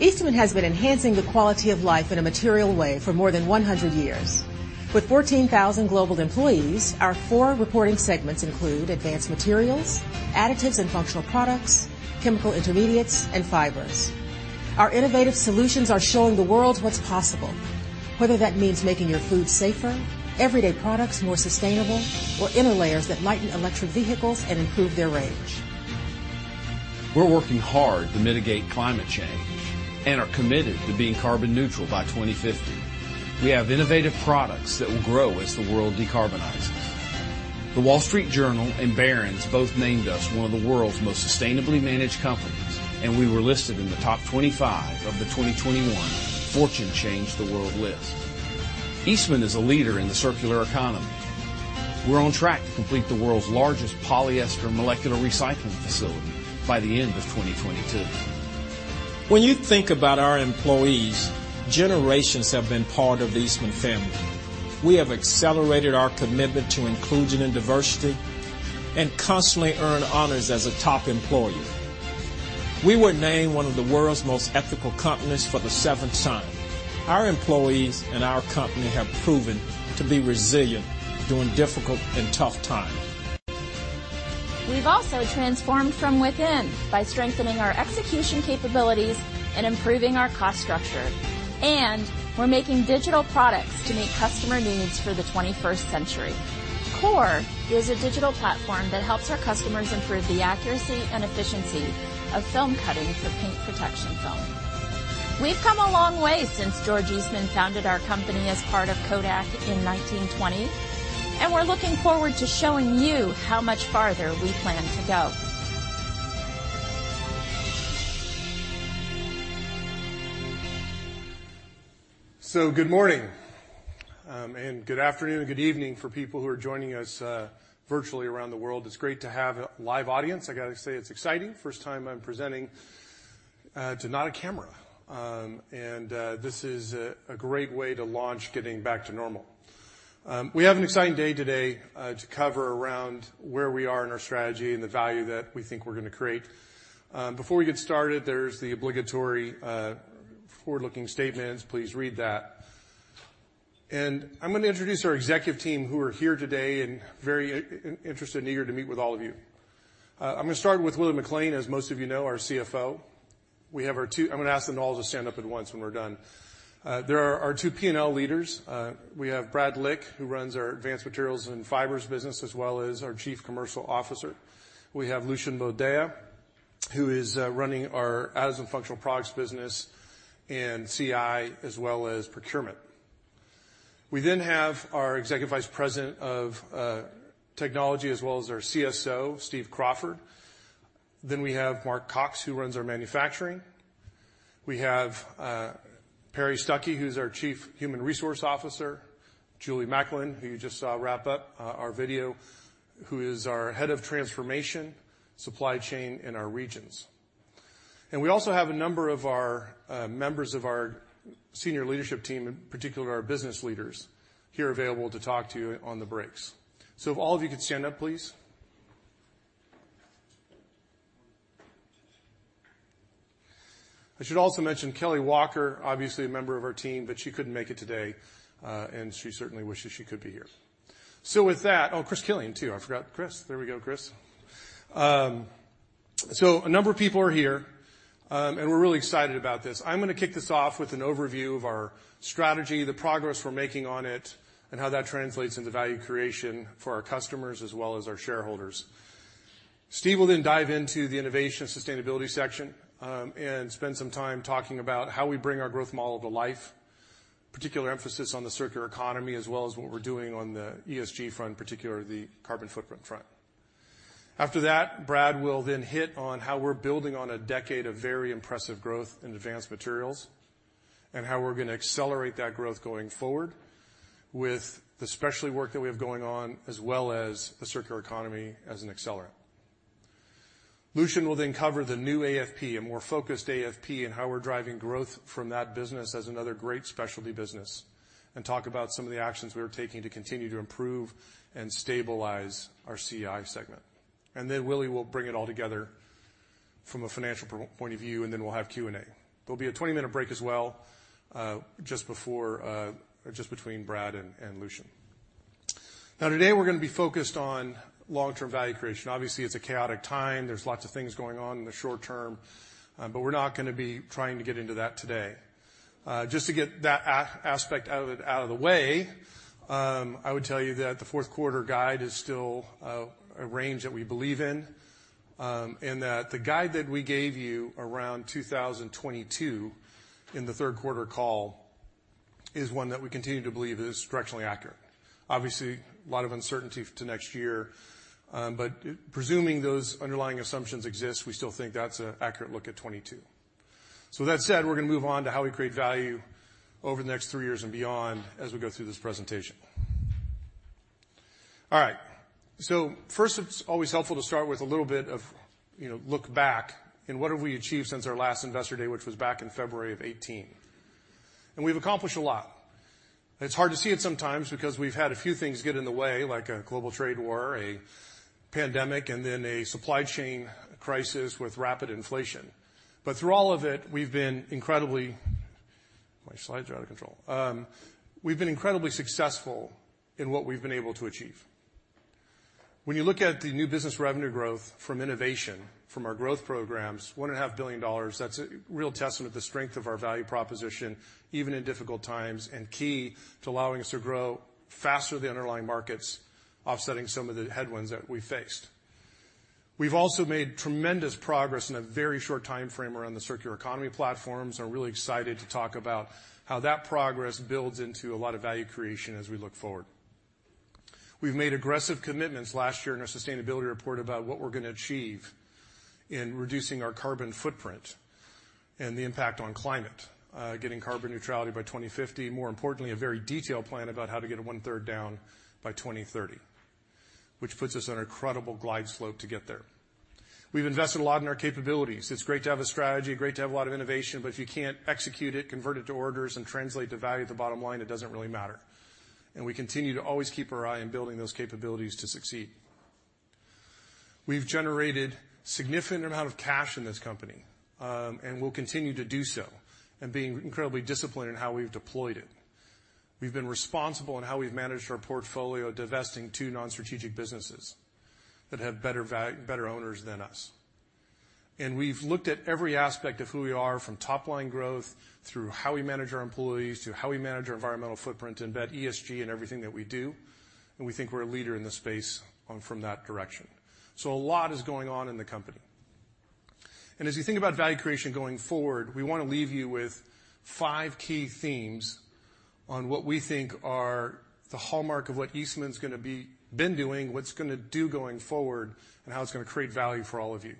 Eastman has been enhancing the quality of life in a material way for more than 100 years. With 14,000 global employees, our four reporting segments include Advanced Materials, Additives & Functional Products, Chemical Intermediates, and Fibers. Our innovative solutions are showing the world what's possible, whether that means making your food safer, everyday products more sustainable, or inner layers that lighten electric vehicles and improve their range. We're working hard to mitigate climate change and are committed to being carbon neutral by 2050. We have innovative products that will grow as the world decarbonizes. The Wall Street Journal and Barron's both named us one of the world's most sustainably managed companies, and we were listed in the top 25 of the 2021 Fortune Change the World list. Eastman is a leader in the circular economy. We're on track to complete the world's largest polyester molecular recycling facility by the end of 2022. When you think about our employees, generations have been part of the Eastman family. We have accelerated our commitment to inclusion and diversity and constantly earn honors as a top employer. We were named one of the world's most ethical companies for the seventh time. Our employees and our company have proven to be resilient during difficult and tough times. We've also transformed from within by strengthening our execution capabilities and improving our cost structure, and we're making digital products to meet customer needs for the 21st century. COREfra is a digital platform that helps our customers improve the accuracy and efficiency of film cutting for paint protection film. We've come a long way since George Eastman founded our company as part of Kodak in 1920, and we're looking forward to showing you how much farther we plan to go. Good morning, and good afternoon, good evening for people who are joining us virtually around the world. It's great to have a live audience. I gotta say it's exciting. First time I'm presenting to not a camera. This is a great way to launch getting back to normal. We have an exciting day today to cover around where we are in our strategy and the value that we think we're gonna create. Before we get started, there's the obligatory forward-looking statements. Please read that. I'm gonna introduce our executive team who are here today and very interested and eager to meet with all of you. I'm gonna start with William McLean, as most of you know, our CFO. We have our two. I'm gonna ask them all to stand up at once when we're done. There are our two P&L leaders. We have Brad Lich, who runs our Advanced Materials and Fibers business, as well as our Chief Commercial Officer. We have Lucian Boldea, who is running our Additives & Functional Products business and CI as well as procurement. We have our Executive Vice President of Technology as well as our CSO, Steve Crawford. We have Mark Cox, who runs our Manufacturing. We have Perry Stuckey, who's our Chief Human Resource Officer. Julie McAlindon, who you just saw wrap up our video, who is our Head of Transformation, Supply Chain, and our regions. We also have a number of our members of our senior leadership team, in particular our business leaders, here available to talk to you on the breaks. If all of you could stand up, please. I should also mention Kellye Walker, obviously a member of our team, but she couldn't make it today, and she certainly wishes she could be here. With that. Oh, Chris Killian too. I forgot Chris. There we go, Chris. A number of people are here, and we're really excited about this. I'm gonna kick this off with an overview of our strategy, the progress we're making on it, and how that translates into value creation for our customers as well as our shareholders. Steve will dive into the innovation sustainability section, and spend some time talking about how we bring our growth model to life, particular emphasis on the circular economy as well as what we're doing on the ESG front, particularly the carbon footprint front. After that, Brad will then hit on how we're building on a decade of very impressive growth in Advanced Materials and how we're gonna accelerate that growth going forward with the specialty work that we have going on as well as the circular economy as an accelerant. Lucian will then cover the new AFP, a more focused AFP, and how we're driving growth from that business as another great specialty business and talk about some of the actions we are taking to continue to improve and stabilize our CI segment. Willie will bring it all together from a financial point of view, and then we'll have Q&A. There'll be a 20-minute break as well, just before, just between Brad and Lucian. Now today we're gonna be focused on long-term value creation. Obviously it's a chaotic time. There's lots of things going on in the short term, but we're not gonna be trying to get into that today. Just to get that aspect out of the way, I would tell you that the fourth quarter guide is still a range that we believe in, and that the guide that we gave you around 2022 in the third quarter call is one that we continue to believe is directionally accurate. Obviously, a lot of uncertainty to next year, but, presuming those underlying assumptions exist, we still think that's an accurate look at 2022. With that said, we're gonna move on to how we create value over the next three years and beyond as we go through this presentation. All right. First it's always helpful to start with a little bit of, you know, look back at what have we achieved since our last Investor Day, which was back in February 2018, and we've accomplished a lot. It's hard to see it sometimes because we've had a few things get in the way, like a global trade war, a pandemic, and then a supply chain crisis with rapid inflation. Through all of it, we've been incredibly. My slides are out of control. We've been incredibly successful in what we've been able to achieve. When you look at the new business revenue growth from innovation, from our growth programs, $1.5 billion, that's a real testament to the strength of our value proposition, even in difficult times, and key to allowing us to grow faster than the underlying markets, offsetting some of the headwinds that we faced. We've also made tremendous progress in a very short time frame around the circular economy platforms. I'm really excited to talk about how that progress builds into a lot of value creation as we look forward. We've made aggressive commitments last year in our sustainability report about what we're gonna achieve in reducing our carbon footprint and the impact on climate, getting carbon neutrality by 2050. More importantly, a very detailed plan about how to get one-third down by 2030, which puts us on an incredible glide slope to get there. We've invested a lot in our capabilities. It's great to have a strategy, great to have a lot of innovation, but if you can't execute it, convert it to orders, and translate the value at the bottom line, it doesn't really matter. We continue to always keep our eye on building those capabilities to succeed. We've generated significant amount of cash in this company and will continue to do so, and being incredibly disciplined in how we've deployed it. We've been responsible in how we've managed our portfolio, divesting two non-strategic businesses that have better owners than us. We've looked at every aspect of who we are from top-line growth through how we manage our employees to how we manage our environmental footprint and embed ESG in everything that we do, and we think we're a leader in this space from that direction. A lot is going on in the company. As you think about value creation going forward, we wanna leave you with five key themes on what we think are the hallmark of what Eastman's been doing, what's gonna do going forward, and how it's gonna create value for all of you.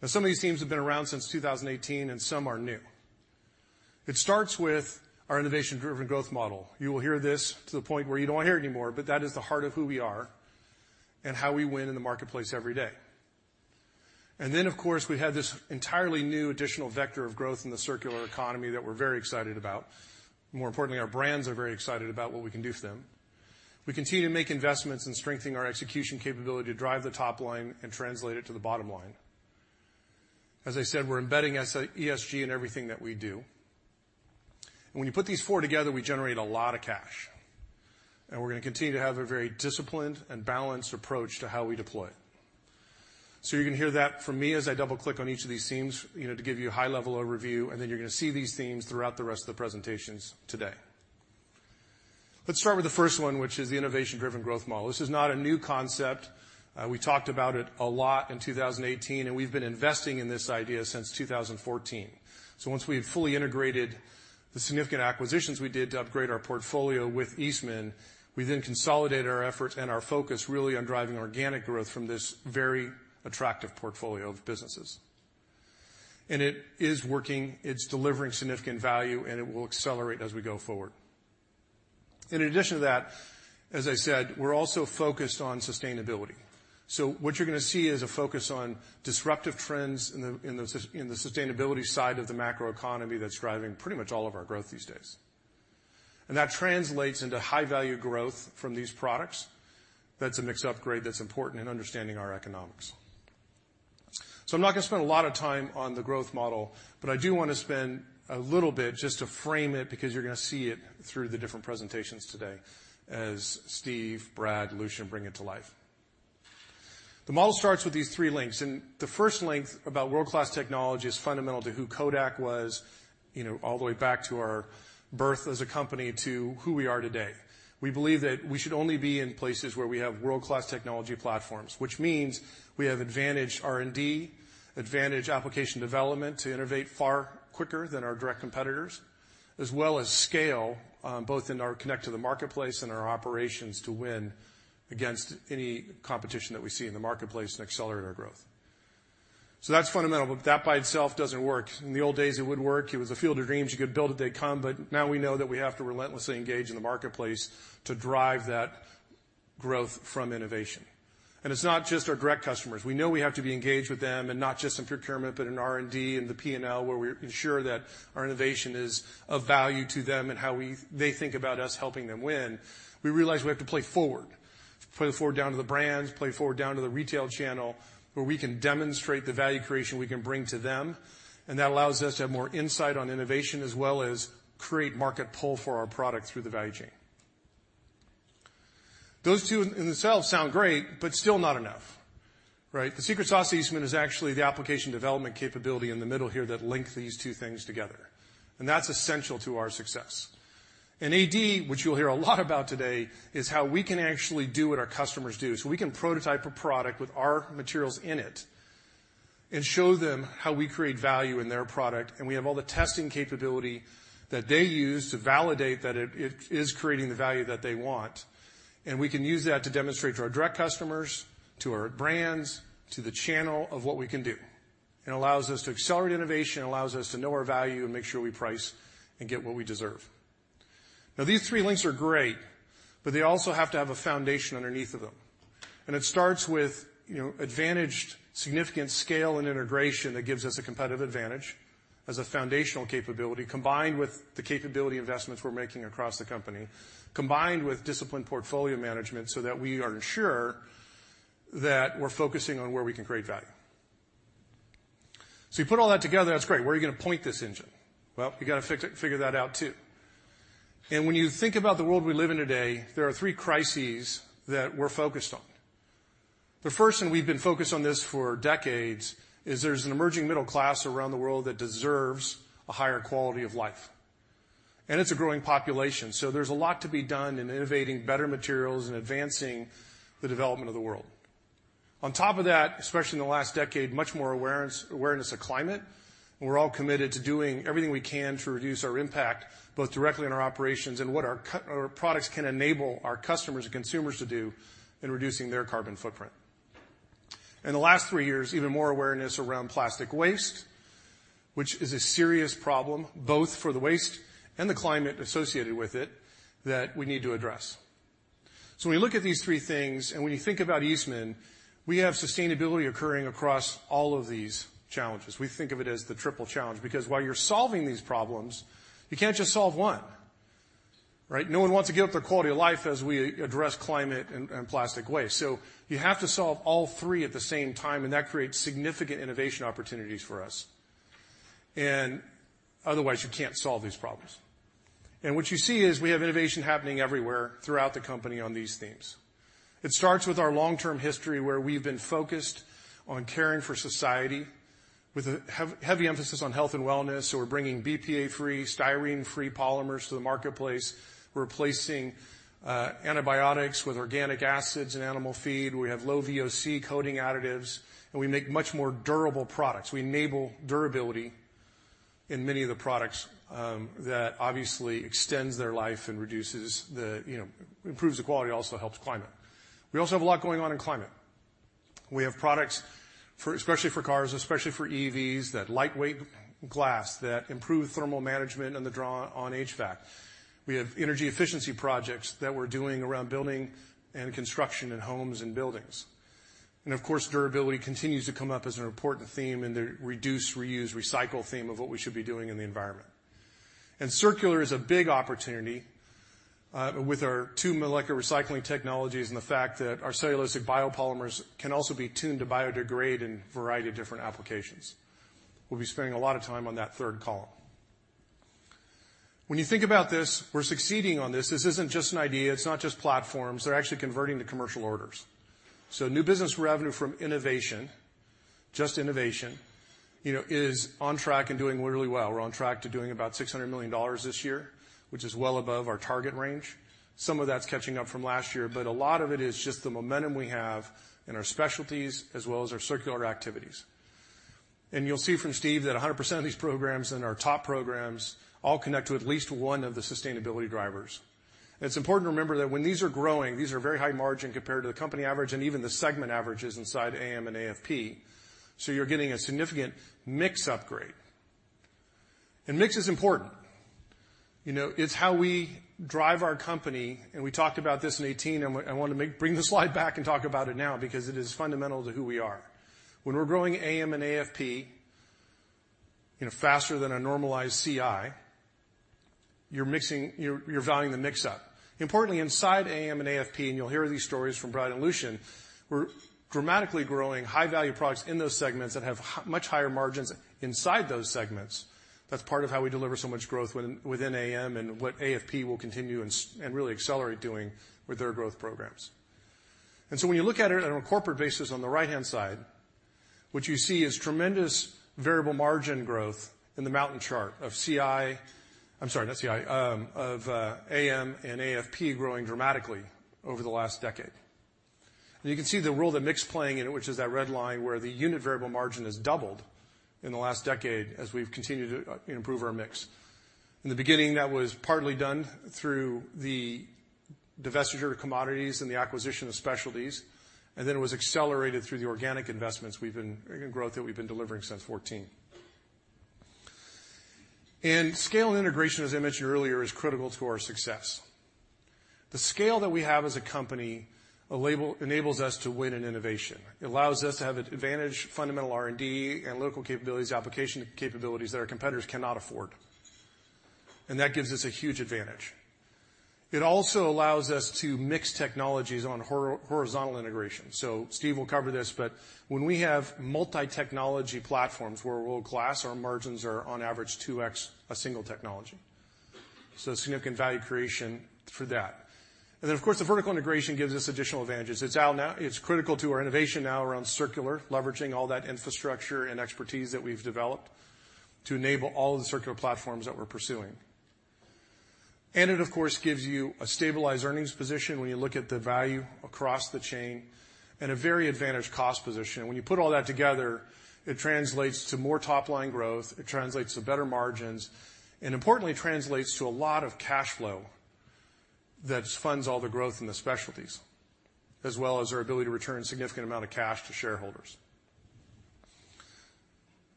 Now, some of these themes have been around since 2018, and some are new. It starts with our innovation-driven growth model. You will hear this to the point where you don't wanna hear it anymore, but that is the heart of who we are and how we win in the marketplace every day. Then, of course, we have this entirely new additional vector of growth in the circular economy that we're very excited about. More importantly, our brands are very excited about what we can do for them. We continue to make investments and strengthen our execution capability to drive the top line and translate it to the bottom line. As I said, we're embedding ESG in everything that we do. When you put these four together, we generate a lot of cash, and we're gonna continue to have a very disciplined and balanced approach to how we deploy it. You're gonna hear that from me as I double-click on each of these themes, you know, to give you a high-level overview, and then you're gonna see these themes throughout the rest of the presentations today. Let's start with the first one, which is the innovation-driven growth model. This is not a new concept. We talked about it a lot in 2018, and we've been investing in this idea since 2014. Once we've fully integrated the significant acquisitions we did to upgrade our portfolio with Eastman, we then consolidated our efforts and our focus really on driving organic growth from this very attractive portfolio of businesses. It is working, it's delivering significant value, and it will accelerate as we go forward. In addition to that, as I said, we're also focused on sustainability. What you're gonna see is a focus on disruptive trends in the sustainability side of the macro economy that's driving pretty much all of our growth these days. That translates into high-value growth from these products. That's a mixed upgrade that's important in understanding our economics. I'm not gonna spend a lot of time on the growth model, but I do wanna spend a little bit just to frame it because you're gonna see it through the different presentations today as Steve, Brad, Lucian bring it to life. The model starts with these three links, and the first link about world-class technology is fundamental to who Eastman was, you know, all the way back to our birth as a company to who we are today. We believe that we should only be in places where we have world-class technology platforms, which means we have advantaged R&D, advantaged application development to innovate far quicker than our direct competitors, as well as scale, both in our connection to the marketplace and our operations to win against any competition that we see in the marketplace and accelerate our growth. That's fundamental, but that by itself doesn't work. In the old days, it would work. It was a field of dreams. You could build it, they come. Now we know that we have to relentlessly engage in the marketplace to drive that growth from innovation. It's not just our direct customers. We know we have to be engaged with them and not just in procurement, but in R&D and the P&L, where we ensure that our innovation is of value to them and how they think about us helping them win. We realize we have to play forward. Play forward down to the brands, play forward down to the retail channel, where we can demonstrate the value creation we can bring to them, and that allows us to have more insight on innovation as well as create market pull for our product through the value chain. Those two in themselves sound great, but still not enough, right? The secret sauce to Eastman is actually the application development capability in the middle here that link these two things together, and that's essential to our success. AD, which you'll hear a lot about today, is how we can actually do what our customers do. We can prototype a product with our materials in it and show them how we create value in their product, and we have all the testing capability that they use to validate that it is creating the value that they want. We can use that to demonstrate to our direct customers, to our brands, to the channel of what we can do. It allows us to accelerate innovation, allows us to know our value and make sure we price and get what we deserve. Now, these three links are great, but they also have to have a foundation underneath of them. It starts with, you know, advantaged significant scale and integration that gives us a competitive advantage as a foundational capability, combined with the capability investments we're making across the company, combined with disciplined portfolio management, so that we are sure that we're focusing on where we can create value. You put all that together, that's great. Where are you gonna point this engine? Well, you gotta figure that out too. When you think about the world we live in today, there are three crises that we're focused on. The first, and we've been focused on this for decades, is there's an emerging middle class around the world that deserves a higher quality of life, and it's a growing population. There's a lot to be done in innovating better materials and advancing the development of the world. On top of that, especially in the last decade, much more awareness of climate, and we're all committed to doing everything we can to reduce our impact, both directly on our operations and what our products can enable our customers and consumers to do in reducing their carbon footprint. In the last three years, even more awareness around plastic waste, which is a serious problem, both for the waste and the climate associated with it, that we need to address. When you look at these three things, and when you think about Eastman, we have sustainability occurring across all of these challenges. We think of it as the Triple Challenge, because while you're solving these problems, you can't just solve one, right? No one wants to give up their quality of life as we address climate and plastic waste. You have to solve all three at the same time, and that creates significant innovation opportunities for us. Otherwise, you can't solve these problems. What you see is we have innovation happening everywhere throughout the company on these themes. It starts with our long-term history, where we've been focused on caring for society with a heavy emphasis on health and wellness, so we're bringing BPA-free, styrene-free polymers to the marketplace. We're replacing antibiotics with organic acids in animal feed. We have low VOC coating additives, and we make much more durable products. We enable durability in many of the products that obviously extends their life and reduces the, you know, improves the quality, also helps climate. We also have a lot going on in climate. We have products for, especially for cars, especially for EVs, that lightweight glass that improve thermal management and the draw on HVAC. We have energy efficiency projects that we're doing around building and construction in homes and buildings. Of course, durability continues to come up as an important theme in the reduce, reuse, recycle theme of what we should be doing in the environment. Circular is a big opportunity, with our two molecular recycling technologies and the fact that our cellulosic biopolymers can also be tuned to biodegrade in a variety of different applications. We'll be spending a lot of time on that third column. When you think about this, we're succeeding on this. This isn't just an idea. It's not just platforms. They're actually converting to commercial orders. New business revenue from innovation, just innovation, you know, is on track and doing really well. We're on track to doing about $600 million this year, which is well above our target range. Some of that's catching up from last year, but a lot of it is just the momentum we have in our specialties as well as our circular activities. You'll see from Steve that 100% of these programs and our top programs all connect to at least one of the sustainability drivers. It's important to remember that when these are growing, these are very high margin compared to the company average and even the segment averages inside AM and AFP, so you're getting a significant mix upgrade. Mix is important. You know, it's how we drive our company, and we talked about this in 2018, and I want to bring the slide back and talk about it now because it is fundamental to who we are. When we're growing AM and AFP, you know, faster than a normalized CI, you're valuing the mix up. Importantly, inside AM and AFP, and you'll hear these stories from Brad and Lucian, we're dramatically growing high-value products in those segments that have much higher margins inside those segments. That's part of how we deliver so much growth within AM and what AFP will continue and really accelerate doing with their growth programs. When you look at it on a corporate basis on the right-hand side, what you see is tremendous variable margin growth in the mountain chart of AM and AFP growing dramatically over the last decade. You can see the role that mix playing in it, which is that red line where the unit variable margin has doubled in the last decade as we've continued to improve our mix. In the beginning, that was partly done through the divestiture of commodities and the acquisition of specialties, and then it was accelerated through the organic investments and growth that we've been delivering since 2014. Scale and integration, as I mentioned earlier, is critical to our success. The scale that we have as a company level enables us to win in innovation. It allows us to have advantage, fundamental R&D and local capabilities, application capabilities that our competitors cannot afford. That gives us a huge advantage. It also allows us to mix technologies on horizontal integration. Steve will cover this, but when we have multi-technology platforms, we're world-class. Our margins are on average 2x a single technology. Significant value creation for that. Of course, the vertical integration gives us additional advantages. It's out now. It's critical to our innovation now around circular, leveraging all that infrastructure and expertise that we've developed to enable all of the circular platforms that we're pursuing. It, of course, gives you a stabilized earnings position when you look at the value across the chain and a very advantaged cost position. When you put all that together, it translates to more top-line growth, it translates to better margins, and importantly, translates to a lot of cash flow that funds all the growth in the specialties, as well as our ability to return a significant amount of cash to shareholders.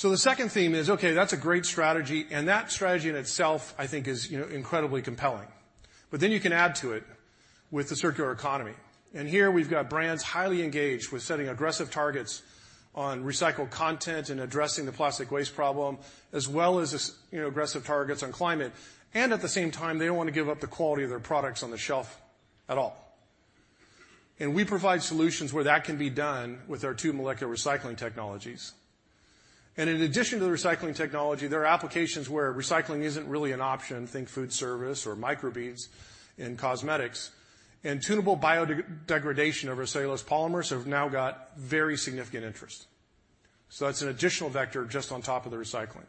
The second theme is, okay, that's a great strategy, and that strategy in itself, I think is, you know, incredibly compelling. You can add to it with the circular economy. Here we've got brands highly engaged with setting aggressive targets on recycled content and addressing the plastic waste problem, as well as, you know, aggressive targets on climate. At the same time, they don't wanna give up the quality of their products on the shelf at all. We provide solutions where that can be done with our two molecular recycling technologies. In addition to the recycling technology, there are applications where recycling isn't really an option, think food service or microbeads in cosmetics, and tunable biodegradation of our cellulose polymers have now got very significant interest. That's an additional vector just on top of the recycling.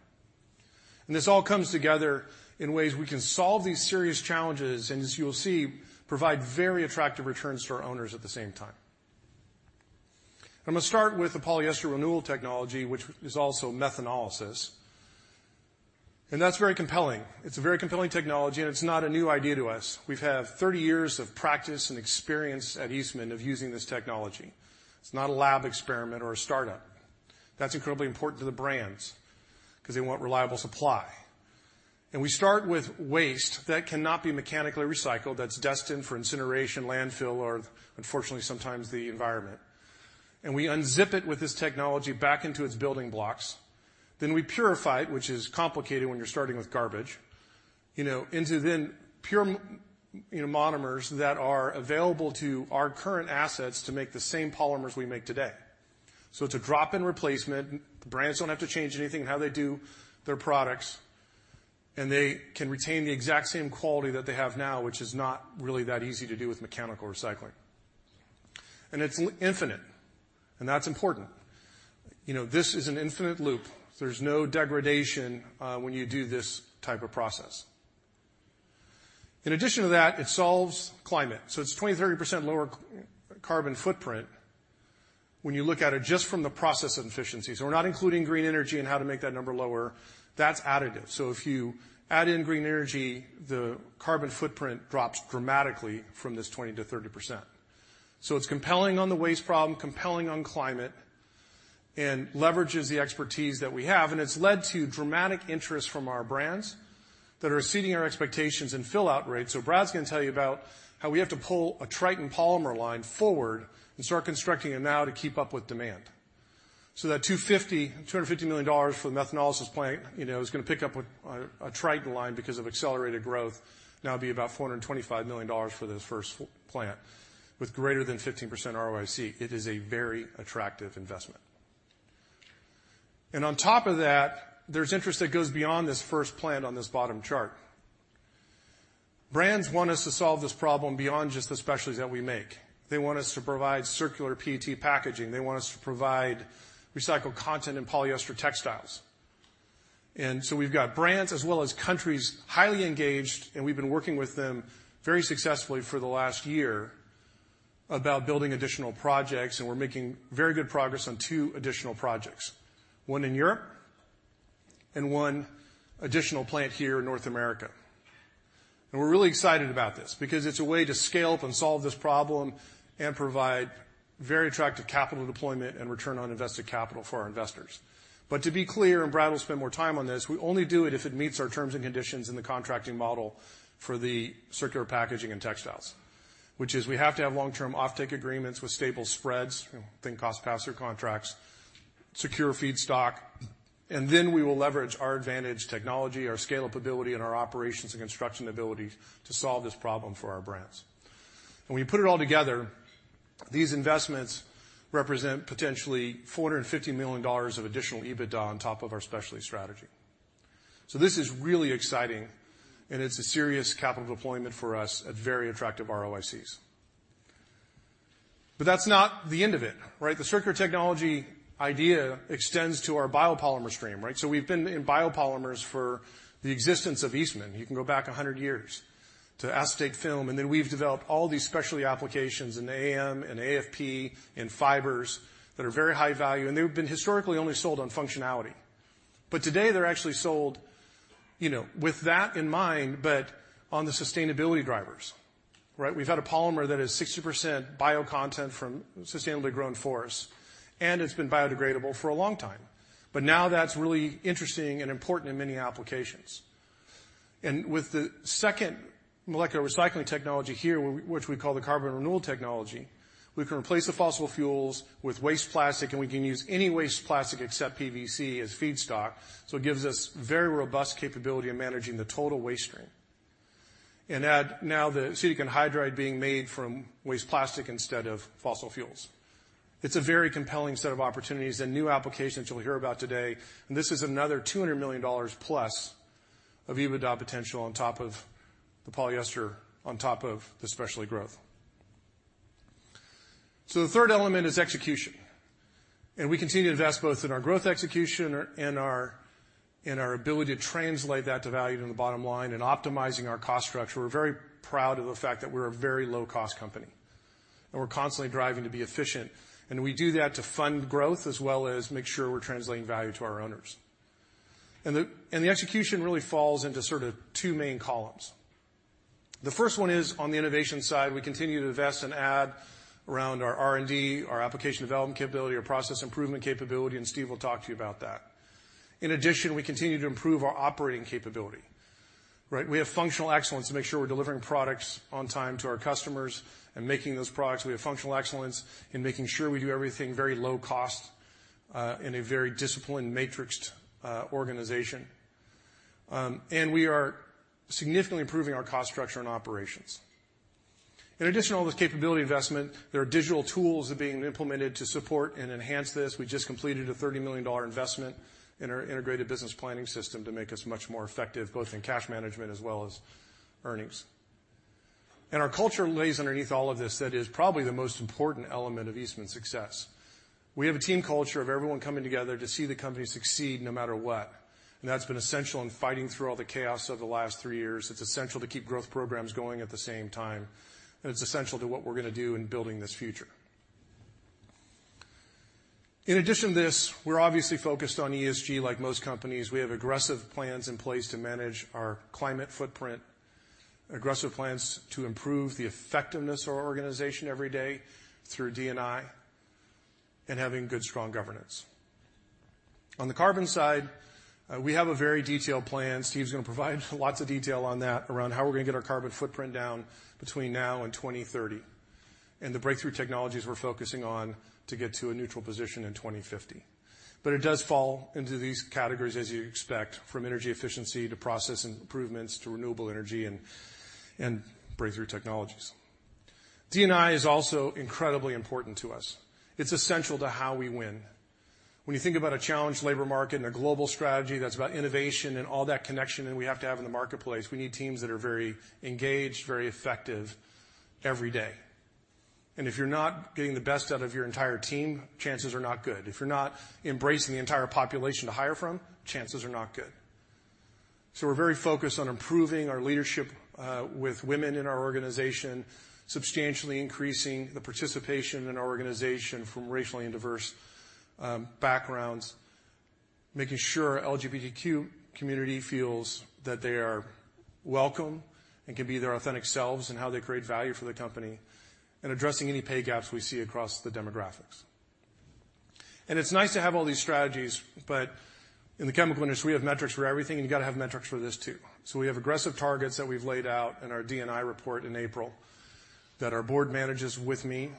This all comes together in ways we can solve these serious challenges and, as you'll see, provide very attractive returns to our owners at the same time. I'm gonna start with the polyester renewal technology, which is also methanolysis, and that's very compelling. It's a very compelling technology, and it's not a new idea to us. We've had 30 years of practice and experience at Eastman of using this technology. It's not a lab experiment or a startup. That's incredibly important to the brands because they want reliable supply. We start with waste that cannot be mechanically recycled, that's destined for incineration, landfill, or unfortunately, sometimes the environment. We unzip it with this technology back into its building blocks. We purify it, which is complicated when you're starting with garbage, you know, into pure monomers that are available to our current assets to make the same polymers we make today. It's a drop-in replacement. Brands don't have to change anything in how they do their products, and they can retain the exact same quality that they have now, which is not really that easy to do with mechanical recycling. It's infinite, and that's important. You know, this is an infinite loop. There's no degradation when you do this type of process. In addition to that, it solves climate, so it's 20%-30% lower carbon footprint when you look at it just from the process efficiencies. We're not including green energy and how to make that number lower. That's additive. If you add in green energy, the carbon footprint drops dramatically from this 20%-30%. It's compelling on the waste problem, compelling on climate, and leverages the expertise that we have, and it's led to dramatic interest from our brands that are exceeding our expectations in fill out rates. Brad's gonna tell you about how we have to pull a Tritan polymer line forward and start constructing it now to keep up with demand. That $250 million for the methanolysis plant, you know, is gonna pick up a Tritan line because of accelerated growth. Now it'll be about $425 million for the first plant with greater than 15% ROIC. It is a very attractive investment. On top of that, there's interest that goes beyond this first plant on this bottom chart. Brands want us to solve this problem beyond just the specialties that we make. They want us to provide circular PET packaging. They want us to provide recycled content and polyester textiles. We've got brands as well as countries highly engaged, and we've been working with them very successfully for the last year about building additional projects, and we're making very good progress on two additional projects, one in Europe and one additional plant here in North America. We're really excited about this because it's a way to scale up and solve this problem and provide very attractive capital deployment and return on invested capital for our investors. To be clear, and Brad will spend more time on this, we only do it if it meets our terms and conditions in the contracting model for the circular packaging and textiles, which is we have to have long-term offtake agreements with stable spreads, you know, think cost-plus contracts, secure feedstock, and then we will leverage our advanced technology, our scalability, and our operations and construction ability to solve this problem for our brands. When you put it all together, these investments represent potentially $450 million of additional EBITDA on top of our specialty strategy. This is really exciting, and it's a serious capital deployment for us at very attractive ROICs. That's not the end of it, right? The circular technology idea extends to our biopolymer stream, right? We've been in biopolymers for the existence of Eastman. You can go back 100 years to acetate film, and then we've developed all these specialty applications in AM and AFP and fibers that are very high value, and they've been historically only sold on functionality. Today, they're actually sold, you know, with that in mind, but on the sustainability drivers, right? We've had a polymer that is 60% bio content from sustainably grown forests, and it's been biodegradable for a long time. Now that's really interesting and important in many applications. With the second molecular recycling technology here, which we call the Carbon Renewal Technology, we can replace the fossil fuels with waste plastic, and we can use any waste plastic except PVC as feedstock. It gives us very robust capability in managing the total waste stream. Add now the acetic anhydride being made from waste plastic instead of fossil fuels. It's a very compelling set of opportunities and new applications you'll hear about today, and this is another $200 million plus of EBITDA potential on top of the polyester, on top of the specialty growth. The third element is execution, and we continue to invest both in our growth execution and our ability to translate that to value in the bottom line and optimizing our cost structure. We're very proud of the fact that we're a very low-cost company, and we're constantly driving to be efficient, and we do that to fund growth as well as make sure we're translating value to our owners. The execution really falls into sort of two main columns. The first one is on the innovation side. We continue to invest and add around our R&D, our application development capability, our process improvement capability, and Steve will talk to you about that. In addition, we continue to improve our operating capability, right? We have functional excellence to make sure we're delivering products on time to our customers and making those products. We have functional excellence in making sure we do everything very low cost, in a very disciplined matrixed organization. We are significantly improving our cost structure and operations. In addition to all this capability investment, there are digital tools that are being implemented to support and enhance this. We just completed a $30 million investment in our integrated business planning system to make us much more effective, both in cash management as well as earnings. Our culture lays underneath all of this that is probably the most important element of Eastman's success. We have a team culture of everyone coming together to see the company succeed no matter what. That's been essential in fighting through all the chaos over the last three years. It's essential to keep growth programs going at the same time. It's essential to what we're gonna do in building this future. In addition to this, we're obviously focused on ESG like most companies. We have aggressive plans in place to manage our climate footprint, aggressive plans to improve the effectiveness of our organization every day through D&I, and having good, strong governance. On the carbon side, we have a very detailed plan. Steve's gonna provide lots of detail on that around how we're gonna get our carbon footprint down between now and 2030, and the breakthrough technologies we're focusing on to get to a neutral position in 2050. It does fall into these categories as you expect, from energy efficiency to process improvements to renewable energy and breakthrough technologies. D&I is also incredibly important to us. It's essential to how we win. When you think about a challenged labor market and a global strategy that's about innovation and all that connection that we have to have in the marketplace, we need teams that are very engaged, very effective every day. If you're not getting the best out of your entire team, chances are not good. If you're not embracing the entire population to hire from, chances are not good. We're very focused on improving our leadership with women in our organization, substantially increasing the participation in our organization from racially and diverse backgrounds, making sure our LGBTQ community feels that they are welcome and can be their authentic selves in how they create value for the company, and addressing any pay gaps we see across the demographics. It's nice to have all these strategies, but in the chemical industry, we have metrics for everything, and you gotta have metrics for this too. We have aggressive targets that we've laid out in our D&I report in April that our board manages with me,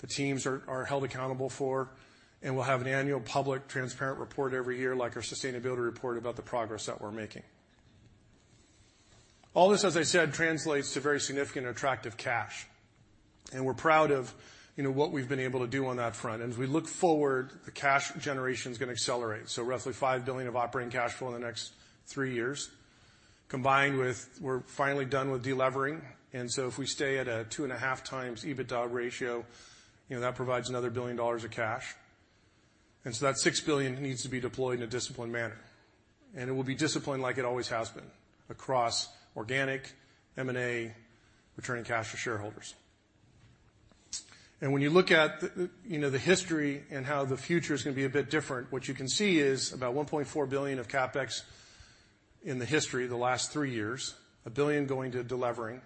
the teams are held accountable for, and we'll have an annual public transparent report every year, like our sustainability report about the progress that we're making. All this, as I said, translates to very significant attractive cash, and we're proud of, you know, what we've been able to do on that front. As we look forward, the cash generation's gonna accelerate. Roughly $5 billion of operating cash flow in the next three years, combined with we're finally done with delevering. If we stay at a 2.5x EBITDA ratio, you know, that provides another $1 billion of cash. That $6 billion needs to be deployed in a disciplined manner. It will be disciplined like it always has been across organic M&A, returning cash to shareholders. when you look at, you know, the history and how the future is gonna be a bit different, what you can see is about $1.4 billion of CapEx in the history, the last three years, $1 billion going to delevering,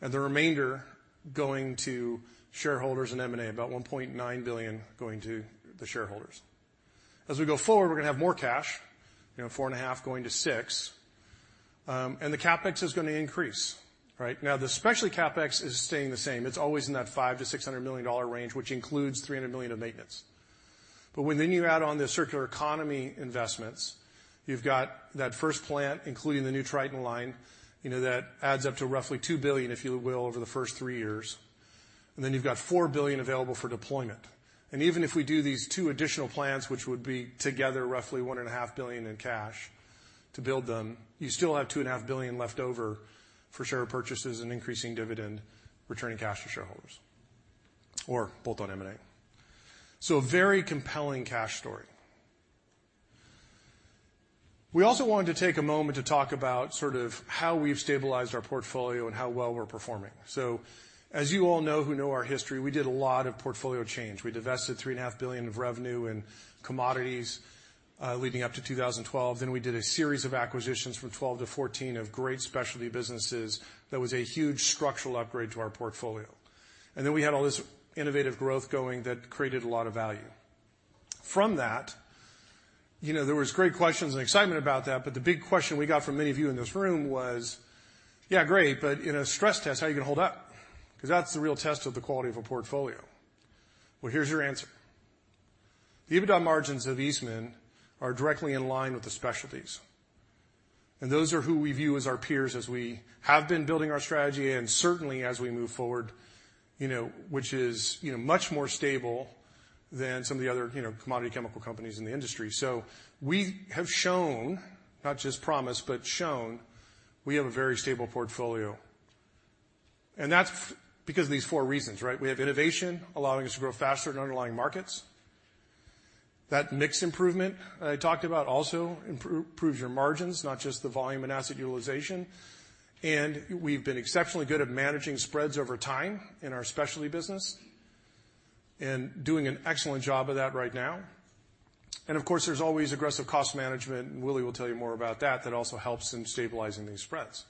and the remainder going to shareholders and M&A, about $1.9 billion going to the shareholders. As we go forward, we're gonna have more cash, you know, $4.5 billion-$6 billion. The CapEx is gonna increase, right? Now, the specialty CapEx is staying the same. It's always in that $500 million-$600 million range, which includes $300 million of maintenance. But when you add on the circular economy investments, you've got that first plant, including the new Tritan line, you know, that adds up to roughly $2 billion, if you will, over the first three years. Then you've got $4 billion available for deployment. Even if we do these two additional plants, which would be together roughly $1.5 billion in cash to build them, you still have $2.5 billion left over for share purchases and increasing dividend, returning cash to shareholders, or both on M&A. A very compelling cash story. We also wanted to take a moment to talk about sort of how we've stabilized our portfolio and how well we're performing. As you all know who know our history, we did a lot of portfolio change. We divested $3.5 billion of revenue in commodities, leading up to 2012. We did a series of acquisitions from 2012-2014 of great specialty businesses that was a huge structural upgrade to our portfolio. Then we had all this innovative growth going that created a lot of value. From that, you know, there was great questions and excitement about that, but the big question we got from many of you in this room was, "Yeah, great, but in a stress test, how are you gonna hold up?" 'Cause that's the real test of the quality of a portfolio. Well, here's your answer. The EBITDA margins of Eastman are directly in line with the specialties. Those are who we view as our peers as we have been building our strategy and certainly as we move forward, you know, which is, you know, much more stable than some of the other, you know, commodity chemical companies in the industry. We have shown, not just promised, but shown we have a very stable portfolio. That's because of these four reasons, right? We have innovation allowing us to grow faster in underlying markets. That mix improvement I talked about also improves your margins, not just the volume and asset utilization. We've been exceptionally good at managing spreads over time in our specialty business and doing an excellent job of that right now. Of course, there's always aggressive cost management, and Willie will tell you more about that also helps in stabilizing these spreads.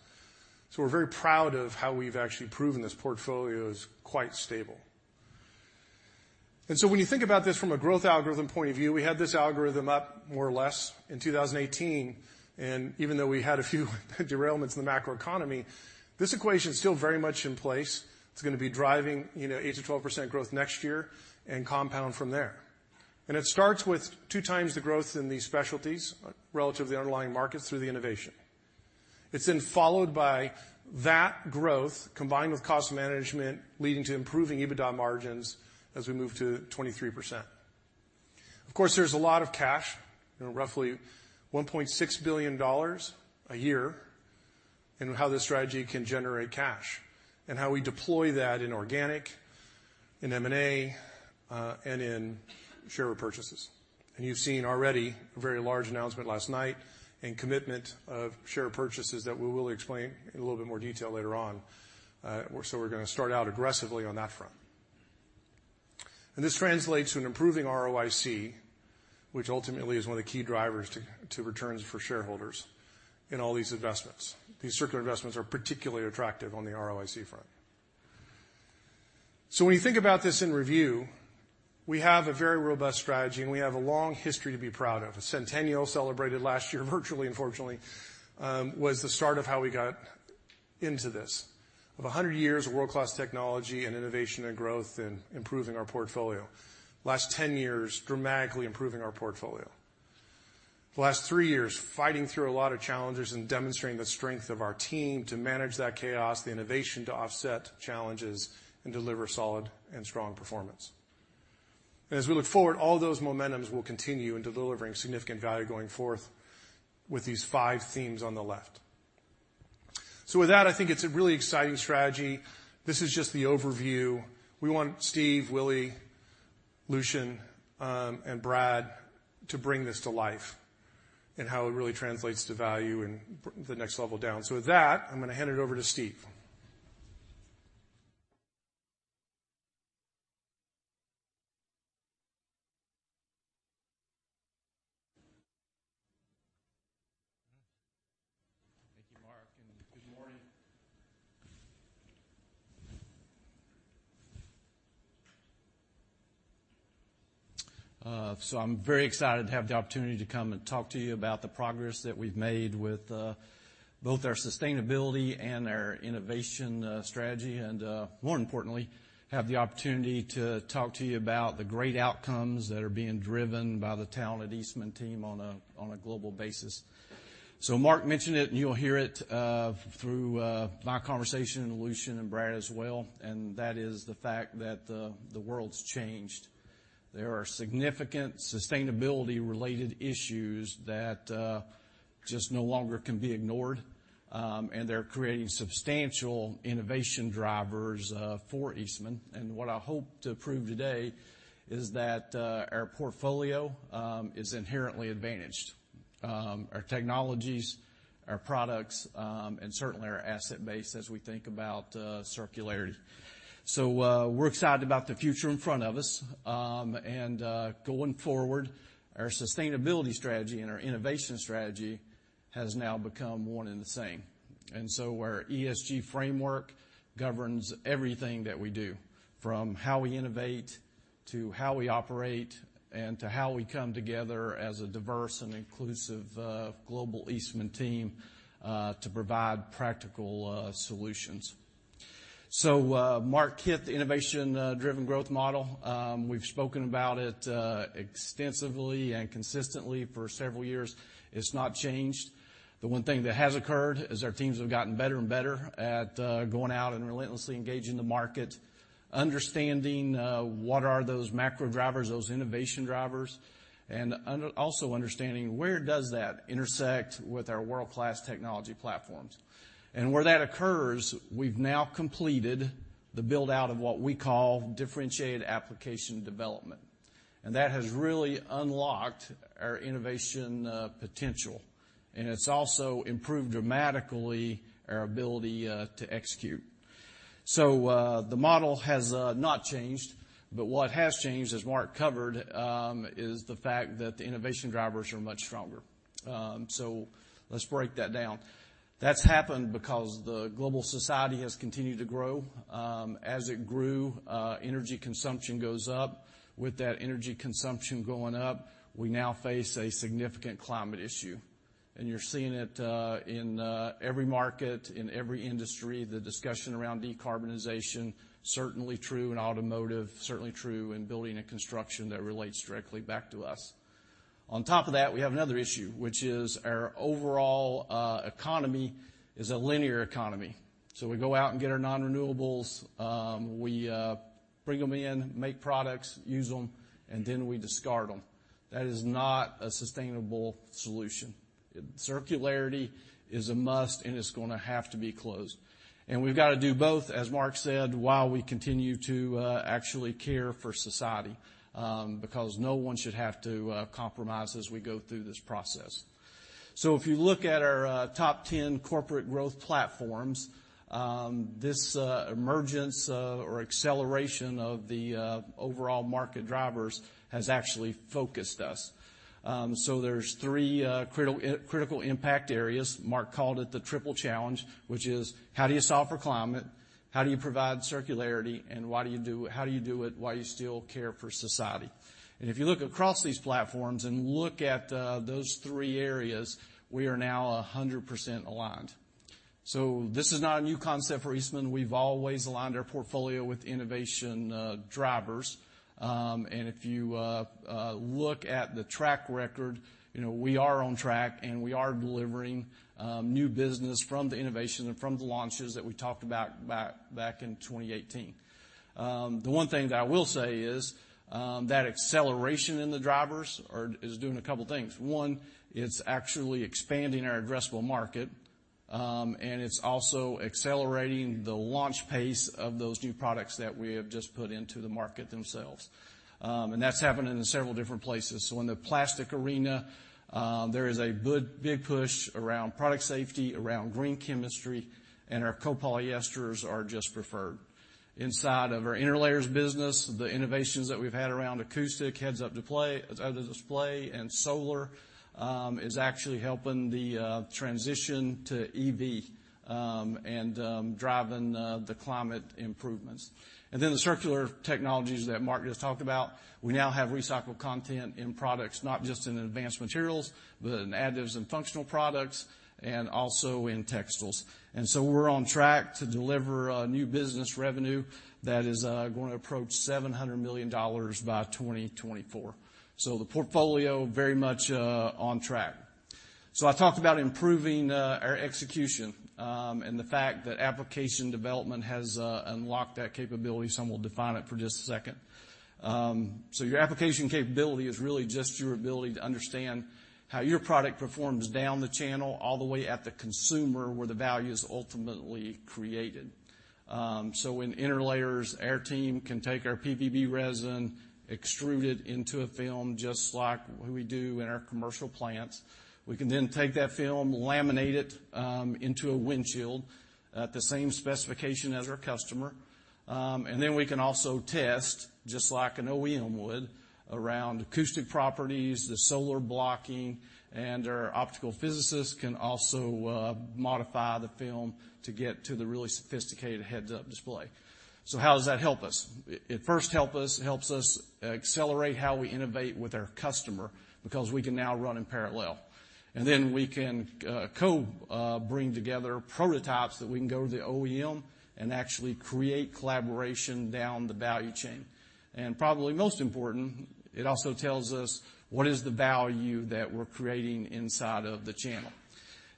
We're very proud of how we've actually proven this portfolio is quite stable. When you think about this from a growth algorithm point of view, we had this algorithm up more or less in 2018, and even though we had a few derailments in the macroeconomy, this equation is still very much in place. It's gonna be driving, you know, 8%-12% growth next year and compound from there. It starts with 2x the growth in these specialties, relative to underlying markets through the innovation. It's then followed by that growth combined with cost management leading to improving EBITDA margins as we move to 23%. Of course, there's a lot of cash, you know, roughly $1.6 billion a year. How this strategy can generate cash and how we deploy that in organic, in M&A, and in share repurchases. You've seen already a very large announcement last night and commitment of share purchases that we will explain in a little bit more detail later on. We're gonna start out aggressively on that front. This translates to an improving ROIC, which ultimately is one of the key drivers to returns for shareholders in all these investments. These circular investments are particularly attractive on the ROIC front. When you think about this in review, we have a very robust strategy, and we have a long history to be proud of. A centennial celebrated last year, virtually unfortunately, was the start of how we got into this. Of 100 years of world-class technology and innovation and growth and improving our portfolio. Last 10 years, dramatically improving our portfolio. The last three years, fighting through a lot of challenges and demonstrating the strength of our team to manage that chaos, the innovation to offset challenges and deliver solid and strong performance. As we look forward, all those momentums will continue into delivering significant value going forth with these five themes on the left. With that, I think it's a really exciting strategy. This is just the overview. We want Steve, Willie, Lucian, and Brad to bring this to life and how it really translates to value and the next level down. With that, I'm gonna hand it over to Steve. Thank you, Mark, and good morning. I'm very excited to have the opportunity to come and talk to you about the progress that we've made with both our sustainability and our innovation strategy, and more importantly, have the opportunity to talk to you about the great outcomes that are being driven by the talented Eastman team on a global basis. Mark mentioned it, and you'll hear it through my conversation and Lucian and Brad as well, and that is the fact that the world's changed. There are significant sustainability related issues that just no longer can be ignored, and they're creating substantial innovation drivers for Eastman. What I hope to prove today is that our portfolio is inherently advantaged. Our technologies, our products, and certainly our asset base as we think about circularity. We're excited about the future in front of us, and going forward, our sustainability strategy and our innovation strategy has now become one and the same. Our ESG framework governs everything that we do, from how we innovate to how we operate and to how we come together as a diverse and inclusive global Eastman team to provide practical solutions. Mark hit the innovation driven growth model. We've spoken about it extensively and consistently for several years. It's not changed. The one thing that has occurred is our teams have gotten better and better at going out and relentlessly engaging the market, understanding what are those macro drivers, those innovation drivers, and also understanding where does that intersect with our world-class technology platforms. Where that occurs, we've now completed the build-out of what we call differentiated application development. That has really unlocked our innovation potential, and it's also improved dramatically our ability to execute. The model has not changed, but what has changed, as Mark covered, is the fact that the innovation drivers are much stronger. Let's break that down. That's happened because the global society has continued to grow. As it grew, energy consumption goes up. With that energy consumption going up, we now face a significant climate issue. You're seeing it in every market, in every industry, the discussion around decarbonization, certainly true in automotive, certainly true in building and construction that relates directly back to us. On top of that, we have another issue, which is our overall economy is a linear economy. We go out and get our non-renewables, we bring them in, make products, use them, and then we discard them. That is not a sustainable solution. Circularity is a must, and it's gonna have to be closed. We've got to do both, as Mark said, while we continue to actually care for society, because no one should have to compromise as we go through this process. If you look at our top 10 corporate growth platforms, this emergence or acceleration of the overall market drivers has actually focused us. There's three critical impact areas. Mark called it the Triple Challenge, which is how do you solve for climate? How do you provide circularity? And how do you do it while you still care for society? If you look across these platforms and look at those three areas, we are now 100% aligned. This is not a new concept for Eastman. We've always aligned our portfolio with innovation drivers. If you look at the track record, you know, we are on track, and we are delivering new business from the innovation and from the launches that we talked about back in 2018. The one thing that I will say is that acceleration in the drivers is doing a couple things. One, it's actually expanding our addressable market, and it's also accelerating the launch pace of those new products that we have just put into the market themselves. That's happening in several different places. In the plastic arena, there is a big push around product safety, around green chemistry, and our copolyesters are just preferred. Inside of our interlayers business, the innovations that we've had around acoustic, heads-up display and solar is actually helping the transition to EV and driving the climate improvements. Then the circular technologies that Mark just talked about, we now have recycled content in products, not just in Advanced Materials, but in Additives & Functional Products and also in Textiles. We're on track to deliver new business revenue that is going to approach $700 million by 2024. The portfolio very much on track. I talked about improving our execution and the fact that application development has unlocked that capability. So we'll define it for just a second. Your application capability is really just your ability to understand how your product performs down the channel all the way at the consumer, where the value is ultimately created. In interlayers, our team can take our PVB resin, extrude it into a film just like we do in our commercial plants. We can then take that film, laminate it into a windshield at the same specification as our customer. We can also test, just like an OEM would, around acoustic properties, the solar blocking, and our optical physicists can also modify the film to get to the really sophisticated heads-up display. How does that help us? It helps us accelerate how we innovate with our customer because we can now run in parallel. We can bring together prototypes that we can go to the OEM and actually create collaboration down the value chain. Probably most important, it also tells us what is the value that we're creating inside of the channel.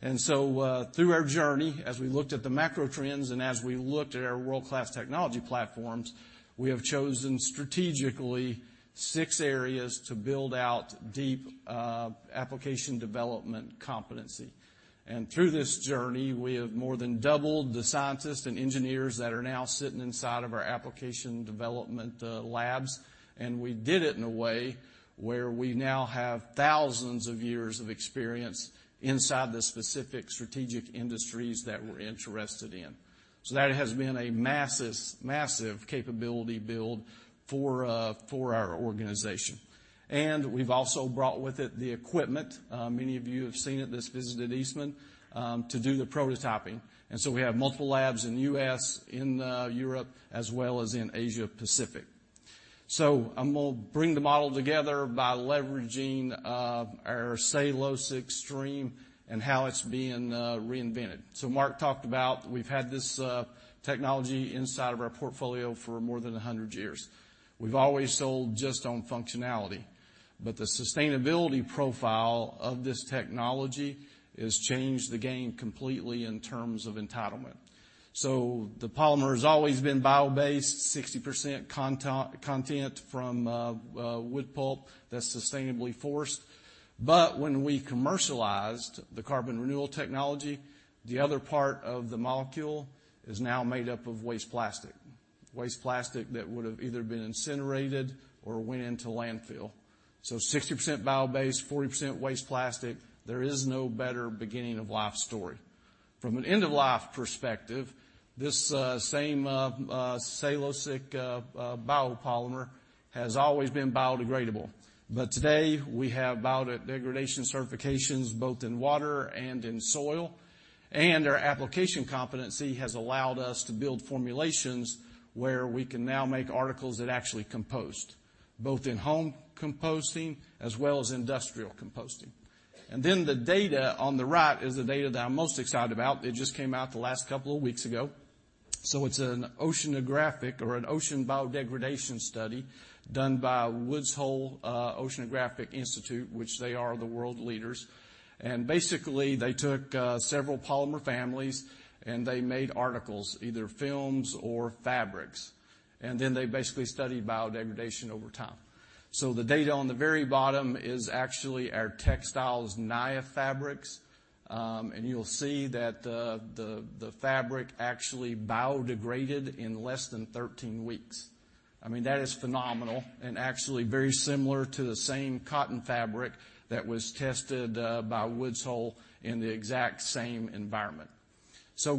Through our journey, as we looked at the macro trends and as we looked at our world-class technology platforms, we have chosen strategically six areas to build out deep application development competency. Through this journey, we have more than doubled the scientists and engineers that are now sitting inside of our application development labs, and we did it in a way where we now have thousands of years of experience inside the specific strategic industries that we're interested in. That has been a massive capability build for our organization. We've also brought with it the equipment, many of you have seen it that's visited Eastman, to do the prototyping. We have multiple labs in U.S., in Europe, as well as in Asia Pacific. I'm gonna bring the model together by leveraging our cellulosic stream and how it's being reinvented. Mark talked about we've had this technology inside of our portfolio for more than 100 years. We've always sold just on functionality, but the sustainability profile of this technology has changed the game completely in terms of entitlement. The polymer has always been bio-based, 60% content from wood pulp that's sustainably sourced. When we commercialized the Carbon Renewal Technology, the other part of the molecule is now made up of waste plastic, waste plastic that would have either been incinerated or went into landfill. 60% bio-based, 40% waste plastic, there is no better beginning of life story. From an end of life perspective, this same cellulosic biopolymer has always been biodegradable. Today, we have biodegradation certifications both in water and in soil, and our application competency has allowed us to build formulations where we can now make articles that actually compost, both in home composting as well as industrial composting. The data on the right is the data that I'm most excited about. It just came out the last couple of weeks ago. It's an oceanographic or an ocean biodegradation study done by Woods Hole Oceanographic Institution, which they are the world leaders. Basically they took several polymer families, and they made articles, either films or fabrics. Then they basically studied biodegradation over time. The data on the very bottom is actually our textiles Naia fabrics, and you'll see that the fabric actually biodegraded in less than 13 weeks. I mean, that is phenomenal and actually very similar to the same cotton fabric that was tested by Woods Hole in the exact same environment.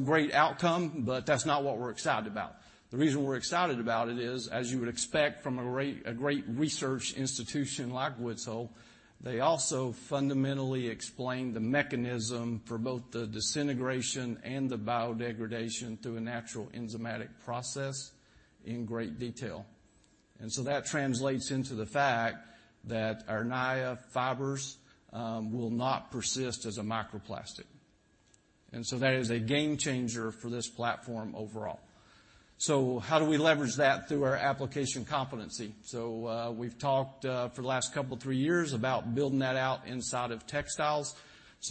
Great outcome, but that's not what we're excited about. The reason we're excited about it is, as you would expect from a great research institution like Woods Hole, they also fundamentally explained the mechanism for both the disintegration and the biodegradation through a natural enzymatic process in great detail. That translates into the fact that our Naia fibers will not persist as a microplastic. That is a game changer for this platform overall. How do we leverage that through our application competency? We've talked for the last couple three years about building that out inside of textiles.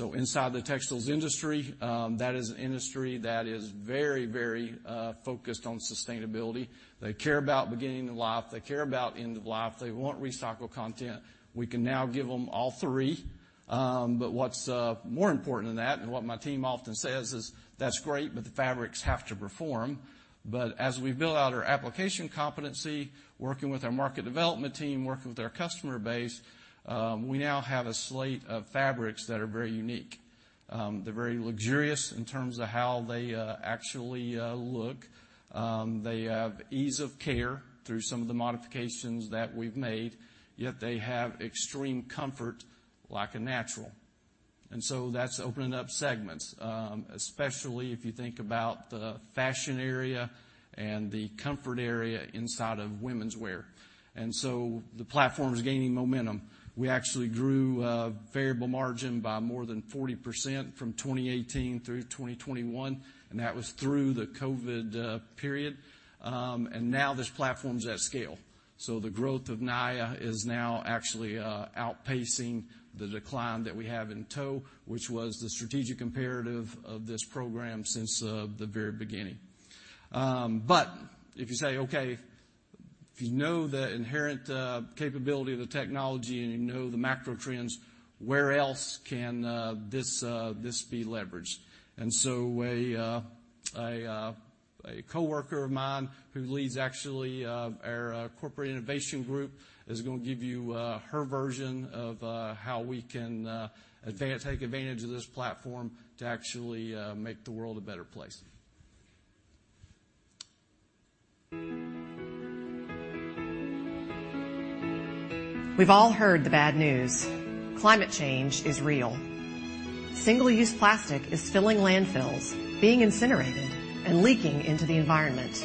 Inside the textiles industry, that is an industry that is very focused on sustainability. They care about beginning of life, they care about end of life, they want recycled content. We can now give them all three. What's more important than that, and what my team often says is, "That's great, but the fabrics have to perform." As we build out our application competency, working with our market development team, working with our customer base, we now have a slate of fabrics that are very unique. They're very luxurious in terms of how they actually look. They have ease of care through some of the modifications that we've made, yet they have extreme comfort like a natural. That's opening up segments, especially if you think about the fashion area and the comfort area inside of womenswear. The platform is gaining momentum. We actually grew variable margin by more than 40% from 2018 through 2021, and that was through the COVID period. Now this platform's at scale. The growth of Naia is now actually outpacing the decline that we have in tow, which was the strategic imperative of this program since the very beginning. If you say, "Okay, if you know the inherent capability of the technology and you know the macro trends, where else can this be leveraged?" A coworker of mine who leads actually our corporate innovation group is gonna give you her version of how we can take advantage of this platform to actually make the world a better place. We've all heard the bad news. Climate change is real. Single-use plastic is filling landfills, being incinerated and leaking into the environment.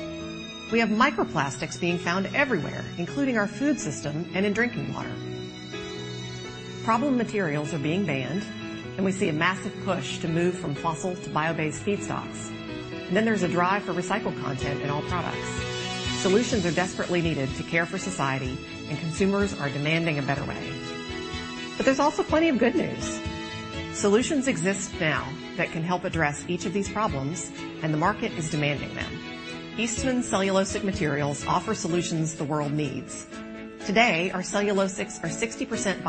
We have microplastics being found everywhere, including our food system and in drinking water. Problem materials are being banned, and we see a massive push to move from fossils to bio-based feedstocks. There's a drive for recycled content in all products. Solutions are desperately needed to care for society, and consumers are demanding a better way. There's also plenty of good news. Solutions exist now that can help address each of these problems, and the market is demanding them. Eastman cellulosic materials offer solutions the world needs. Today, our cellulosics are 60%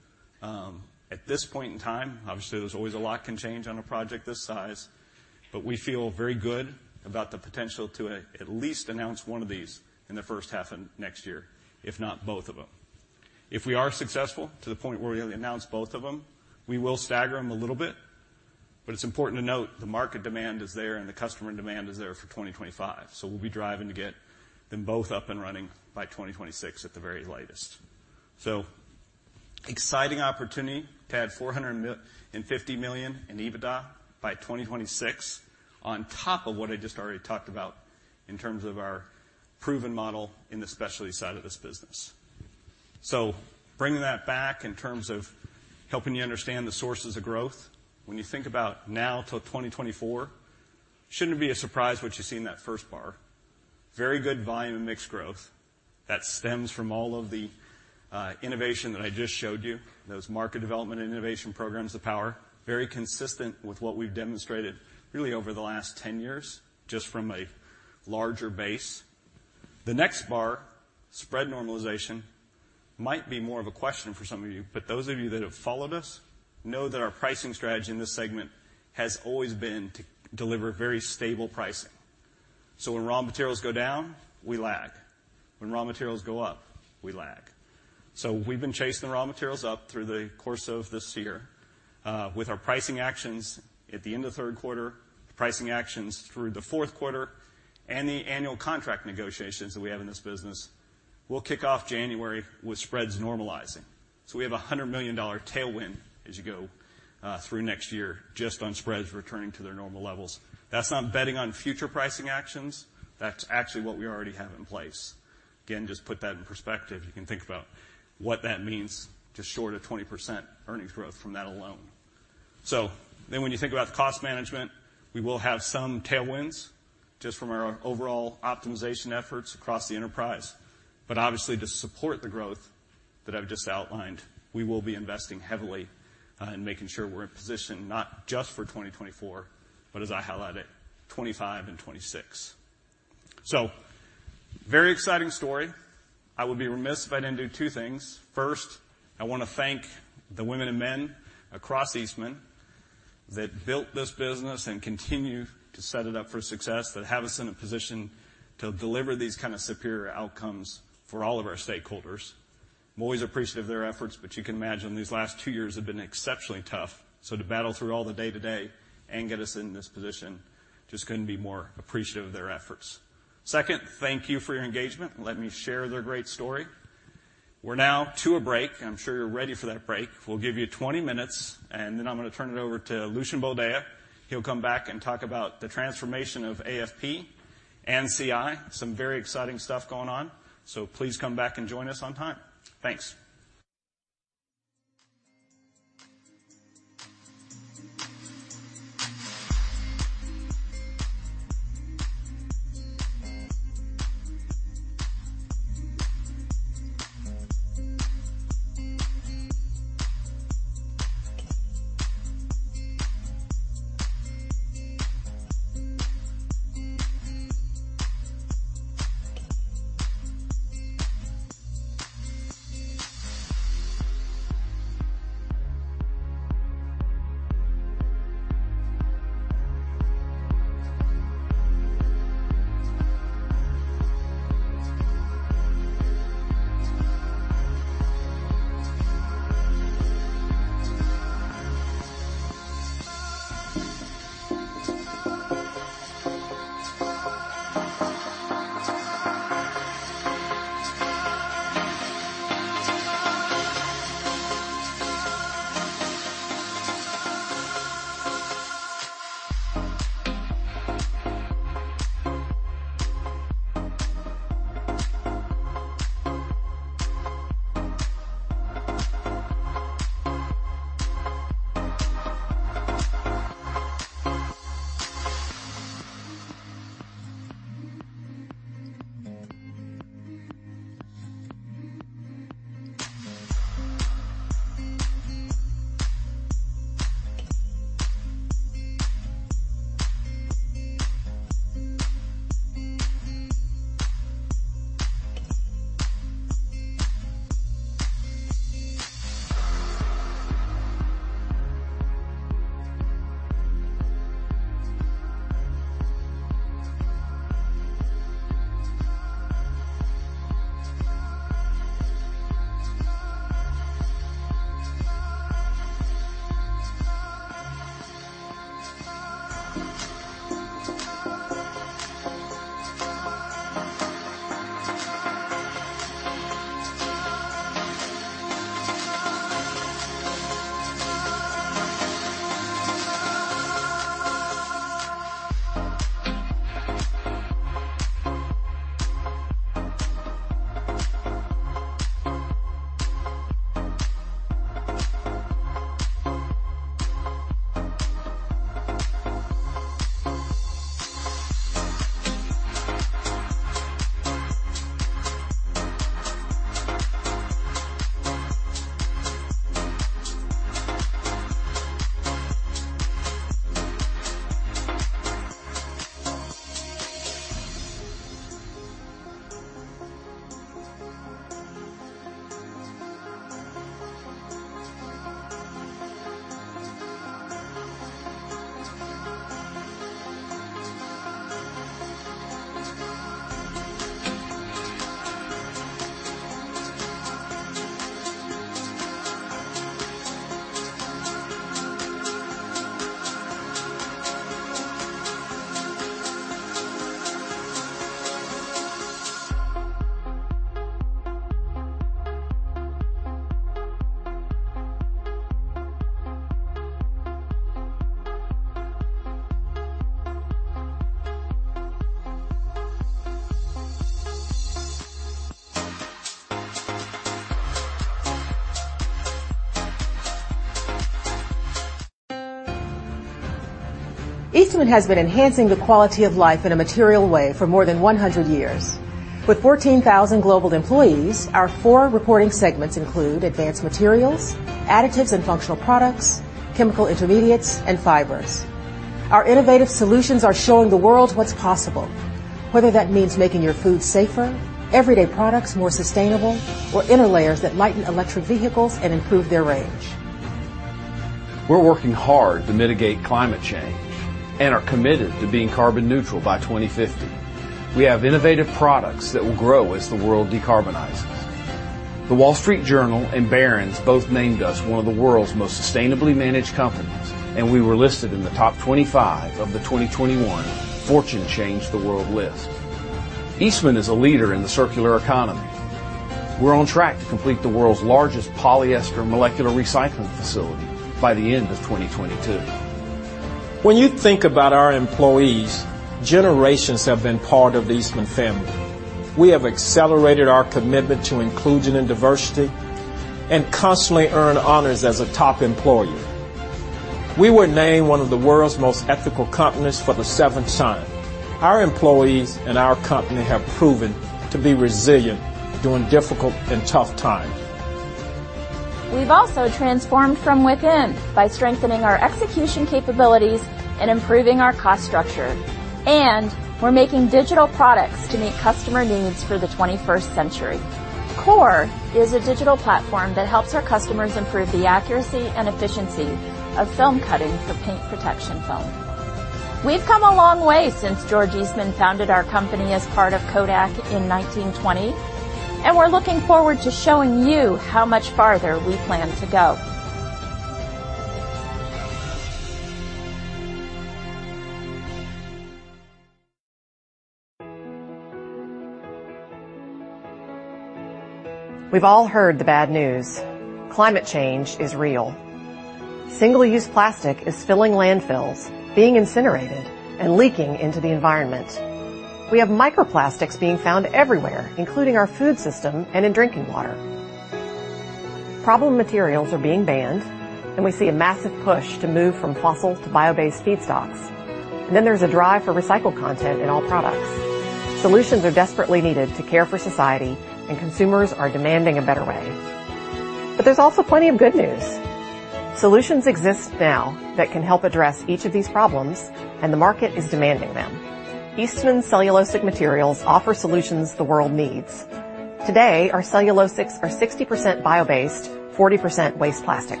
bio-based, 40% waste plastic.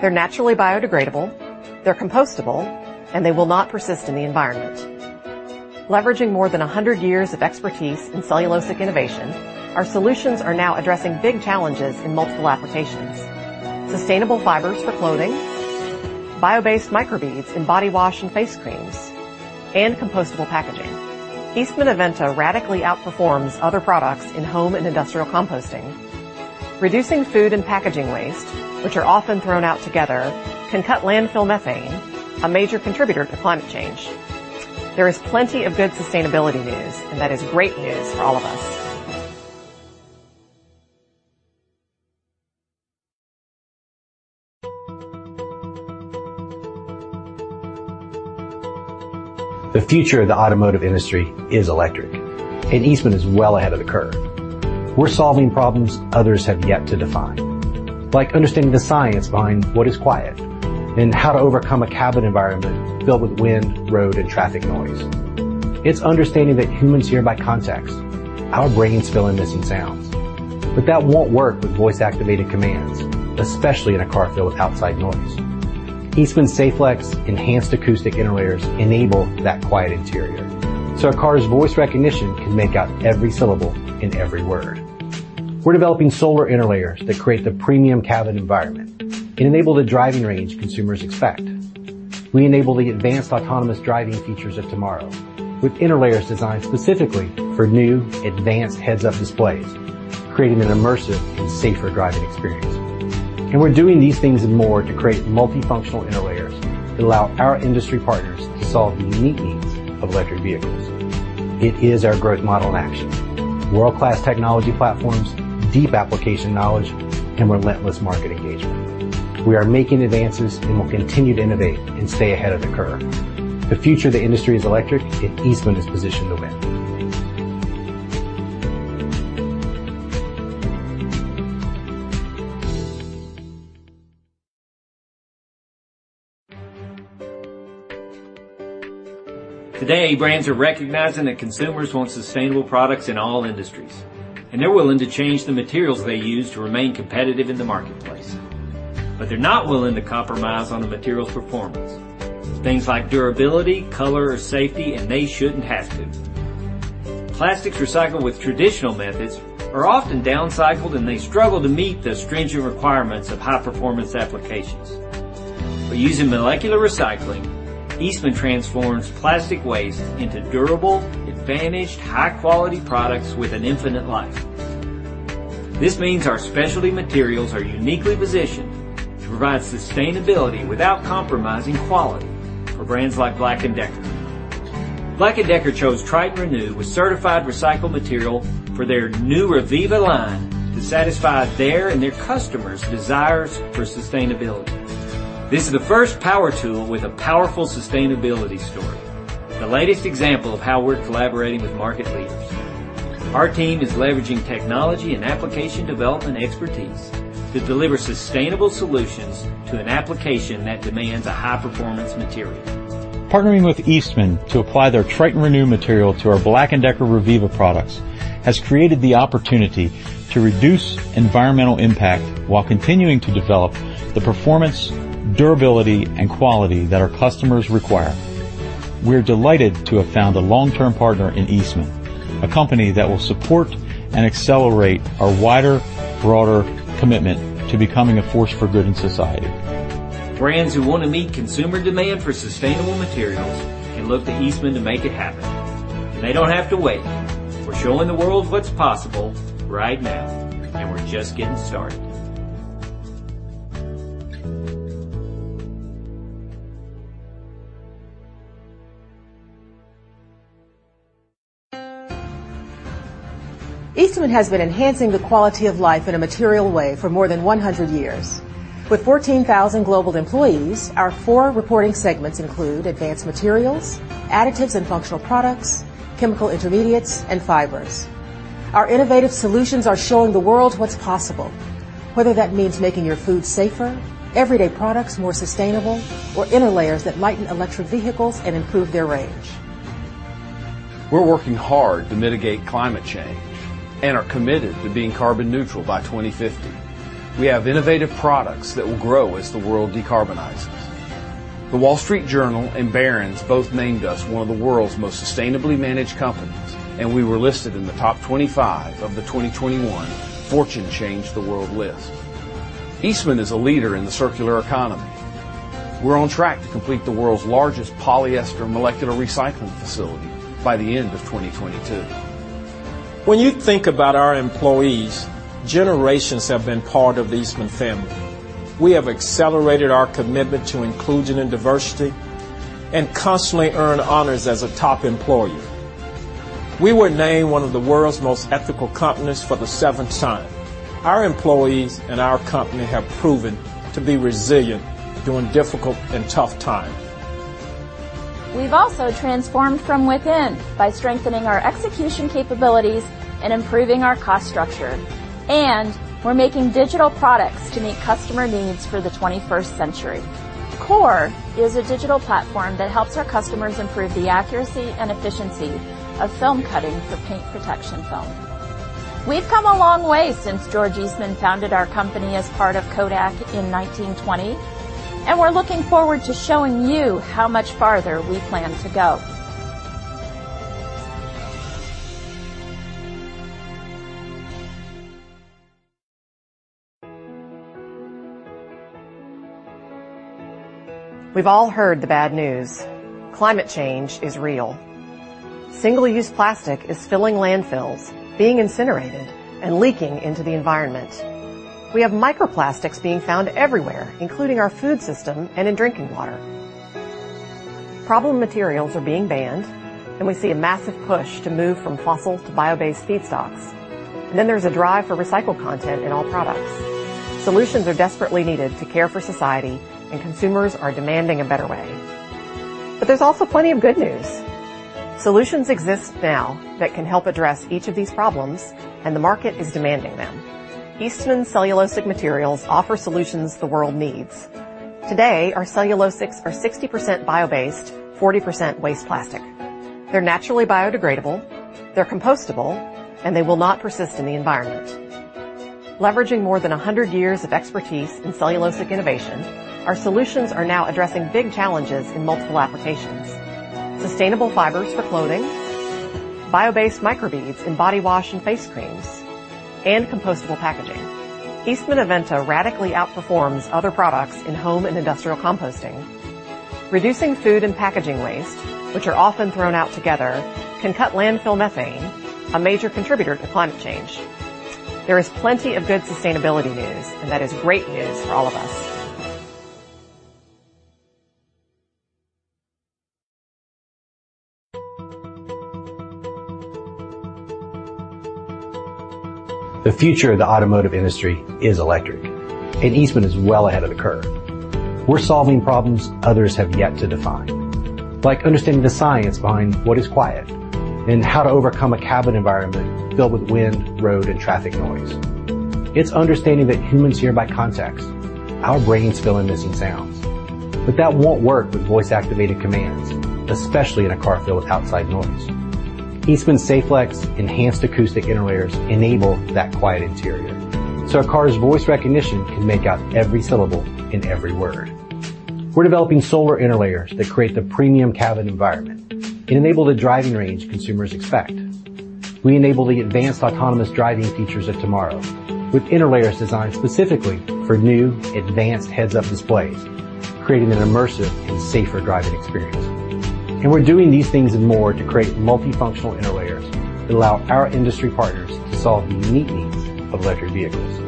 They're naturally biodegradable, they're compostable, and they will not persist in the environment. Leveraging more than 100 years of expertise in cellulosic innovation, our solutions are now addressing big challenges in multiple applications, sustainable fibers for clothing, bio-based microbeads in body wash and face creams, Eastman Saflex enhanced acoustic interlayers enable that quiet interior, so a car's voice recognition can make out every syllable and every word. We're developing solar interlayers that create the premium cabin environment and enable the driving range consumers expect. We enable the advanced autonomous driving features of tomorrow with interlayers designed specifically for new advanced heads-up displays, creating an immersive and safer driving experience. We're doing these things and more to create multifunctional interlayers that allow our industry partners to solve the unique needs of electric vehicles. It is our growth model in action, world-class technology platforms, deep application knowledge, and relentless market engagement. We are making advances and will continue to innovate and stay ahead of the curve. The future of the industry is electric, and Eastman is positioned to win. Certainly you see all that innovation driving a lot of new complex problems. Eastman transforms plastic waste into durable, advantaged, high-quality products with an infinite life. This means our specialty materials are uniquely positioned to provide sustainability without compromising quality for brands like BLACK+DECKER. BLACK+DECKER chose Tritan Renew with certified recycled material for their new Reviva line to satisfy their and their customers' desires for sustainability. This is the first power tool with a powerful sustainability story. The latest example of how we're collaborating with market leaders. Our team is leveraging technology and application development expertise to deliver sustainable solutions to an application that demands a high-performance material. Partnering with Eastman to apply their Tritan Renew material to our BLACK+DECKER reviva products has created the opportunity to reduce environmental impact while continuing to develop the performance, durability, and quality that our customers require. We're delighted to have found a long-term partner in Eastman, a company that will support and accelerate our wider, broader commitment to becoming a force for good in society. Brands who wanna meet consumer demand for sustainable materials can look to Eastman to make it happen. They don't have to wait. We're showing the world what's possible right now, and we're just getting started. In that video, you could see that somebody like BLACK+DECKER is looking for both a corporate partner and are committed to being carbon neutral by 2050. We have innovative products that will grow as the world decarbonizes. The Wall Street Journal and Barron's both named us one of the world's most sustainably managed companies, and we were listed in the top 25 of the 2021 Fortune Change the World list. Eastman is a leader in the circular economy. We're on track to complete the world's largest polyester molecular recycling facility by the end of 2022. When you think about our employees, generations have been part of the Eastman family. We have accelerated our commitment to inclusion and diversity and constantly earn honors as a top employer. We were named one of the world's most ethical companies for the seventh time. Our employees and our company have proven to be resilient during difficult and tough times. We've also transformed from within by strengthening our execution capabilities and improving our cost structure, and we're making digital products to meet customer needs for the twenty-first century. Core is a digital platform that helps our customers improve the accuracy and efficiency of film cutting for paint protection film. We've come a long way since George Eastman founded our company as part of Kodak in 1920, and we're looking forward to showing you how much farther we plan to go. We've all heard the bad news: climate change is real. Single-use plastic is filling landfills, being incinerated, and leaking into the environment. We have microplastics being found everywhere, including our food system and in drinking water. Problem materials are being banned, and we see a massive push to move from fossil to bio-based feedstocks. There's a drive for recycled content in all products. Solutions are desperately needed to care for society, and consumers are demanding a better way. There's also plenty of good news. Solutions exist now that can help address each of these problems, and the market is demanding them. Eastman cellulosic materials offer solutions the world needs. Today, our cellulosics are 60% bio-based, 40% waste plastic. They're naturally biodegradable, they're compostable, and they will not persist in the environment. Leveraging more than 100 years of expertise in cellulosic innovation, our solutions are now addressing big challenges in multiple applications. Sustainable fibers for clothing, bio-based microbeads in body wash and face creams, and compostable packaging. Eastman Aventa radically outperforms other products in home and industrial composting. Reducing food and packaging waste, which are often thrown out together, can cut landfill methane, a major contributor to climate change. There is plenty of good sustainability news, and that is great news for all of us. The future of the automotive industry is electric, and Eastman is well ahead of the curve. We're solving problems others have yet to define, like understanding the science behind what is quiet and how to overcome a cabin environment filled with wind, road, and traffic noise. It's understanding that humans hear by context. Our brains fill in missing sounds, but that won't work with voice-activated commands, especially in a car filled with outside noise. Eastman Saflex enhanced acoustic interlayers enable that quiet interior, so a car's voice recognition can make out every syllable in every word. We're developing solar interlayers that create the premium cabin environment and enable the driving range consumers expect. We enable the advanced autonomous driving features of tomorrow with interlayers designed specifically for new advanced heads-up displays, creating an immersive and safer driving experience. We're doing these things and more to create multifunctional interlayers that allow our industry partners to solve the unique needs of electric vehicles.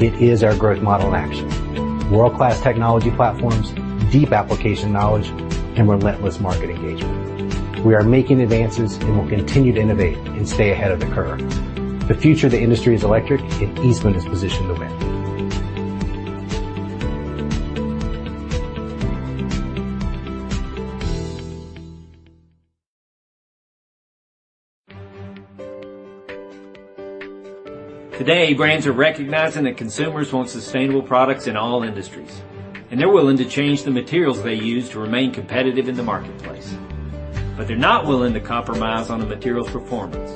It is our growth model in action. World-class technology platforms, deep application knowledge, and relentless market engagement. We are making advances and will continue to innovate and stay ahead of the curve. The future of the industry is electric and Eastman is positioned to win. Today, brands are recognizing that consumers want sustainable products in all industries, and they're willing to change the materials they use to remain competitive in the marketplace. They're not willing to compromise on the material's performance,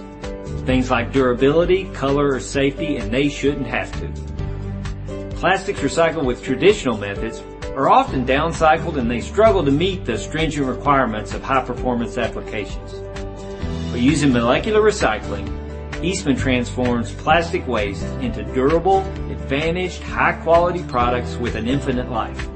things like durability, color, or safety, and they shouldn't have to. Plastics recycled with traditional methods are often downcycled, and they struggle to meet the stringent requirements of high-performance applications. By using molecular recycling, Eastman transforms plastic waste into durable, advantaged, high-quality products with an infinite life.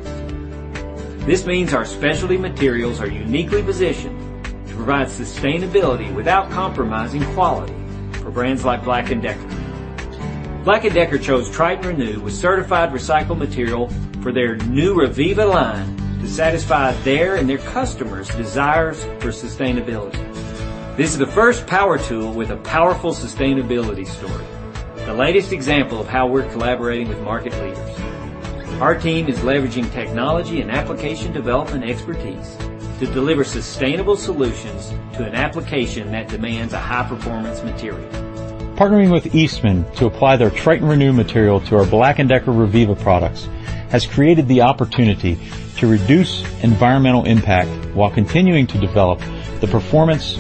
This means our specialty materials are uniquely positioned to provide sustainability without compromising quality for brands like BLACK+DECKER. BLACK+DECKER chose Tritan Renew with certified recycled material for their new Reviva line to satisfy their and their customers' desires for sustainability. This is the first power tool with a powerful sustainability story, the latest example of how we're collaborating with market leaders. Our team is leveraging technology and application development expertise to deliver sustainable solutions to an application that demands a high-performance material. Partnering with Eastman to apply their Tritan Renew material to our BLACK+DECKER Reviva products has created the opportunity to reduce environmental impact while continuing to develop the performance,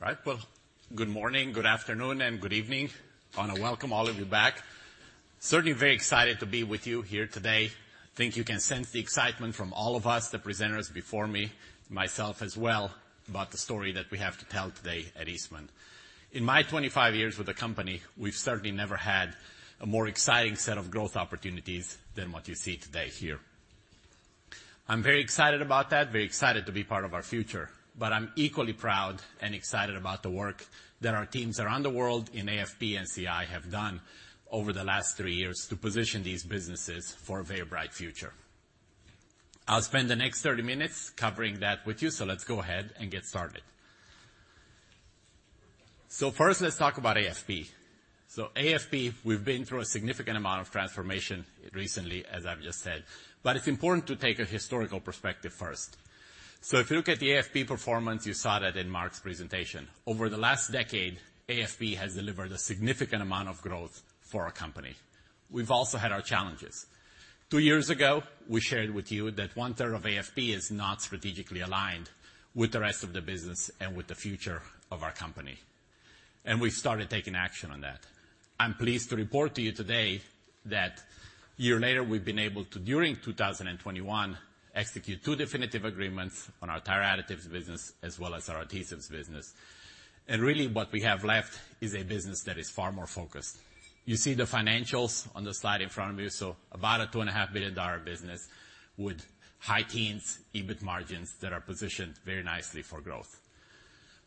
Right. Well, good morning, good afternoon, and good evening. I want to welcome all of you back. Certainly very excited to be with you here today. I think you can sense the excitement from all of us, the presenters before me, myself as well, about the story that we have to tell today at Eastman. In my 25 years with the company, we've certainly never had a more exciting set of growth opportunities than what you see today here. I'm very excited about that, very excited to be part of our future, but I'm equally proud and excited about the work that our teams around the world in AFP and CI have done over the last three years to position these businesses for a very bright future. I'll spend the next 30 minutes covering that with you. Let's go ahead and get started. First let's talk about AFP. AFP, we've been through a significant amount of transformation recently, as I've just said, but it's important to take a historical perspective first. If you look at the AFP performance, you saw that in Mark's presentation. Over the last decade, AFP has delivered a significant amount of growth for our company. We've also had our challenges. Two years ago, we shared with you that one-third of AFP is not strategically aligned with the rest of the business and with the future of our company, and we started taking action on that. I'm pleased to report to you today that a year later, we've been able to, during 2021, execute two definitive agreements on our tire additives business as well as our adhesives business. Really what we have left is a business that is far more focused. You see the financials on the slide in front of you. About a $2.5 billion business with high teens EBIT margins that are positioned very nicely for growth.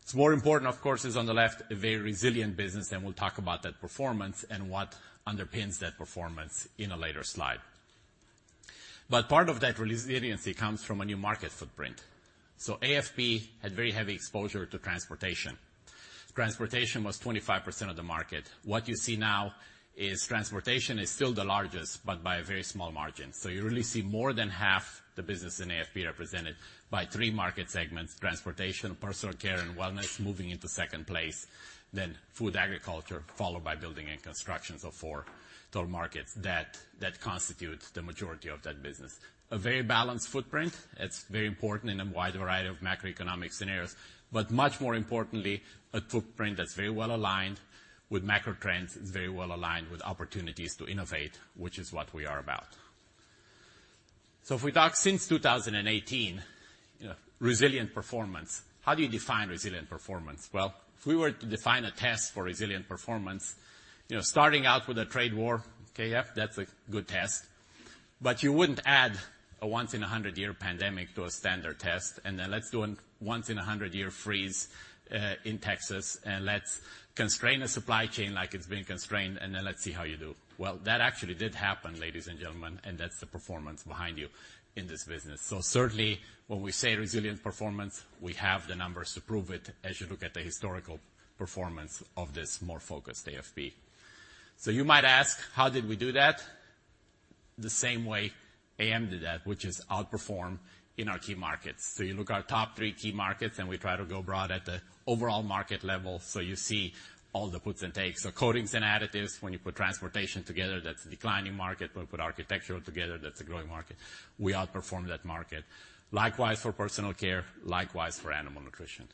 What's more important, of course, is on the left, a very resilient business, and we'll talk about that performance and what underpins that performance in a later slide. Part of that resiliency comes from a new market footprint. AFP had very heavy exposure to transportation. Transportation was 25% of the market. What you see now is transportation is still the largest, but by a very small margin. You really see more than half the business in AFP represented by three market segments, Transportation, Personal Care and Wellness, moving into second place, then Food Agriculture, followed by Building and Construction. Four total markets that constitute the majority of that business. A very balanced footprint. It's very important in a wide variety of macroeconomic scenarios. Much more importantly, a footprint that's very well aligned with macro trends. It's very well aligned with opportunities to innovate, which is what we are about. If we talk since 2018, you know, resilient performance, how do you define resilient performance? If we were to define a test for resilient performance, you know, starting out with a trade war, KF, that's a good test. You wouldn't add a once-in-a-100-year pandemic to a standard test. Then let's do a once-in-a-100-year freeze in Texas, and let's constrain a supply chain like it's been constrained, and then let's see how you do. That actually did happen, ladies and gentlemen, and that's the performance behind you in this business. Certainly when we say resilient performance, we have the numbers to prove it as you look at the historical performance of this more focused AFP. You might ask, how did we do that? The same way AM did that, which is outperform in our key markets. You look at our top three key markets, and we try to go broad at the overall market level. You see all the puts and takes. Coatings and Additives, when you put transportation together, that's a declining market. When we put architectural together, that's a growing market. We outperform that market. Likewise for Personal Care, likewise for Animal Nutrition.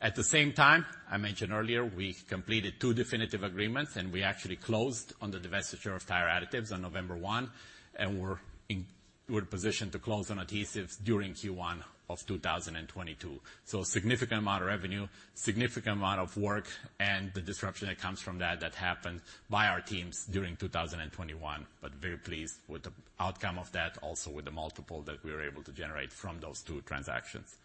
At the same time, I mentioned earlier, we completed two definitive agreements, and we actually closed on the divestiture of tire additives on November 1, and we're positioned to close on adhesives during Q1 of 2022. Significant amount of revenue, significant amount of work, and the disruption that comes from that happened by our teams during 2021, but very pleased with the outcome of that also with the multiple that we were able to generate from those two transactions.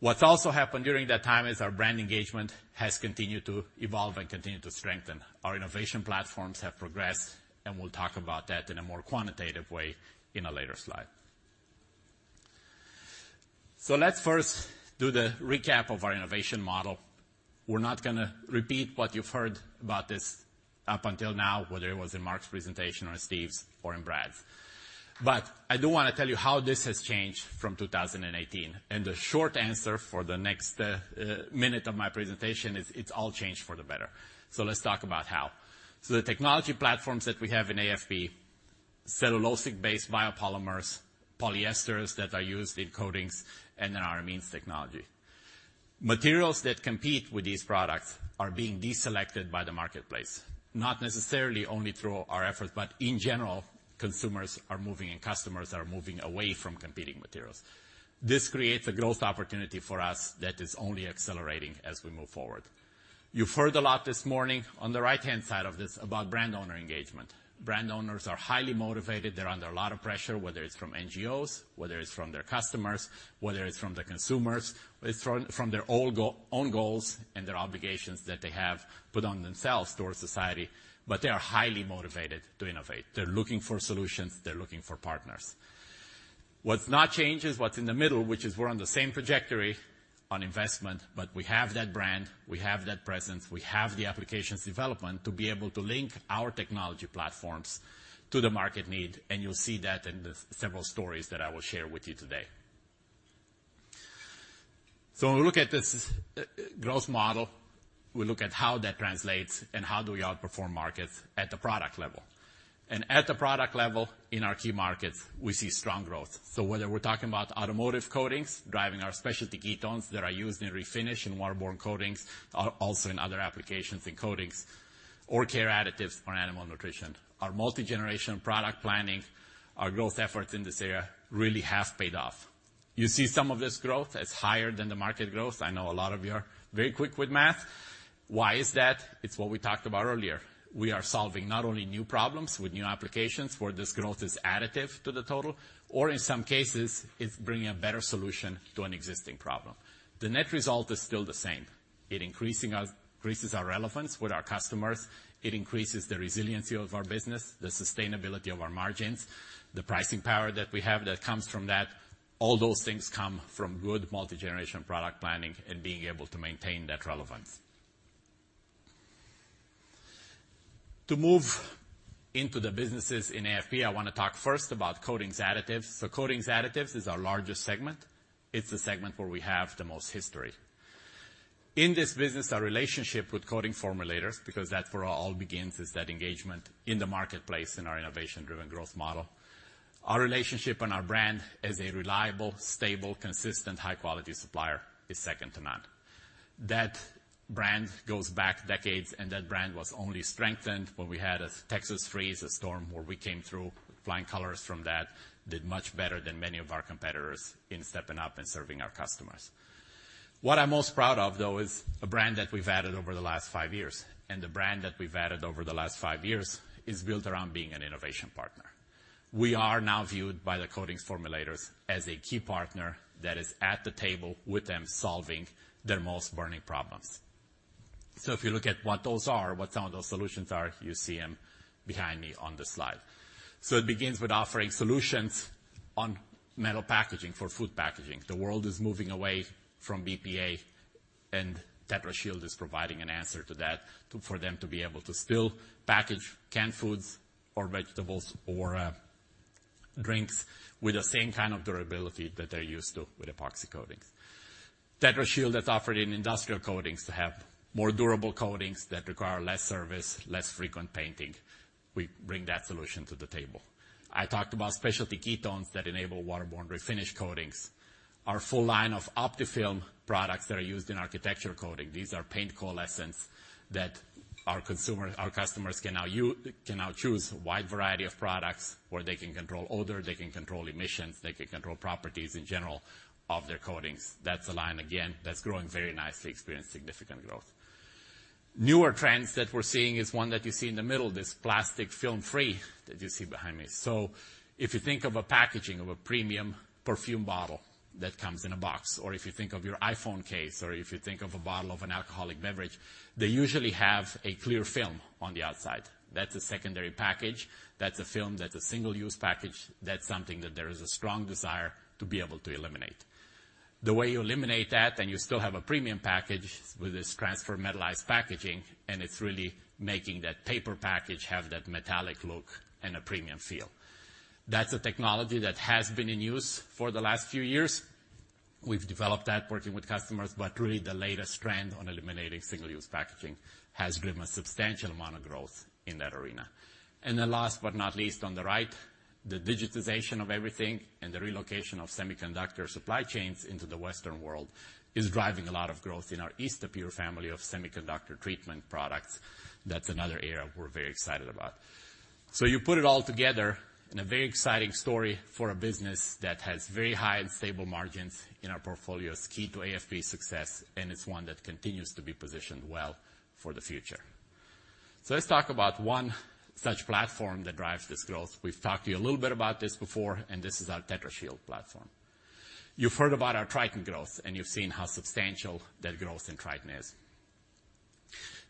What's also happened during that time is our brand engagement has continued to evolve and continued to strengthen. Our innovation platforms have progressed, and we'll talk about that in a more quantitative way in a later slide. Let's first do the recap of our innovation model. We're not gonna repeat what you've heard about this up until now, whether it was in Mark's presentation or in Steve's or in Brad's. I do wanna tell you how this has changed from 2018. The short answer for the next minute of my presentation is it's all changed for the better. Let's talk about how. The technology platforms that we have in AFP, cellulosic-based biopolymers, polyesters that are used in coatings, and then our amines technology. Materials that compete with these products are being deselected by the marketplace, not necessarily only through our efforts, but in general, consumers are moving and customers are moving away from competing materials. This creates a growth opportunity for us that is only accelerating as we move forward. You've heard a lot this morning on the right-hand side of this about brand owner engagement. Brand owners are highly motivated. They're under a lot of pressure, whether it's from NGOs, whether it's from their customers, whether it's from the consumers, whether it's from their own goals and their obligations that they have put on themselves towards society, but they are highly motivated to innovate. They're looking for solutions. They're looking for partners. What's not changed is what's in the middle, which is we're on the same trajectory on investment, but we have that brand, we have that presence, we have the applications development to be able to link our technology platforms to the market need, and you'll see that in the several stories that I will share with you today. When we look at this growth model, we look at how that translates and how do we outperform markets at the product level. At the product level in our key markets, we see strong growth. Whether we're talking about automotive coatings, driving our specialty ketones that are used in refinish and waterborne coatings, also in other applications in coatings or care additives for animal nutrition. Our multigeneration product planning, our growth efforts in this area really have paid off. You see some of this growth as higher than the market growth. I know a lot of you are very quick with math. Why is that? It's what we talked about earlier. We are solving not only new problems with new applications where this growth is additive to the total, or in some cases, it's bringing a better solution to an existing problem. The net result is still the same. It increases our relevance with our customers. It increases the resiliency of our business, the sustainability of our margins, the pricing power that we have that comes from that. All those things come from good multigeneration product planning and being able to maintain that relevance. To move into the businesses in AFP, I wanna talk first about coatings additives. Coatings additives is our largest segment. It's the segment where we have the most history. In this business, our relationship with coating formulators, because that's where it all begins, is that engagement in the marketplace in our innovation-driven growth model. Our relationship and our brand as a reliable, stable, consistent, high-quality supplier is second to none. That brand goes back decades, and that brand was only strengthened when we had a Texas freeze, a storm where we came through with flying colors from that, did much better than many of our competitors in stepping up and serving our customers. What I'm most proud of, though, is a brand that we've added over the last five years, and the brand that we've added over the last five years is built around being an innovation partner. We are now viewed by the coatings formulators as a key partner that is at the table with them solving their most burning problems. If you look at what those are, what some of those solutions are, you see them behind me on the slide. It begins with offering solutions on metal packaging for food packaging. The world is moving away from BPA, and Tetrashield is providing an answer to that for them to be able to still package canned foods or vegetables or drinks with the same kind of durability that they're used to with epoxy coatings. Tetrashield is offered in industrial coatings to have more durable coatings that require less service, less frequent painting. We bring that solution to the table. I talked about specialty ketones that enable waterborne refinish coatings. Our full line of Optifilm products that are used in architectural coatings. These are paint coalescents that our customers can now choose a wide variety of products where they can control odor, they can control emissions, they can control properties in general of their coatings. That's a line, again, that's growing very nicely, experienced significant growth. Newer trends that we're seeing is one that you see in the middle, this plastic film-free that you see behind me. If you think of a packaging of a premium perfume bottle that comes in a box, or if you think of your iPhone case, or if you think of a bottle of an alcoholic beverage, they usually have a clear film on the outside. That's a secondary package. That's a film. That's a single-use package. That's something that there is a strong desire to be able to eliminate. The way you eliminate that, and you still have a premium package with this transfer metallized packaging, and it's really making that paper package have that metallic look and a premium feel. That's a technology that has been in use for the last few years. We've developed that working with customers, but really the latest trend on eliminating single-use packaging has driven a substantial amount of growth in that arena. Then last but not least on the right, the digitization of everything and the relocation of semiconductor supply chains into the Western world is driving a lot of growth in our EastaPure family of semiconductor treatment products. That's another area we're very excited about. You put it all together in a very exciting story for a business that has very high and stable margins in our portfolio. It's key to AFP's success, and it's one that continues to be positioned well for the future. Let's talk about one such platform that drives this growth. We've talked to you a little bit about this before, and this is our Tetrashield platform. You've heard about our Tritan growth, and you've seen how substantial that growth in Tritan is.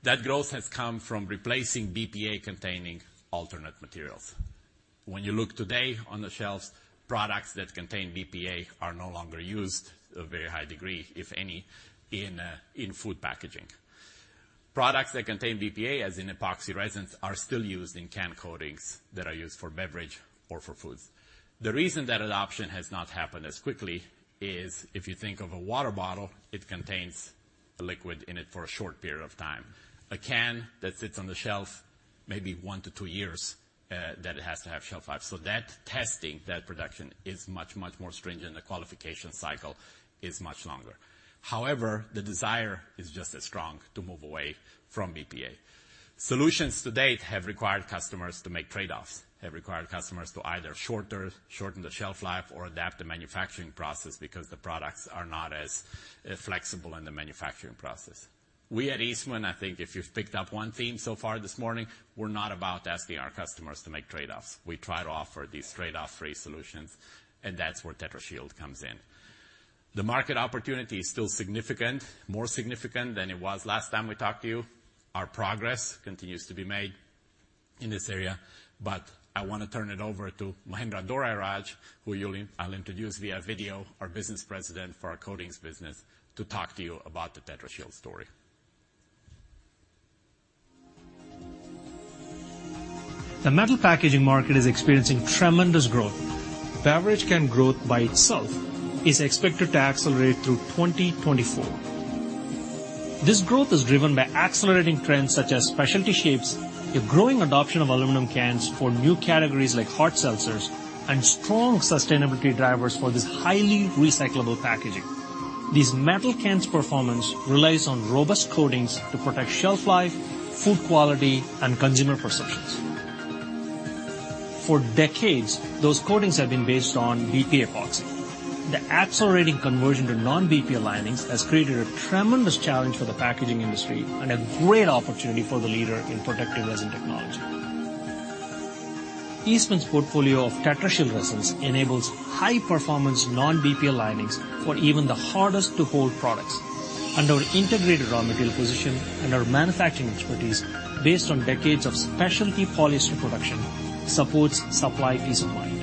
That growth has come from replacing BPA-containing alternate materials. When you look today on the shelves, products that contain BPA are no longer used to a very high degree, if any, in food packaging. Products that contain BPA, as in epoxy resins, are still used in can coatings that are used for beverage or for foods. The reason that adoption has not happened as quickly is if you think of a water bottle, it contains a liquid in it for a short period of time. A can that sits on the shelf, maybe 1-2 years, that it has to have shelf life. That testing, that production is much, much more stringent and the qualification cycle is much longer. However, the desire is just as strong to move away from BPA. Solutions to date have required customers to make trade-offs, have required customers to either shorten the shelf life or adapt the manufacturing process because the products are not as flexible in the manufacturing process. We at Eastman, I think if you've picked up one theme so far this morning, we're not about asking our customers to make trade-offs. We try to offer these trade-off free solutions, and that's where Tetrashield comes in. The market opportunity is still significant, more significant than it was last time we talked to you. Our progress continues to be made in this area, but I wanna turn it over to Mahendra Dorairaj, I'll introduce via video our business President for our Coatings business to talk to you about the Tetrashield story. The metal packaging market is experiencing tremendous growth. Beverage can growth by itself is expected to accelerate through 2024. This growth is driven by accelerating trends such as specialty shapes, a growing adoption of aluminum cans for new categories like hard seltzers, and strong sustainability drivers for this highly recyclable packaging. These metal cans' performance relies on robust coatings to protect shelf life, food quality, and consumer perceptions. For decades, those coatings have been based on BPA epoxy. The accelerating conversion to non-BPA linings has created a tremendous challenge for the packaging industry and a great opportunity for the leader in protective resin technology. Eastman's portfolio of Tetrashield resins enables high performance non-BPA linings for even the hardest to hold products. Our integrated raw material position and our manufacturing expertise based on decades of specialty polyester production supports supply peace of mind.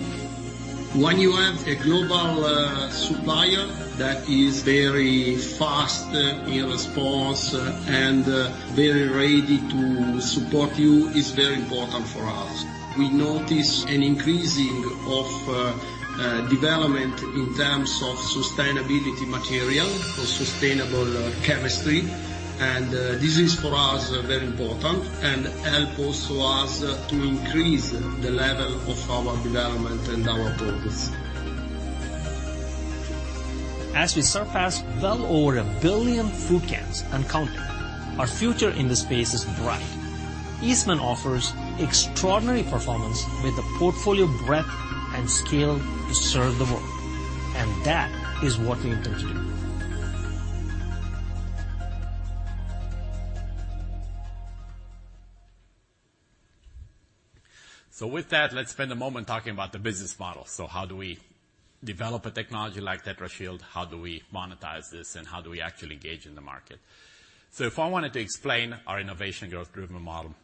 When you have a global supplier that is very fast in response and very ready to support you, is very important for us. We notice an increasing of development in terms of sustainability material or sustainable chemistry, and this is for us very important and help also us to increase the level of our development and our progress. As we surpass well over 1 billion food cans and counting, our future in this space is bright. Eastman offers extraordinary performance with the portfolio breadth and scale to serve the world, and that is what we intend to do. With that, let's spend a moment talking about the business model. How do we develop a technology like Tetrashield, how do we monetize this, and how do we actually engage in the market? If I wanted to explain our innovation growth driven model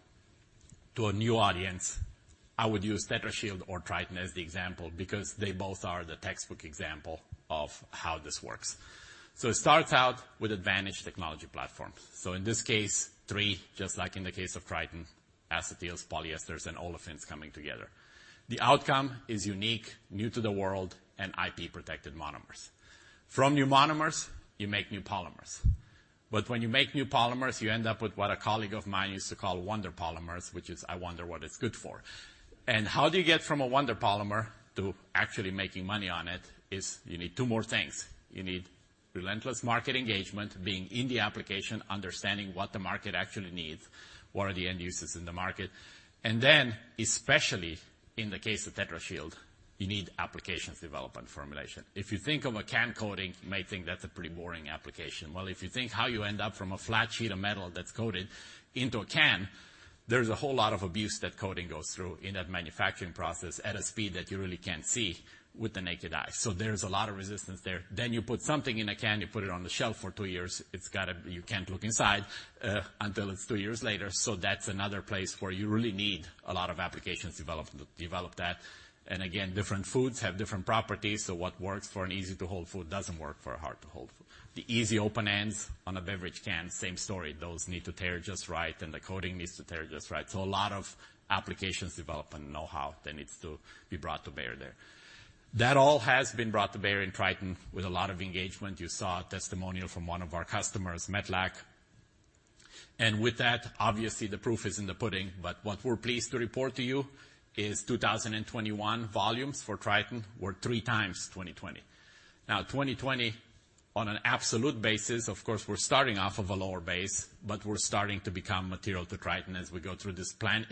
to a new audience, I would use Tetrashield or Tritan as the example because they both are the textbook example of how this works. It starts out with advantaged technology platforms. In this case, three, just like in the case of Tritan, acetyls, polyesters, and olefins coming together. The outcome is unique, new to the world and IP protected monomers. From new monomers, you make new polymers. But when you make new polymers, you end up with what a colleague of mine used to call wonder polymers, which is, I wonder what it's good for. How do you get from a wonder polymer to actually making money on it is you need two more things. You need relentless market engagement, being in the application, understanding what the market actually needs, what are the end uses in the market, and then especially in the case of Tetrashield, you need applications development formulation. If you think of a can coating, you might think that's a pretty boring application. Well, if you think how you end up from a flat sheet of metal that's coated into a can, there's a whole lot of abuse that coating goes through in that manufacturing process at a speed that you really can't see with the naked eye. There's a lot of resistance there. You put something in a can, you put it on the shelf for two years. You can't look inside until it's two years later. That's another place where you really need a lot of applications development to develop that. Again, different foods have different properties. What works for an easy to hold food doesn't work for a hard to hold food. The easy open ends on a beverage can, same story. Those need to tear just right and the coating needs to tear just right. A lot of applications development know-how that needs to be brought to bear there. That all has been brought to bear in Tritan with a lot of engagement. You saw a testimonial from one of our customers, Metlac. With that, obviously the proof is in the pudding, but what we're pleased to report to you is 2021 volumes for Tritan were three times 2020. Now, 2020 on an absolute basis, of course, we're starting off of a lower base, but we're starting to become material to Tritan as we go through this plan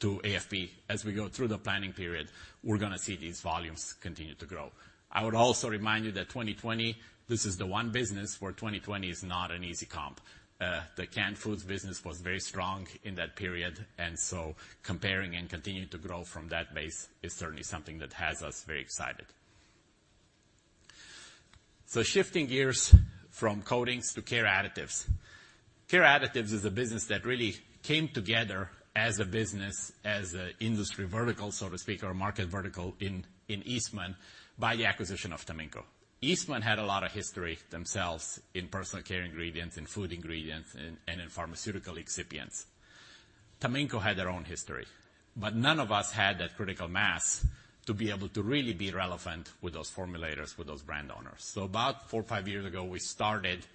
to AFP. As we go through the planning period, we're gonna see these volumes continue to grow. I would also remind you that 2020, this is the one business where 2020 is not an easy comp. The canned foods business was very strong in that period, and so comparing and continuing to grow from that base is certainly something that has us very excited. Shifting gears from coatings to care additives. Care Additives is a business that really came together as a business, as a industry vertical, so to speak, or market vertical in Eastman by the acquisition of Taminco. Eastman had a lot of history themselves in Personal Care ingredients, in food ingredients and in pharmaceutical excipients. Taminco had their own history, but none of us had that critical mass to be able to really be relevant with those formulators, with those brand owners. About four or five years ago, we started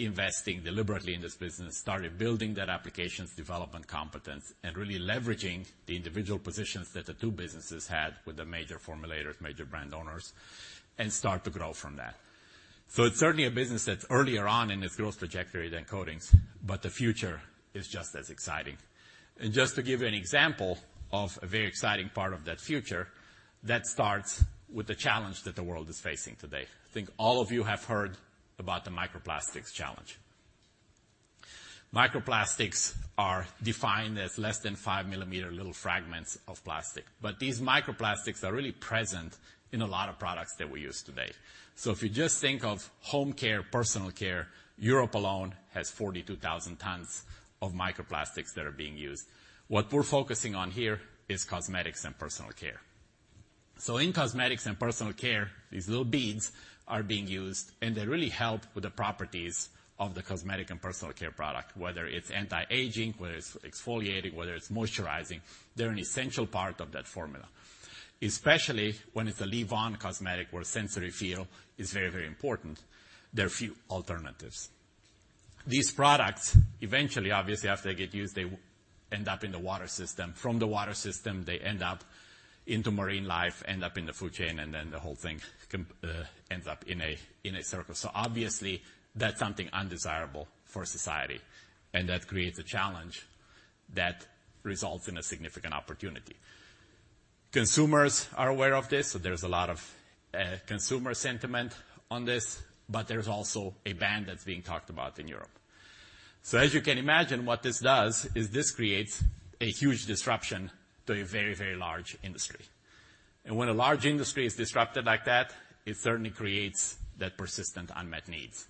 investing deliberately in this business, started building that applications development competence and really leveraging the individual positions that the two businesses had with the major formulators, major brand owners, and start to grow from that. It's certainly a business that's earlier on in its growth trajectory than coatings, but the future is just as exciting. Just to give you an example of a very exciting part of that future, that starts with the challenge that the world is facing today. I think all of you have heard about the microplastics challenge. Microplastics are defined as less than 5-millimeter little fragments of plastic, but these microplastics are really present in a lot of products that we use today. If you just think of home care, personal care, Europe alone has 42,000 tons of microplastics that are being used. What we're focusing on here is cosmetics and personal care. In cosmetics and personal care, these little beads are being used, and they really help with the properties of the cosmetic and personal care product, whether it's anti-aging, whether it's exfoliating, whether it's moisturizing, they're an essential part of that formula, especially when it's a leave-on cosmetic where sensory feel is very, very important. There are few alternatives. These products eventually, obviously, after they get used, they end up in the water system. From the water system, they end up into marine life, end up in the food chain, and then the whole thing ends up in a circle. Obviously that's something undesirable for society, and that creates a challenge that results in a significant opportunity. Consumers are aware of this, so there's a lot of consumer sentiment on this, but there's also a ban that's being talked about in Europe. As you can imagine, what this does is this creates a huge disruption to a very, very large industry. When a large industry is disrupted like that, it certainly creates that persistent unmet needs.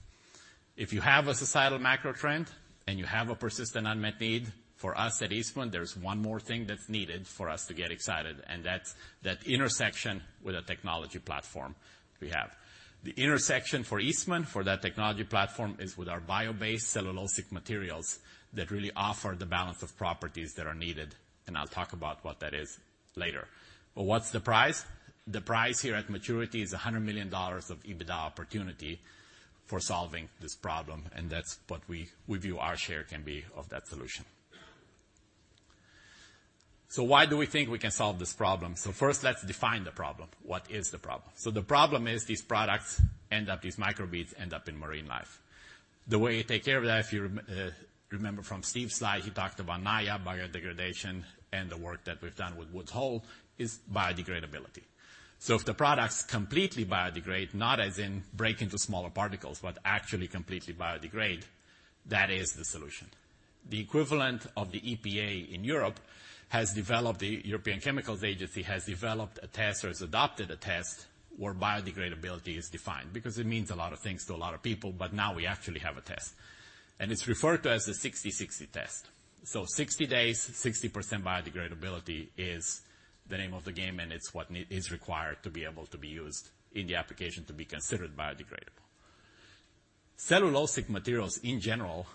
If you have a societal macro trend and you have a persistent unmet need, for us at Eastman, there's one more thing that's needed for us to get excited, and that's that intersection with a technology platform we have. The intersection for Eastman for that technology platform is with our bio-based cellulosic materials that really offer the balance of properties that are needed, and I'll talk about what that is later. What's the price? The price here at maturity is $100 million of EBITDA opportunity for solving this problem, and that's what we view our share can be of that solution. Why do we think we can solve this problem? First, let's define the problem. What is the problem? The problem is these microbeads end up in marine life. The way you take care of that, if you remember from Steve's slide, he talked about Naia biodegradation and the work that we've done with Woods Hole, is biodegradability. If the products completely biodegrade, not as in break into smaller particles, but actually completely biodegrade, that is the solution. The equivalent of the EPA in Europe, the European Chemicals Agency, has developed a test or has adopted a test where biodegradability is defined, because it means a lot of things to a lot of people, but now we actually have a test. It's referred to as the 60/60 test. 60 days, 60% biodegradability is the name of the game, and it's what is required to be able to be used in the application to be considered biodegradable. Cellulosic materials in general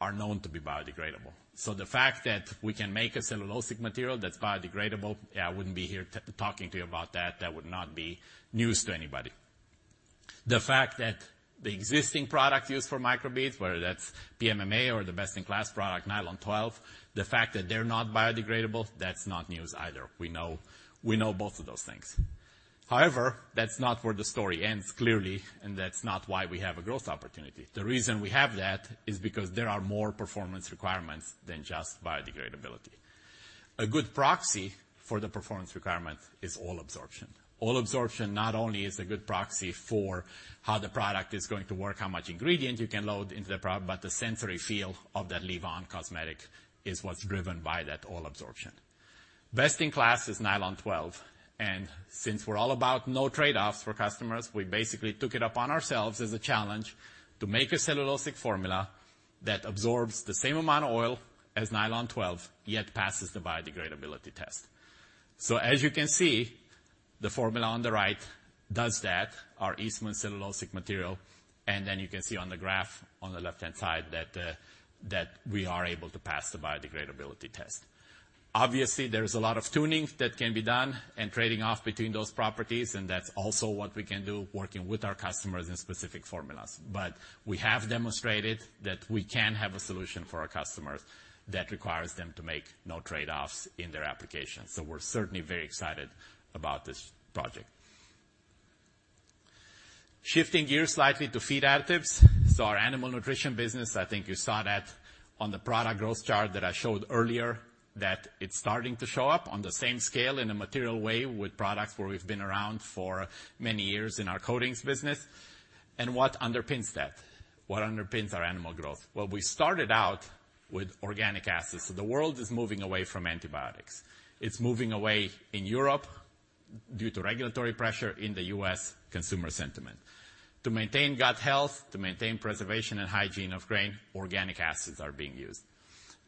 are known to be biodegradable. The fact that we can make a cellulosic material that's biodegradable, yeah, I wouldn't be here talking to you about that. That would not be news to anybody. The fact that the existing product used for microbeads, whether that's PMMA or the best-in-class product, nylon 12, the fact that they're not biodegradable, that's not news either. We know both of those things. However, that's not where the story ends, clearly, and that's not why we have a growth opportunity. The reason we have that is because there are more performance requirements than just biodegradability. A good proxy for the performance requirement is oil absorption. Oil absorption not only is a good proxy for how the product is going to work, how much ingredient you can load into the product, but the sensory feel of that leave-on cosmetic is what's driven by that oil absorption. Best in class is nylon 12, and since we're all about no trade-offs for customers, we basically took it upon ourselves as a challenge to make a cellulosic formula that absorbs the same amount of oil as nylon 12, yet passes the biodegradability test. As you can see, the formula on the right does that, our Eastman cellulosic material. You can see on the graph on the left-hand side that we are able to pass the biodegradability test. Obviously, there's a lot of tuning that can be done and trading off between those properties, and that's also what we can do working with our customers in specific formulas. We have demonstrated that we can have a solution for our customers that requires them to make no trade-offs in their application. We're certainly very excited about this project. Shifting gears slightly to feed additives. Our animal nutrition business, I think you saw that on the product growth chart that I showed earlier, that it's starting to show up on the same scale in a material way with products where we've been around for many years in our coatings business. What underpins that? What underpins our animal growth? Well, we started out with organic acids. The world is moving away from antibiotics. It's moving away in Europe due to regulatory pressure, in the U.S., consumer sentiment. To maintain gut health, to maintain preservation and hygiene of grain, organic acids are being used.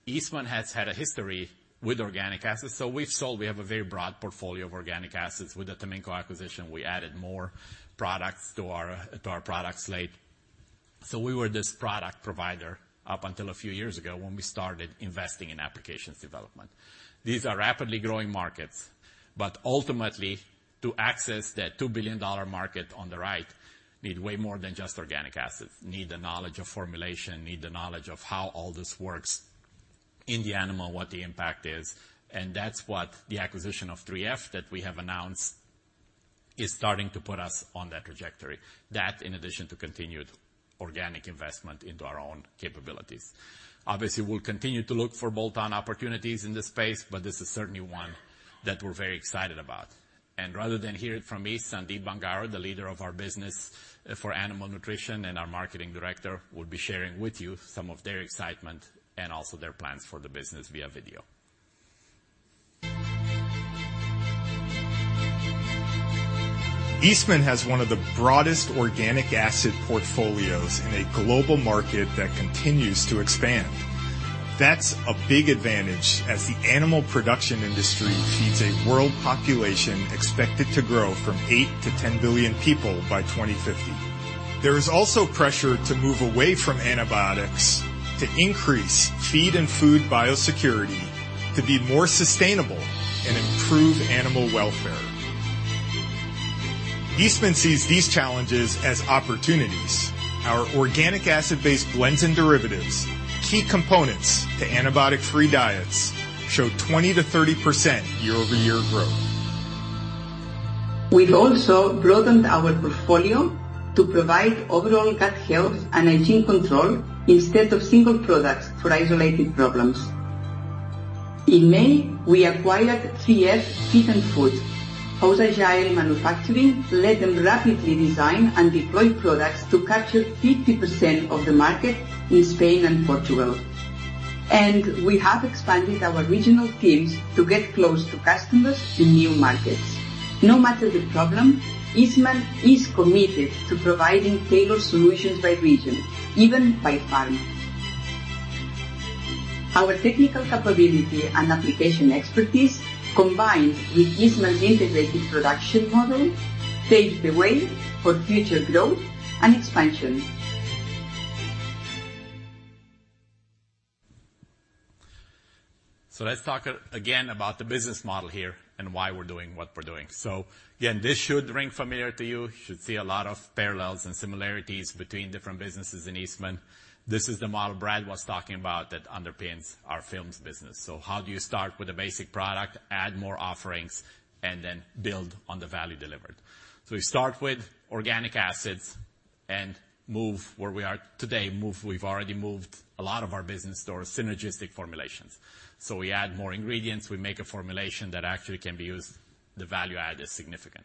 Eastman has had a history with organic acids, so we've sold, we have a very broad portfolio of organic acids. With the Taminco acquisition, we added more products to our product slate. We were this product provider up until a few years ago when we started investing in applications development. These are rapidly growing markets, but ultimately, to access that $2 billion market on the right, need way more than just organic acids, need the knowledge of formulation, need the knowledge of how all this works in the animal, what the impact is, and that's what the acquisition of 3F that we have announced is starting to put us on that trajectory. That, in addition to continued organic investment into our own capabilities. Obviously, we'll continue to look for bolt-on opportunities in this space, but this is certainly one that we're very excited about. Rather than hear it from me, Sandeep Bangaru, the leader of our Business for Animal Nutrition, and our Marketing Director will be sharing with you some of their excitement and also their plans for the business via video. Eastman has one of the broadest organic acid portfolios in a global market that continues to expand. That's a big advantage as the animal production industry feeds a world population expected to grow from 8-10 billion people by 2050. There is also pressure to move away from antibiotics to increase feed and food biosecurity to be more sustainable and improve animal welfare. Eastman sees these challenges as opportunities. Our organic acid-based blends and derivatives, key components to antibiotic free diets, show 20%-30% year-over-year growth. We've also broadened our portfolio to provide overall gut health and hygiene control instead of single products for isolated problems. In May, we acquired 3F Feed & Food, whose agile manufacturing let them rapidly design and deploy products to capture 50% of the market in Spain and Portugal. We have expanded our regional teams to get close to customers in new markets. No matter the problem, Eastman is committed to providing tailored solutions by region, even by farm. Our technical capability and application expertise, combined with Eastman's integrated production model, paves the way for future growth and expansion. Let's talk again about the business model here and why we're doing what we're doing. Again, this should ring familiar to you. You should see a lot of parallels and similarities between different businesses in Eastman. This is the model Brad was talking about that underpins our films business. How do you start with a basic product, add more offerings, and then build on the value delivered? We start with organic acids and move where we are today. We've already moved a lot of our business to our synergistic formulations. We add more ingredients, we make a formulation that actually can be used. The value add is significant.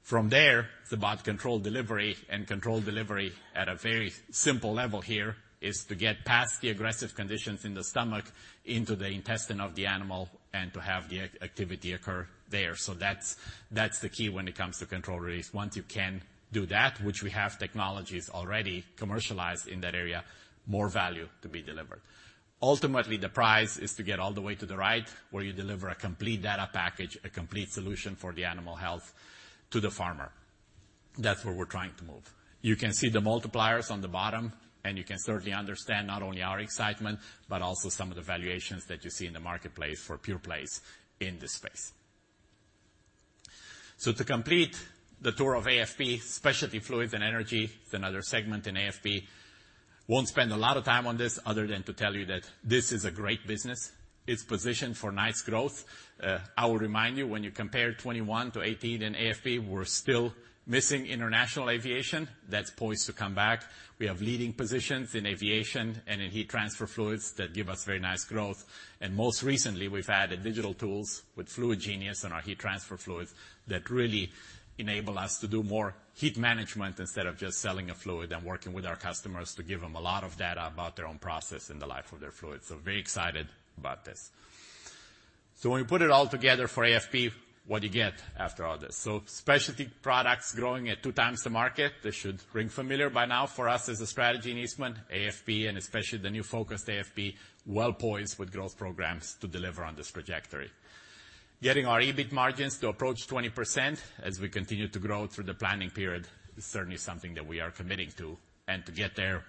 From there, it's about controlled delivery, and controlled delivery at a very simple level here is to get past the aggressive conditions in the stomach into the intestine of the animal and to have the activity occur there. So that's the key when it comes to controlled release. Once you can do that, which we have technologies already commercialized in that area, more value to be delivered. Ultimately, the prize is to get all the way to the right, where you deliver a complete data package, a complete solution for the animal health to the farmer. That's where we're trying to move. You can see the multipliers on the bottom, and you can certainly understand not only our excitement, but also some of the valuations that you see in the marketplace for pure plays in this space. To complete the tour of AFP, Specialty Fluids and Energy is another segment in AFP. Won't spend a lot of time on this other than to tell you that this is a great business. It's positioned for nice growth. I will remind you, when you compare 2021 to 2018 in AFP, we're still missing international aviation. That's poised to come back. We have leading positions in aviation and in heat transfer fluids that give us very nice growth. Most recently, we've added digital tools with Fluid Genius and our heat transfer fluids that really enable us to do more heat management instead of just selling a fluid and working with our customers to give them a lot of data about their own process and the life of their fluids. Very excited about this. When we put it all together for AFP, what do you get after all this? Specialty products growing at two times the market. This should ring familiar by now for us as a strategy in Eastman, AFP, and especially the new focused AFP, well-poised with growth programs to deliver on this trajectory. Getting our EBIT margins to approach 20% as we continue to grow through the planning period is certainly something that we are committing to. To get there,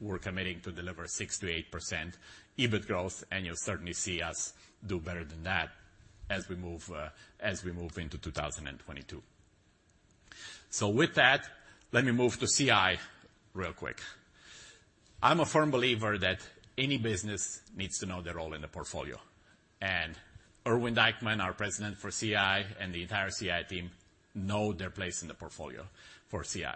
we're committing to deliver 6%-8% EBIT growth, and you'll certainly see us do better than that as we move into 2022. With that, let me move to CI real quick. I'm a firm believer that any business needs to know their role in the portfolio. Erwin Dijkman, our President for CI, and the entire CI team know their place in the portfolio for CI.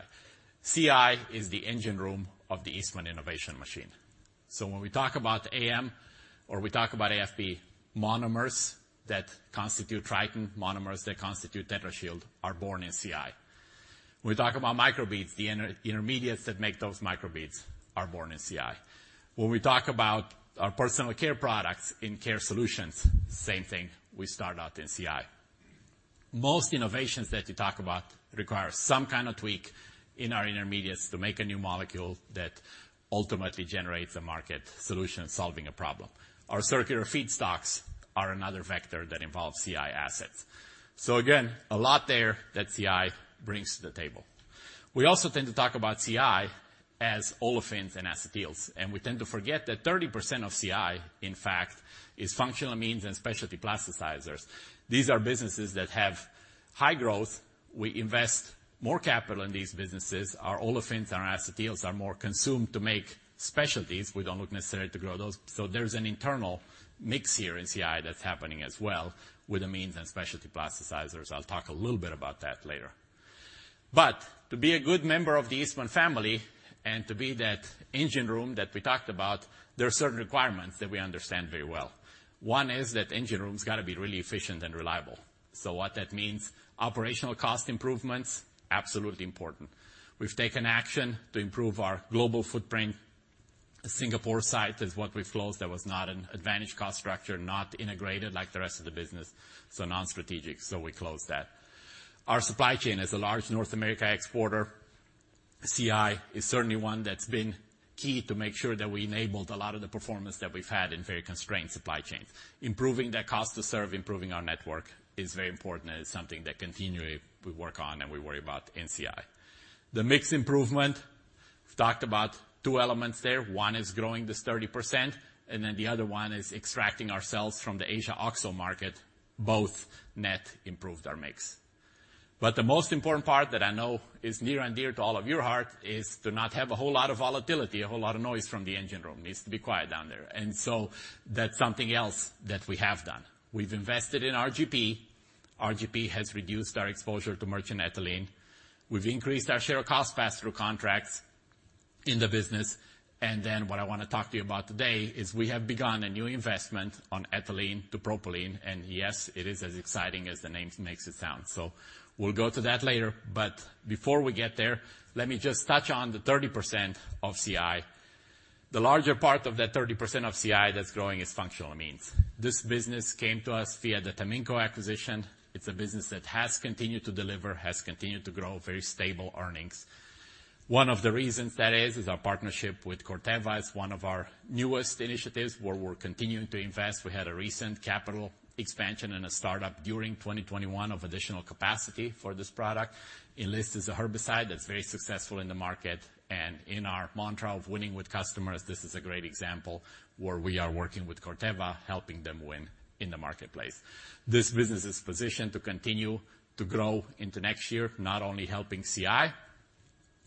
CI is the engine room of the Eastman innovation machine. When we talk about AM or we talk about AFP monomers that constitute Tritan, monomers that constitute Tetrashield are born in CI. When we talk about micro beads, the intermediates that make those micro beads are born in CI. When we talk about our personal care products in care solutions, same thing, we start out in CI. Most innovations that you talk about require some kind of tweak in our intermediates to make a new molecule that ultimately generates a market solution, solving a problem. Our circular feedstocks are another factor that involves CI assets. Again, a lot there that CI brings to the table. We also tend to talk about CI as olefins and acetyls, and we tend to forget that 30% of CI, in fact, is functional amines and specialty plasticizers. These are businesses that have high growth. We invest more capital in these businesses. Our olefins and our acetyls are more consumed to make specialties. We don't look necessarily to grow those. There's an internal mix here in CI that's happening as well with amines and specialty plasticizers. I'll talk a little bit about that later. To be a good member of the Eastman family and to be that engine room that we talked about, there are certain requirements that we understand very well. One is that engine room's gotta be really efficient and reliable. What that means, operational cost improvements, absolutely important. We've taken action to improve our global footprint. Singapore site is what we closed. That was not an advantage cost structure, not integrated like the rest of the business, so non-strategic, so we closed that. Our supply chain is a large North America exporter. CI is certainly one that's been key to make sure that we enabled a lot of the performance that we've had in very constrained supply chains. Improving that cost to serve, improving our network is very important, and it's something that continually we work on and we worry about in CI. The mix improvement, we've talked about two elements there. One is growing this 30%, and then the other one is extracting ourselves from the Asia oxo market. Both net improved our mix. The most important part that I know is near and dear to all of your heart is to not have a whole lot of volatility, a whole lot of noise from the engine room. It needs to be quiet down there. That's something else that we have done. We've invested in RGP. RGP has reduced our exposure to merchant ethylene. We've increased our share of cost pass-through contracts in the business. What I wanna talk to you about today is we have begun a new investment on ethylene to propylene, and yes, it is as exciting as the name makes it sound. We'll go to that later, but before we get there, let me just touch on the 30% of CI. The larger part of that 30% of CI that's growing is functional amines. This business came to us via the Taminco acquisition. It's a business that has continued to deliver, has continued to grow very stable earnings. One of the reasons that is our partnership with Corteva. It's one of our newest initiatives where we're continuing to invest. We had a recent capital expansion and a startup during 2021 of additional capacity for this product. Enlist is a herbicide that's very successful in the market, and in our mantra of winning with customers, this is a great example where we are working with Corteva, helping them win in the marketplace. This business is positioned to continue to grow into next year, not only helping CI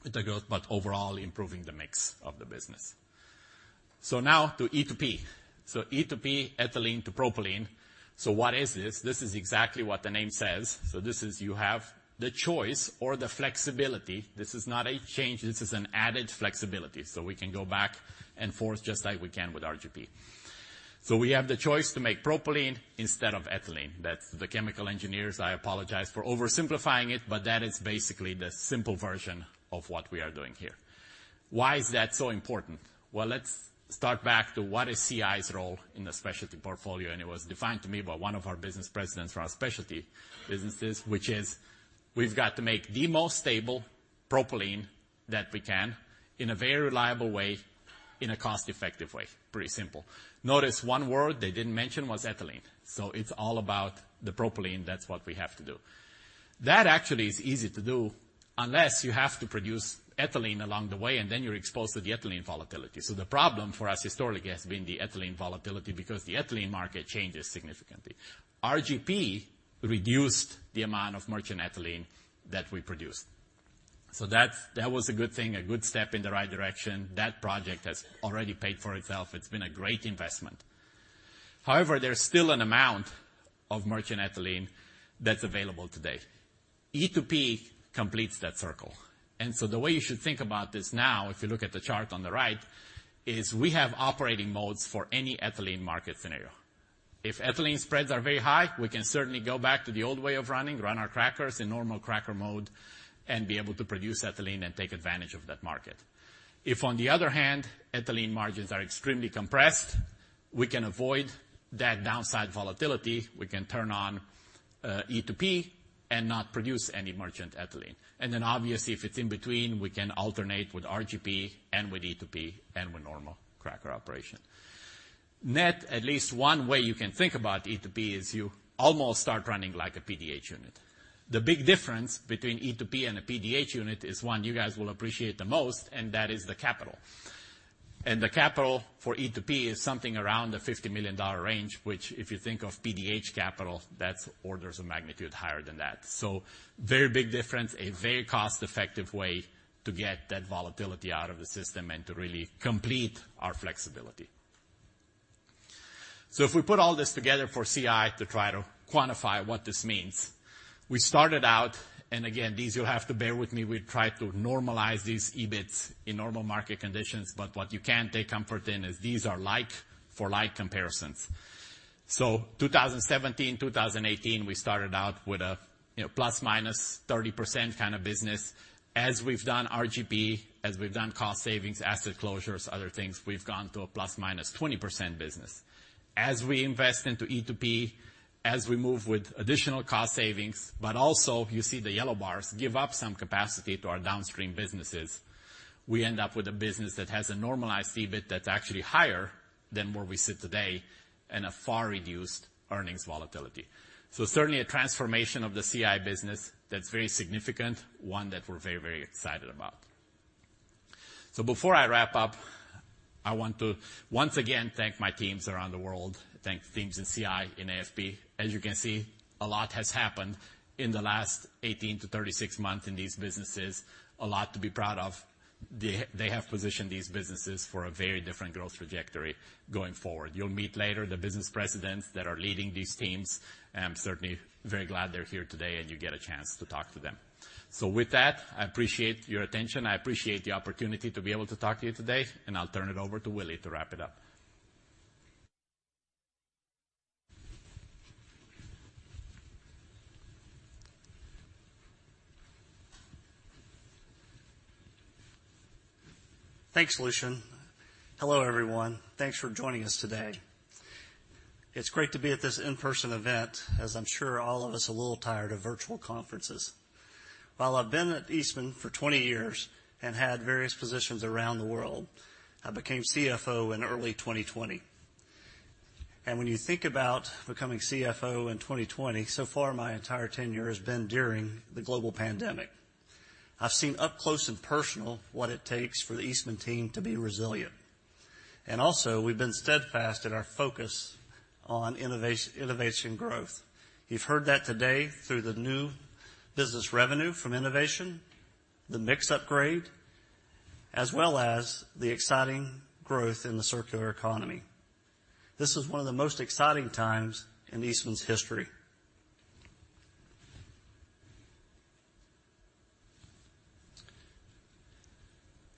with the growth, but overall improving the mix of the business. Now to EtoP. EtoP, ethylene to propylene. What is this? This is exactly what the name says. This is you have the choice or the flexibility. This is not a change. This is an added flexibility, so we can go back and forth just like we can with RGP. We have the choice to make propylene instead of ethylene. That's the chemical engineers. I apologize for oversimplifying it, but that is basically the simple version of what we are doing here. Why is that so important? Well, let's start back to what is CI's role in the specialty portfolio, and it was defined to me by one of our business presidents from our specialty businesses, which is we've got to make the most stable propylene that we can in a very reliable way, in a cost-effective way. Pretty simple. Notice one word they didn't mention was ethylene. It's all about the propylene. That's what we have to do. That actually is easy to do unless you have to produce ethylene along the way, and then you're exposed to the ethylene volatility. The problem for us historically has been the ethylene volatility because the ethylene market changes significantly. RGP reduced the amount of merchant ethylene that we produce. That was a good thing, a good step in the right direction. That project has already paid for itself. It's been a great investment. However, there's still an amount of merchant ethylene that's available today. E2P completes that circle. The way you should think about this now, if you look at the chart on the right, is we have operating modes for any ethylene market scenario. If ethylene spreads are very high, we can certainly go back to the old way of running, run our crackers in normal cracker mode and be able to produce ethylene and take advantage of that market. If on the other hand, ethylene margins are extremely compressed, we can avoid that downside volatility. We can turn on E2P and not produce any merchant ethylene. Obviously, if it's in between, we can alternate with RGP and with E2P and with normal cracker operation. Net, at least one way you can think about E2P is you almost start running like a PDH unit. The big difference between E2P and a PDH unit is one you guys will appreciate the most, and that is the capital. The capital for E2P is something around the $50 million range, which if you think of PDH capital, that's orders of magnitude higher than that. Very big difference, a very cost-effective way to get that volatility out of the system and to really complete our flexibility. If we put all this together for CI to try to quantify what this means, we started out, and again, these you'll have to bear with me, we try to normalize these EBITs in normal market conditions, but what you can take comfort in is these are like for like comparisons. In 2017, 2018, we started out with a, you know, ±30% kind of business. As we've done RGP, as we've done cost savings, asset closures, other things, we've gone to a ±20% business. As we invest into E2P, as we move with additional cost savings, but also, you see the yellow bars, give up some capacity to our downstream businesses, we end up with a business that has a normalized EBIT that's actually higher than where we sit today and a far reduced earnings volatility. Certainly a transformation of the CI business that's very significant, one that we're very, very excited about. Before I wrap up, I want to once again thank my teams around the world, thank the teams in CI and AFP. As you can see, a lot has happened in the last 18-36 months in these businesses, a lot to be proud of. They have positioned these businesses for a very different growth trajectory going forward. You'll meet later the business presidents that are leading these teams. I'm certainly very glad they're here today, and you get a chance to talk to them. With that, I appreciate your attention. I appreciate the opportunity to be able to talk to you today, and I'll turn it over to Willie to wrap it up. Thanks, Lucian. Hello, everyone. Thanks for joining us today. It's great to be at this in-person event, as I'm sure all of us are a little tired of virtual conferences. While I've been at Eastman for 20 years and had various positions around the world, I became CFO in early 2020. When you think about becoming CFO in 2020, so far my entire tenure has been during the global pandemic. I've seen up close and personal what it takes for the Eastman team to be resilient. We've been steadfast in our focus on innovation growth. You've heard that today through the new business revenue from innovation, the mix upgrade, as well as the exciting growth in the circular economy. This is one of the most exciting times in Eastman's history.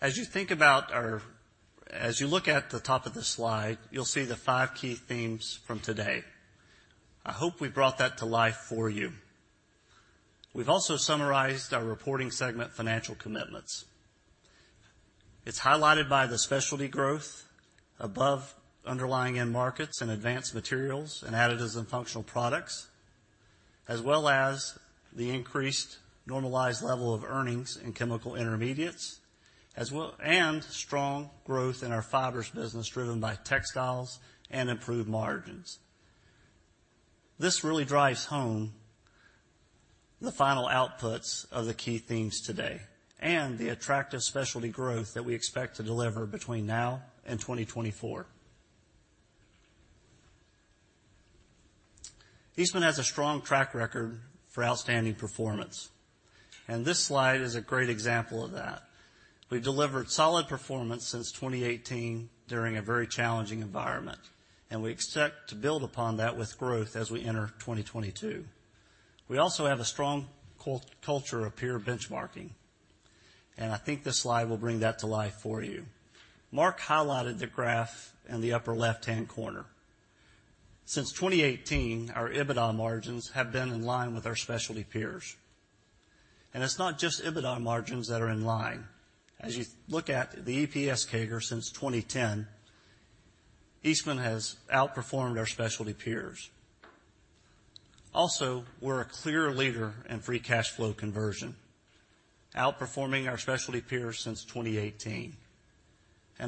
As you think about our. As you look at the top of the slide, you'll see the five key themes from today. I hope we brought that to life for you. We've also summarized our reporting segment financial commitments. It's highlighted by the specialty growth above underlying end markets in Advanced Materials and Additives & Functional Products, as well as the increased normalized level of earnings in Chemical Intermediates, and strong growth in our Fibers business driven by textiles and improved margins. This really drives home the final outputs of the key themes today and the attractive specialty growth that we expect to deliver between now and 2024. Eastman has a strong track record for outstanding performance, and this slide is a great example of that. We've delivered solid performance since 2018 during a very challenging environment, and we expect to build upon that with growth as we enter 2022. We also have a strong culture of peer benchmarking, and I think this slide will bring that to life for you. Mark highlighted the graph in the upper left-hand corner. Since 2018, our EBITDA margins have been in line with our specialty peers. It's not just EBITDA margins that are in line. As you look at the EPS CAGR since 2010, Eastman has outperformed our specialty peers. Also, we're a clear leader in free cash flow conversion, outperforming our specialty peers since 2018.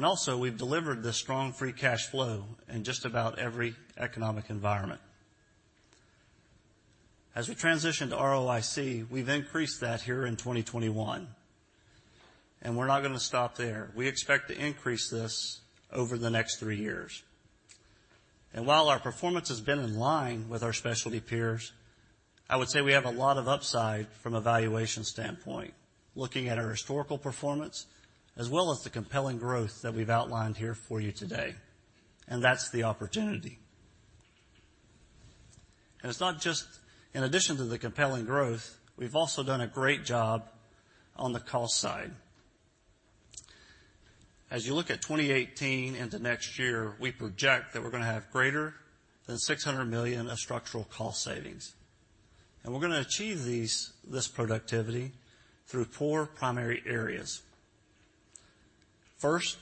Also, we've delivered this strong free cash flow in just about every economic environment. As we transition to ROIC, we've increased that here in 2021, and we're not gonna stop there. We expect to increase this over the next three years. While our performance has been in line with our specialty peers, I would say we have a lot of upside from a valuation standpoint, looking at our historical performance as well as the compelling growth that we've outlined here for you today. That's the opportunity. It's not just. In addition to the compelling growth, we've also done a great job on the cost side. As you look at 2018 into next year, we project that we're gonna have greater than $600 million of structural cost savings. We're gonna achieve this productivity through four primary areas. First,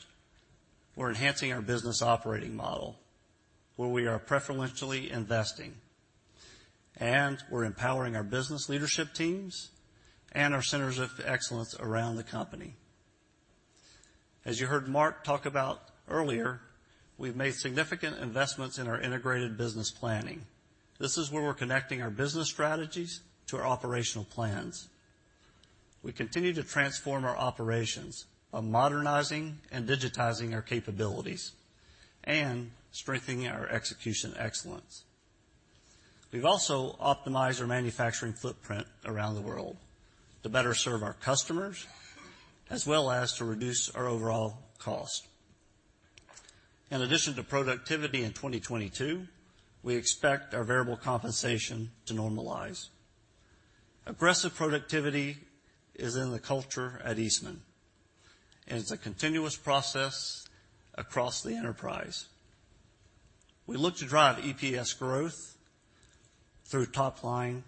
we're enhancing our business operating model, where we are preferentially investing. We're empowering our business leadership teams and our centers of excellence around the company. As you heard Mark talk about earlier, we've made significant investments in our integrated business planning. This is where we're connecting our business strategies to our operational plans. We continue to transform our operations by modernizing and digitizing our capabilities and strengthening our execution excellence. We've also optimized our manufacturing footprint around the world to better serve our customers, as well as to reduce our overall cost. In addition to productivity in 2022, we expect our variable compensation to normalize. Aggressive productivity is in the culture at Eastman, and it's a continuous process across the enterprise. We look to drive EPS growth through top line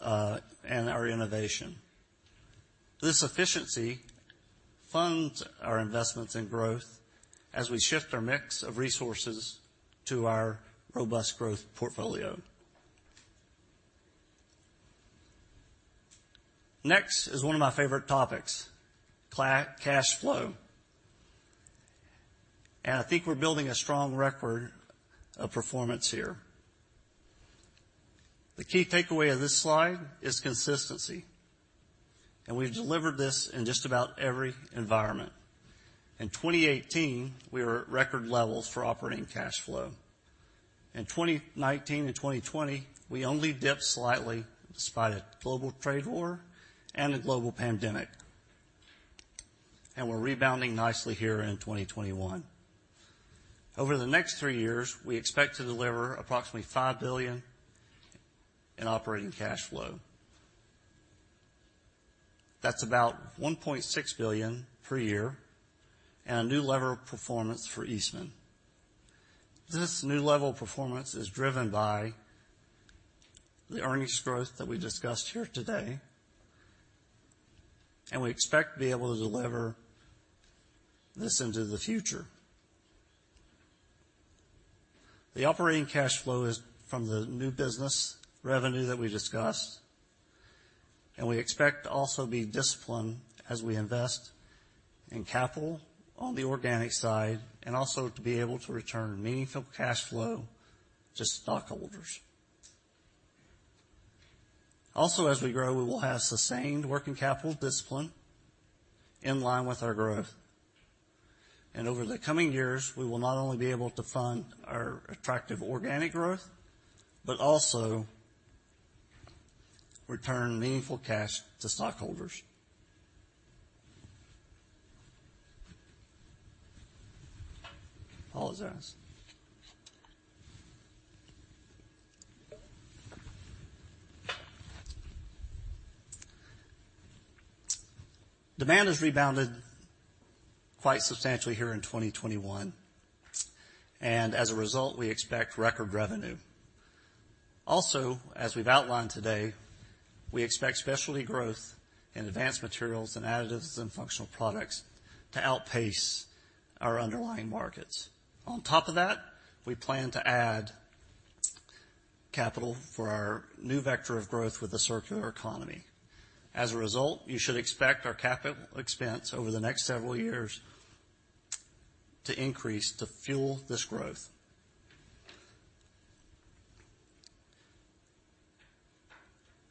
and our innovation. This efficiency funds our investments in growth as we shift our mix of resources to our robust growth portfolio. Next is one of my favorite topics, cash flow. I think we're building a strong record of performance here. The key takeaway of this slide is consistency, and we've delivered this in just about every environment. In 2018, we were at record levels for operating cash flow. In 2019 and 2020, we only dipped slightly despite a global trade war and a global pandemic, and we're rebounding nicely here in 2021. Over the next three years, we expect to deliver approximately $5 billion in operating cash flow. That's about $1.6 billion per year and a new level of performance for Eastman. This new level of performance is driven by the earnings growth that we discussed here today, and we expect to be able to deliver this into the future. The operating cash flow is from the new business revenue that we discussed, and we expect to also be disciplined as we invest in capital on the organic side and also to be able to return meaningful cash flow to stockholders. As we grow, we will have sustained working capital discipline in line with our growth. Over the coming years, we will not only be able to fund our attractive organic growth, but also return meaningful cash to stockholders. All else equal. Demand has rebounded quite substantially here in 2021, and as a result, we expect record revenue. As we've outlined today, we expect specialty growth in Advanced Materials and Additives & Functional Products to outpace our underlying markets. On top of that, we plan to add capital for our new vector of growth with the circular economy. As a result, you should expect our capital expense over the next several years to increase to fuel this growth.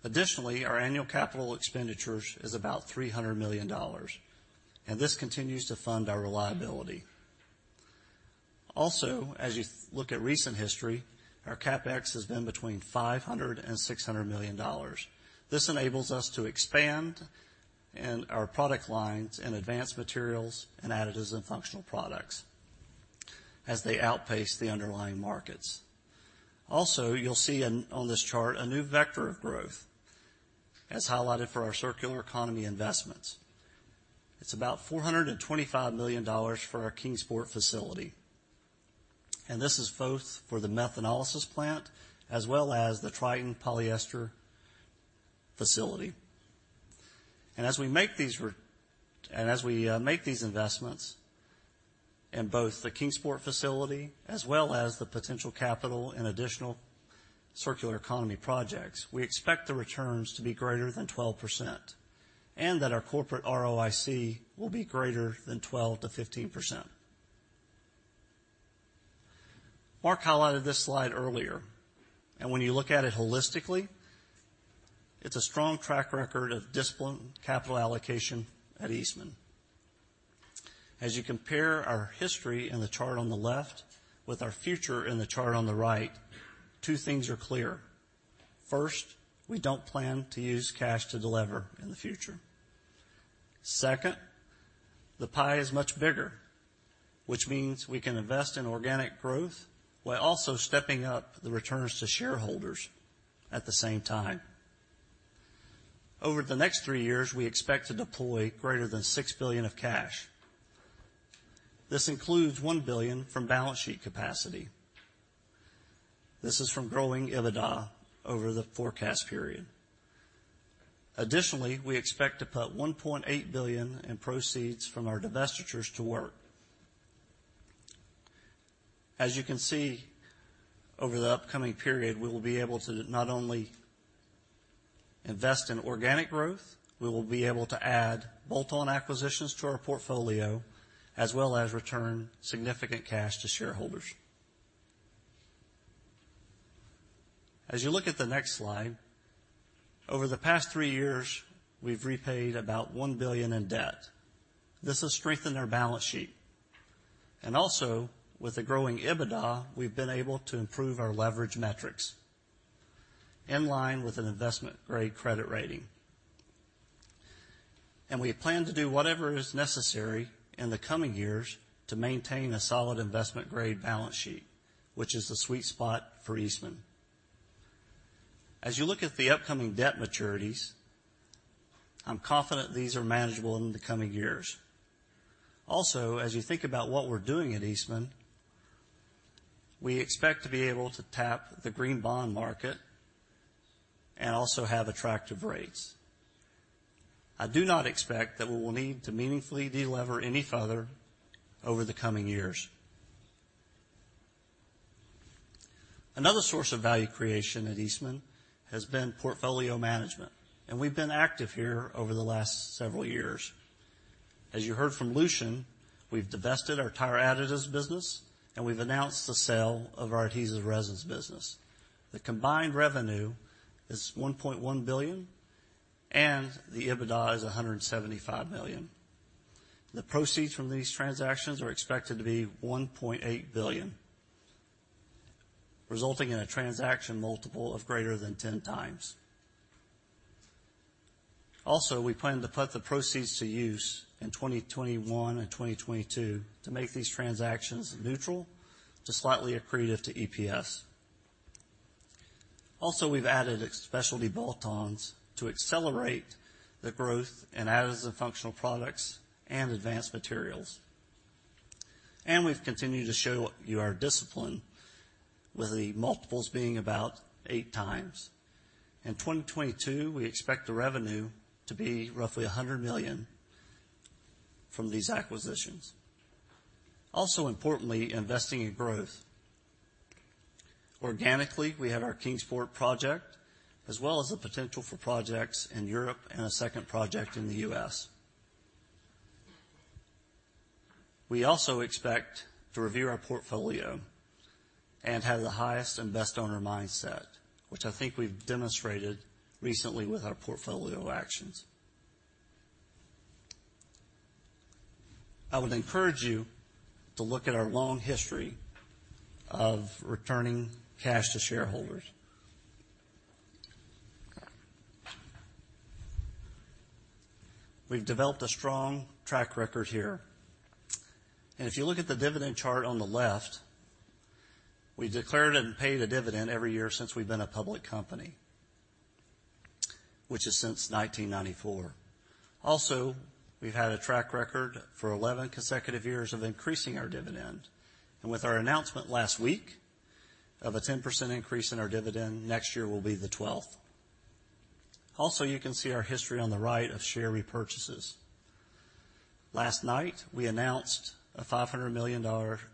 Additionally, our annual capital expenditures is about $300 million, and this continues to fund our reliability. Also, as you look at recent history, our CapEx has been between $500 and $600 million. This enables us to expand in our product lines in Advanced Materials and Additives & Functional Products as they outpace the underlying markets. Also, you'll see on this chart a new vector of growth as highlighted for our circular economy investments. It's about $425 million for our Kingsport facility, and this is both for the methanolysis plant as well as the Tritan polyester facility. As we make these investments in both the Kingsport facility as well as the potential capital in additional circular economy projects, we expect the returns to be greater than 12%, and that our corporate ROIC will be greater than 12%-15%. Mark highlighted this slide earlier, and when you look at it holistically, it's a strong track record of disciplined capital allocation at Eastman. As you compare our history in the chart on the left with our future in the chart on the right, two things are clear. First, we don't plan to use cash to delever in the future. Second, the pie is much bigger, which means we can invest in organic growth while also stepping up the returns to shareholders at the same time. Over the next three years, we expect to deploy greater than $6 billion of cash. This includes $1 billion from balance sheet capacity. This is from growing EBITDA over the forecast period. Additionally, we expect to put $1.8 billion in proceeds from our divestitures to work. As you can see, over the upcoming period, we will be able to not only invest in organic growth, we will be able to add bolt-on acquisitions to our portfolio, as well as return significant cash to shareholders. As you look at the next slide, over the past three years, we've repaid about $1 billion in debt. This has strengthened our balance sheet. With a growing EBITDA, we've been able to improve our leverage metrics in line with an investment-grade credit rating. We plan to do whatever is necessary in the coming years to maintain a solid investment-grade balance sheet, which is the sweet spot for Eastman. As you look at the upcoming debt maturities, I'm confident these are manageable in the coming years. Also, as you think about what we're doing at Eastman, we expect to be able to tap the green bond market and also have attractive rates. I do not expect that we will need to meaningfully delever any further over the coming years. Another source of value creation at Eastman has been portfolio management, and we've been active here over the last several years. As you heard from Lucian, we've divested our tire additives business, and we've announced the sale of our adhesives resins business. The combined revenue is $1.1 billion, and the EBITDA is $175 million. The proceeds from these transactions are expected to be $1.8 billion, resulting in a transaction multiple of greater than 10x. Also, we plan to put the proceeds to use in 2021 and 2022 to make these transactions neutral to slightly accretive to EPS. We've added specialty bolt-ons to accelerate the growth in Additives & Functional Products and Advanced Materials. We've continued to show you our discipline with the multiples being about 8x. In 2022, we expect the revenue to be roughly $100 million from these acquisitions. Importantly, investing in growth organically, we have our Kingsport project, as well as the potential for projects in Europe and a second project in the U.S. We also expect to review our portfolio and have the highest and best owner mindset, which I think we've demonstrated recently with our portfolio actions. I would encourage you to look at our long history of returning cash to shareholders. We've developed a strong track record here. If you look at the dividend chart on the left, we've declared and paid a dividend every year since we've been a public company, which is since 1994. We've had a track record for 11 consecutive years of increasing our dividend. With our announcement last week of a 10% increase in our dividend, next year will be the 12th. Also, you can see our history on the right of share repurchases. Last night, we announced a $500 million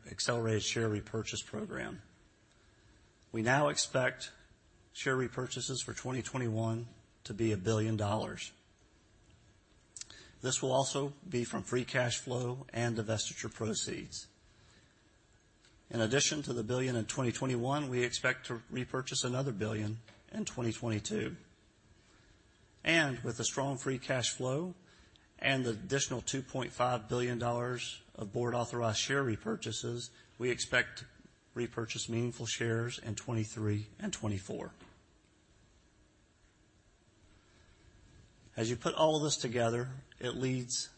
accelerated share repurchase program. We now expect share repurchases for 2021 to be $1 billion. This will also be from free cash flow and divestiture proceeds. In addition to the $1 billion in 2021, we expect to repurchase another $1 billion in 2022. With the strong free cash flow and the additional $2.5 billion of board authorized share repurchases, we expect to repurchase meaningful shares in 2023 and 2024. As you put all of this together, it leads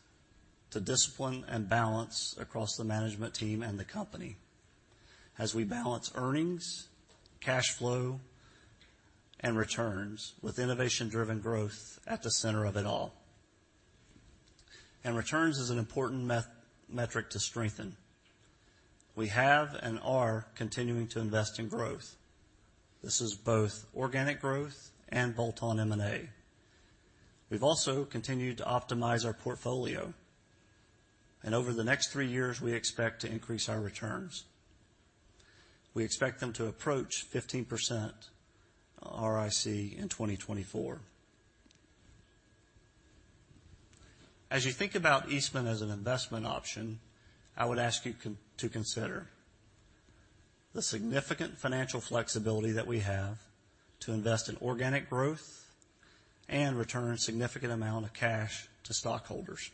to discipline and balance across the management team and the company as we balance earnings, cash flow, and returns with innovation-driven growth at the center of it all. Returns is an important metric to strengthen. We have and are continuing to invest in growth. This is both organic growth and bolt-on M&A. We've also continued to optimize our portfolio, and over the next three years, we expect to increase our returns. We expect them to approach 15% ROIC in 2024. As you think about Eastman as an investment option, I would ask you to consider the significant financial flexibility that we have to invest in organic growth and return a significant amount of cash to stockholders.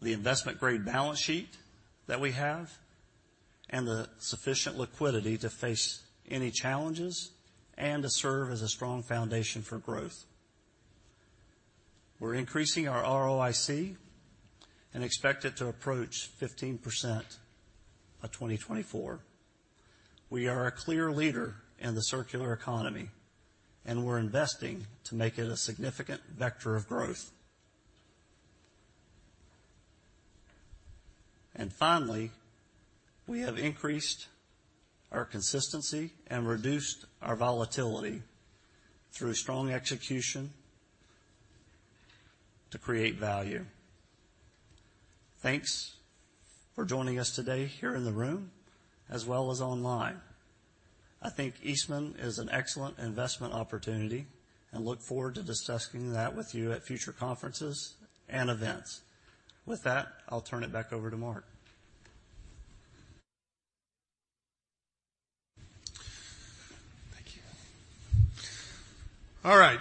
The investment-grade balance sheet that we have and the sufficient liquidity to face any challenges and to serve as a strong foundation for growth. We're increasing our ROIC and expect it to approach 15% by 2024. We are a clear leader in the circular economy, and we're investing to make it a significant vector of growth. Finally, we have increased our consistency and reduced our volatility through strong execution to create value. Thanks for joining us today here in the room as well as online. I think Eastman is an excellent investment opportunity and look forward to discussing that with you at future conferences and events. With that, I'll turn it back over to Mark. All right.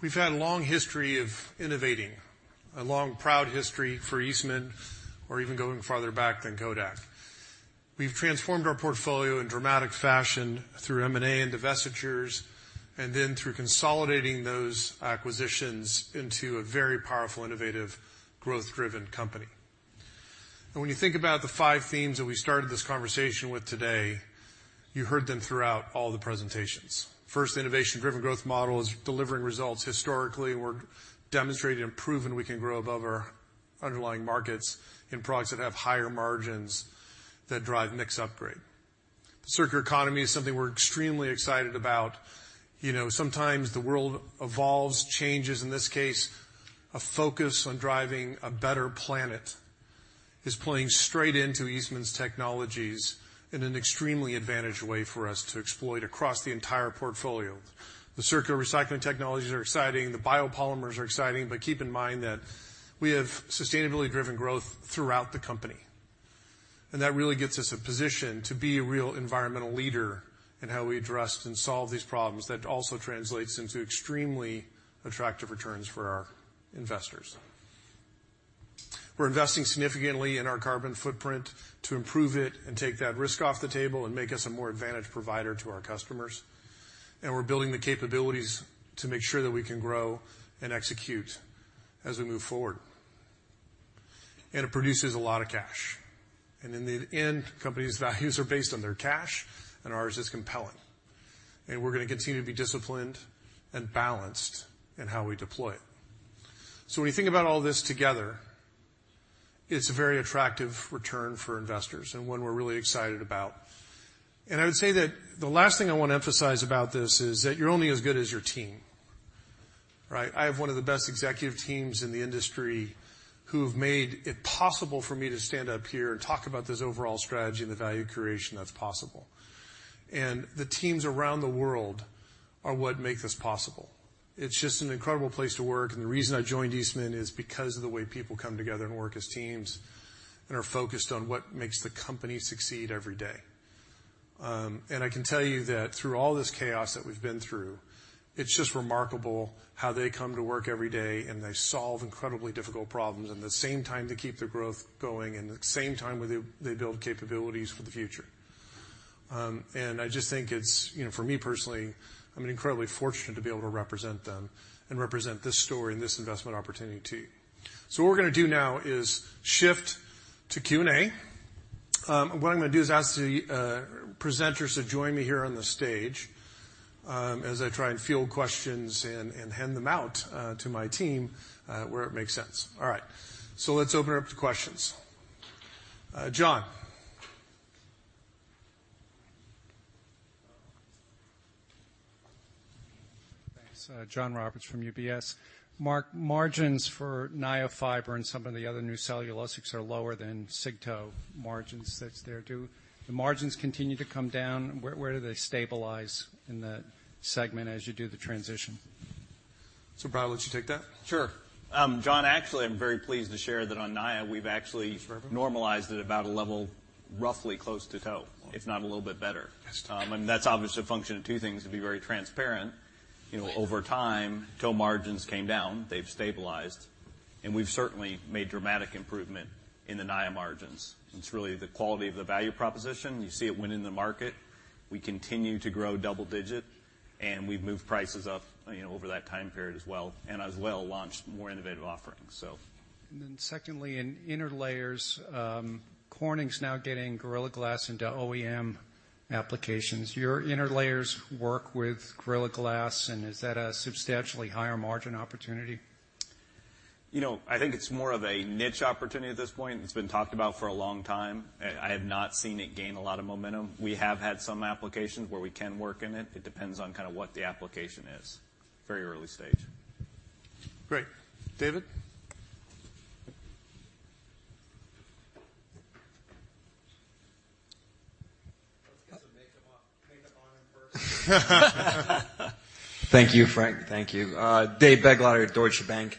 We've had a long history of innovating, a long, proud history for Eastman or even going farther back than Kodak. We've transformed our portfolio in dramatic fashion through M&A and divestitures, and then through consolidating those acquisitions into a very powerful, innovative, growth-driven company. When you think about the five themes that we started this conversation with today, you heard them throughout all the presentations. First, innovation-driven growth model is delivering results historically. We're demonstrating and proving we can grow above our underlying markets in products that have higher margins that drive mix upgrade. The circular economy is something we're extremely excited about. You know, sometimes the world evolves, changes. In this case, a focus on driving a better planet is playing straight into Eastman's technologies in an extremely advantaged way for us to exploit across the entire portfolio. The circular recycling technologies are exciting, the biopolymers are exciting, but keep in mind that we have sustainability-driven growth throughout the company. That really gets us a position to be a real environmental leader in how we address and solve these problems that also translates into extremely attractive returns for our investors. We're investing significantly in our carbon footprint to improve it and take that risk off the table and make us a more advantaged provider to our customers, and we're building the capabilities to make sure that we can grow and execute as we move forward. It produces a lot of cash. In the end, companies' values are based on their cash, and ours is compelling. We're gonna continue to be disciplined and balanced in how we deploy it. When you think about all this together, it's a very attractive return for investors and one we're really excited about. I would say that the last thing I wanna emphasize about this is that you're only as good as your team, right? I have one of the best executive teams in the industry who've made it possible for me to stand up here and talk about this overall strategy and the value creation that's possible. The teams around the world are what make this possible. It's just an incredible place to work, and the reason I joined Eastman is because of the way people come together and work as teams and are focused on what makes the company succeed every day. I can tell you that through all this chaos that we've been through, it's just remarkable how they come to work every day and they solve incredibly difficult problems. At the same time, they keep the growth going, and at the same time, they build capabilities for the future. I just think it's, you know, for me personally, I'm incredibly fortunate to be able to represent them and represent this story and this investment opportunity to you. What we're gonna do now is shift to Q&A. What I'm gonna do is ask the presenters to join me here on the stage as I try and field questions and hand them out to my team where it makes sense. All right. Let's open it up to questions. John. Thanks. John Roberts from UBS. Mark, margins for Naia fiber and some of the other new cellulosics are lower than cig tow margins that's there. Do the margins continue to come down? Where do they stabilize in that segment as you do the transition? Brad, would you take that? Sure. John, actually, I'm very pleased to share that on Naia, we've actually normalized it about a level roughly close to tow, if not a little bit better. That's Tom. That's obviously a function of two things, to be very transparent. You know, over time, tow margins came down. They've stabilized. We've certainly made dramatic improvement in the Naia margins. It's really the quality of the value proposition. You see it winning the market. We continue to grow double digit, and we've moved prices up, you know, over that time period as well, and as well, launched more innovative offerings, so. Secondly, in interlayers, Corning's now getting Gorilla Glass into OEM applications. Your interlayers work with Gorilla Glass, and is that a substantially higher margin opportunity? You know, I think it's more of a niche opportunity at this point. It's been talked about for a long time. I have not seen it gain a lot of momentum. We have had some applications where we can work in it. It depends on kinda what the application is. Very early stage. Great. David? Thank you, Frank. Thank you. David Begleiter, Deutsche Bank.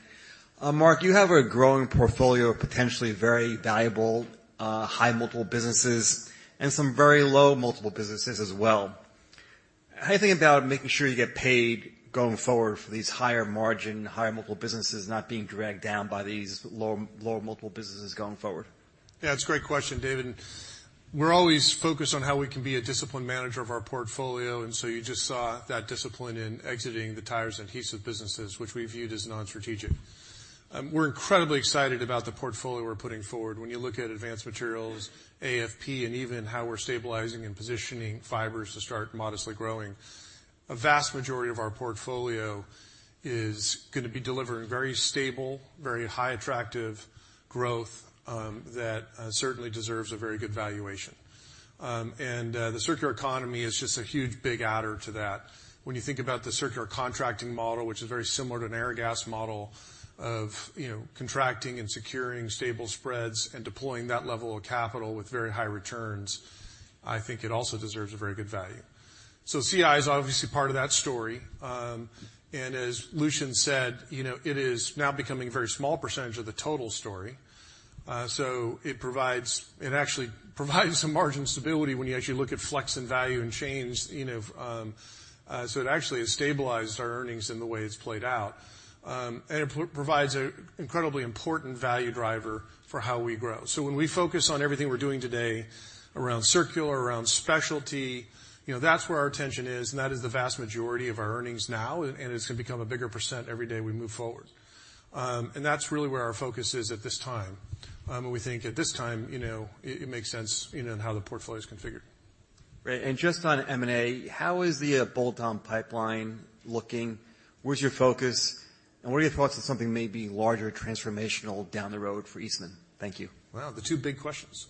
Mark, you have a growing portfolio of potentially very valuable high multiple businesses and some very low multiple businesses as well. How do you think about making sure you get paid going forward for these higher margin, higher multiple businesses not being dragged down by these lower multiple businesses going forward? Yeah, it's a great question, David. We're always focused on how we can be a disciplined manager of our portfolio, and so you just saw that discipline in exiting the tires and adhesive businesses, which we viewed as non-strategic. We're incredibly excited about the portfolio we're putting forward. When you look at Advanced Materials, AFP, and even how we're stabilizing and positioning Fibers to start modestly growing, a vast majority of our portfolio is gonna be delivering very stable, very high attractive growth, that certainly deserves a very good valuation. The circular economy is just a huge, big adder to that. When you think about the circular contracting model, which is very similar to an Airgas model of, you know, contracting and securing stable spreads and deploying that level of capital with very high returns, I think it also deserves a very good value. CI is obviously part of that story. As Lucian said, you know, it is now becoming a very small percentage of the total story. It actually provides some margin stability when you actually look at flex in value and change, you know, so it actually has stabilized our earnings in the way it's played out. It provides an incredibly important value driver for how we grow. When we focus on everything we're doing today around circular, around specialty, you know, that's where our attention is, and that is the vast majority of our earnings now, and it's gonna become a bigger percent every day we move forward. That's really where our focus is at this time. We think at this time, you know, it makes sense, you know, in how the portfolio is configured. Right. Just on M&A, how is the bolt-on pipeline looking? Where's your focus, and what are your thoughts on something maybe larger transformational down the road for Eastman? Thank you. Wow. The two big questions.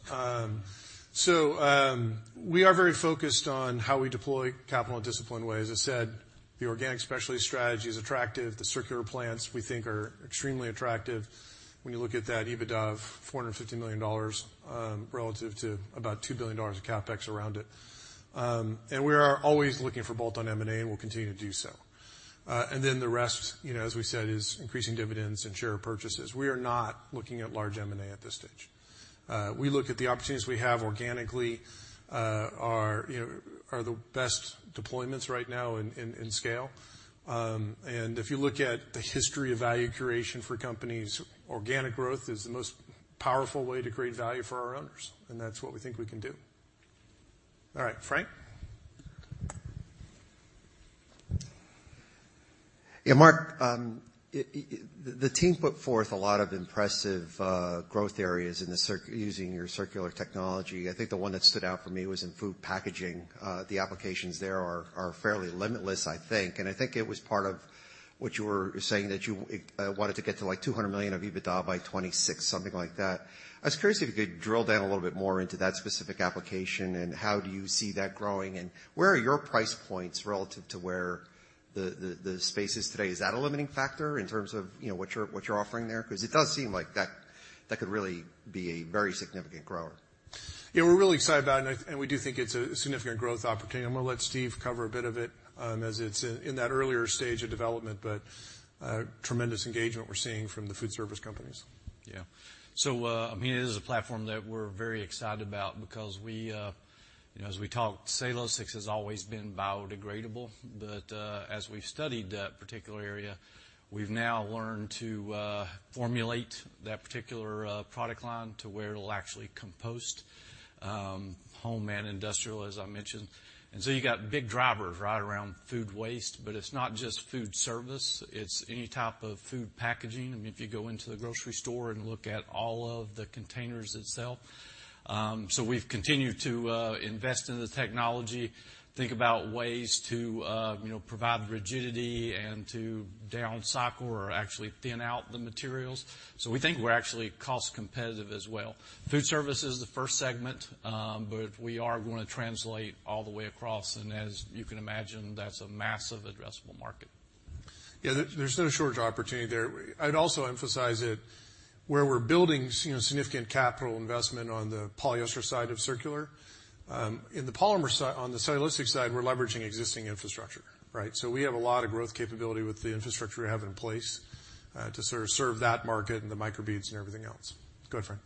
We are very focused on how we deploy capital in a disciplined way. As I said, the organic specialty strategy is attractive. The circular plants we think are extremely attractive when you look at that EBITDA of $450 million relative to about $2 billion of CapEx around it. We are always looking for bolt-on M&A, and we'll continue to do so. The rest, you know, as we said, is increasing dividends and share purchases. We are not looking at large M&A at this stage. We look at the opportunities we have organically are the best deployments right now in scale. If you look at the history of value creation for companies, organic growth is the most powerful way to create value for our owners, and that's what we think we can do. All right. Frank? Yeah. Mark, the team put forth a lot of impressive growth areas in the circular using your circular technology. I think the one that stood out for me was in food packaging. The applications there are fairly limitless, I think, and I think it was part of what you were saying that you wanted to get to, like, $200 million of EBITDA by 2026, something like that. I was curious if you could drill down a little bit more into that specific application and how do you see that growing, and where are your price points relative to where the space is today? Is that a limiting factor in terms of, you know, what you're offering there? 'Cause it does seem like that could really be a very significant grower. Yeah, we're really excited about it, and we do think it's a significant growth opportunity. I'm gonna let Steve cover a bit of it, as it's in that earlier stage of development, but tremendous engagement we're seeing from the food service companies. Yeah. I mean, it is a platform that we're very excited about because we, you know, as we talked, cellulosics has always been biodegradable, but, as we've studied that particular area, we've now learned to formulate that particular product line to where it'll actually compost, home and industrial, as I mentioned. You got big drivers right around food waste, but it's not just food service, it's any type of food packaging. I mean, if you go into the grocery store and look at all of the containers itself. We've continued to invest in the technology, think about ways to, you know, provide rigidity and to downcycle or actually thin out the materials. We think we're actually cost competitive as well. Food service is the first segment, but we are gonna translate all the way across, and as you can imagine, that's a massive addressable market. Yeah. There's no shortage of opportunity there. I'd also emphasize that where we're building significant capital investment on the polyester side of circular, on the cellulosics side, we're leveraging existing infrastructure, right? We have a lot of growth capability with the infrastructure we have in place to sort of serve that market and the micro beads and everything else. Go ahead, Frank.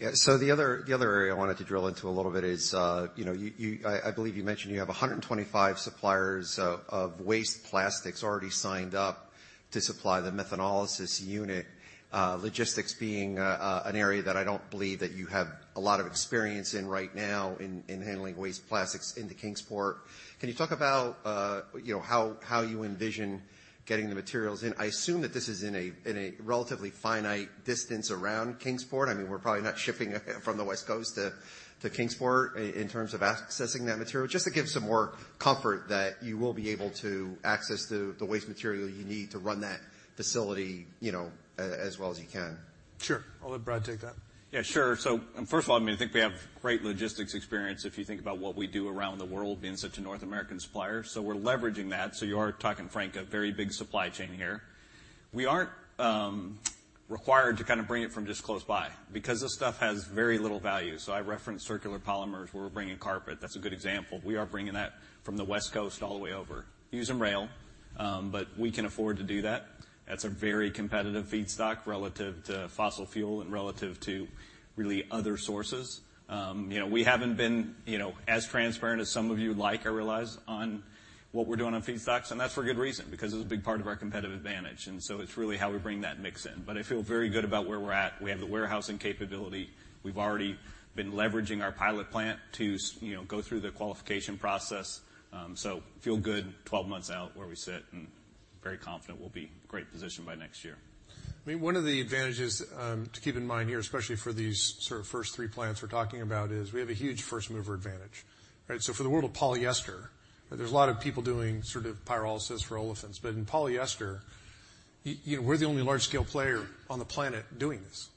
Yeah. The other area I wanted to drill into a little bit is, you know, I believe you mentioned you have 125 suppliers of waste plastics already signed up to supply the methanolysis unit, logistics being an area that I don't believe that you have a lot of experience in right now in handling waste plastics into Kingsport. Can you talk about, you know, how you envision getting the materials in? I assume that this is in a relatively finite distance around Kingsport. I mean, we're probably not shipping from the West Coast to Kingsport in terms of accessing that material. Just to give some more comfort that you will be able to access the waste material you need to run that facility, you know, as well as you can. Sure. I'll let Brad take that. Yeah, sure. First of all, I mean, I think we have great logistics experience if you think about what we do around the world being such a North American supplier. We're leveraging that, so you are talking, Frank, a very big supply chain here. We aren't required to kinda bring it from just close by because this stuff has very little value. I referenced Circular Polymers where we're bringing carpet. That's a good example. We are bringing that from the West Coast all the way over using rail, but we can afford to do that. That's a very competitive feedstock relative to fossil fuel and relative to really other sources. You know, we haven't been, you know, as transparent as some of you like, I realize, on what we're doing on feedstocks, and that's for good reason because it's a big part of our competitive advantage, and so it's really how we bring that mix in. I feel very good about where we're at. We have the warehousing capability. We've already been leveraging our pilot plant to you know, go through the qualification process. Feel good 12 months out where we sit and very confident we'll be in great position by next year. I mean, one of the advantages to keep in mind here, especially for these sort of first three plants we're talking about, is we have a huge first-mover advantage, right? For the world of polyester, there's a lot of people doing sort of pyrolysis for olefins, but in polyester, you know, we're the only large scale player on the planet doing this,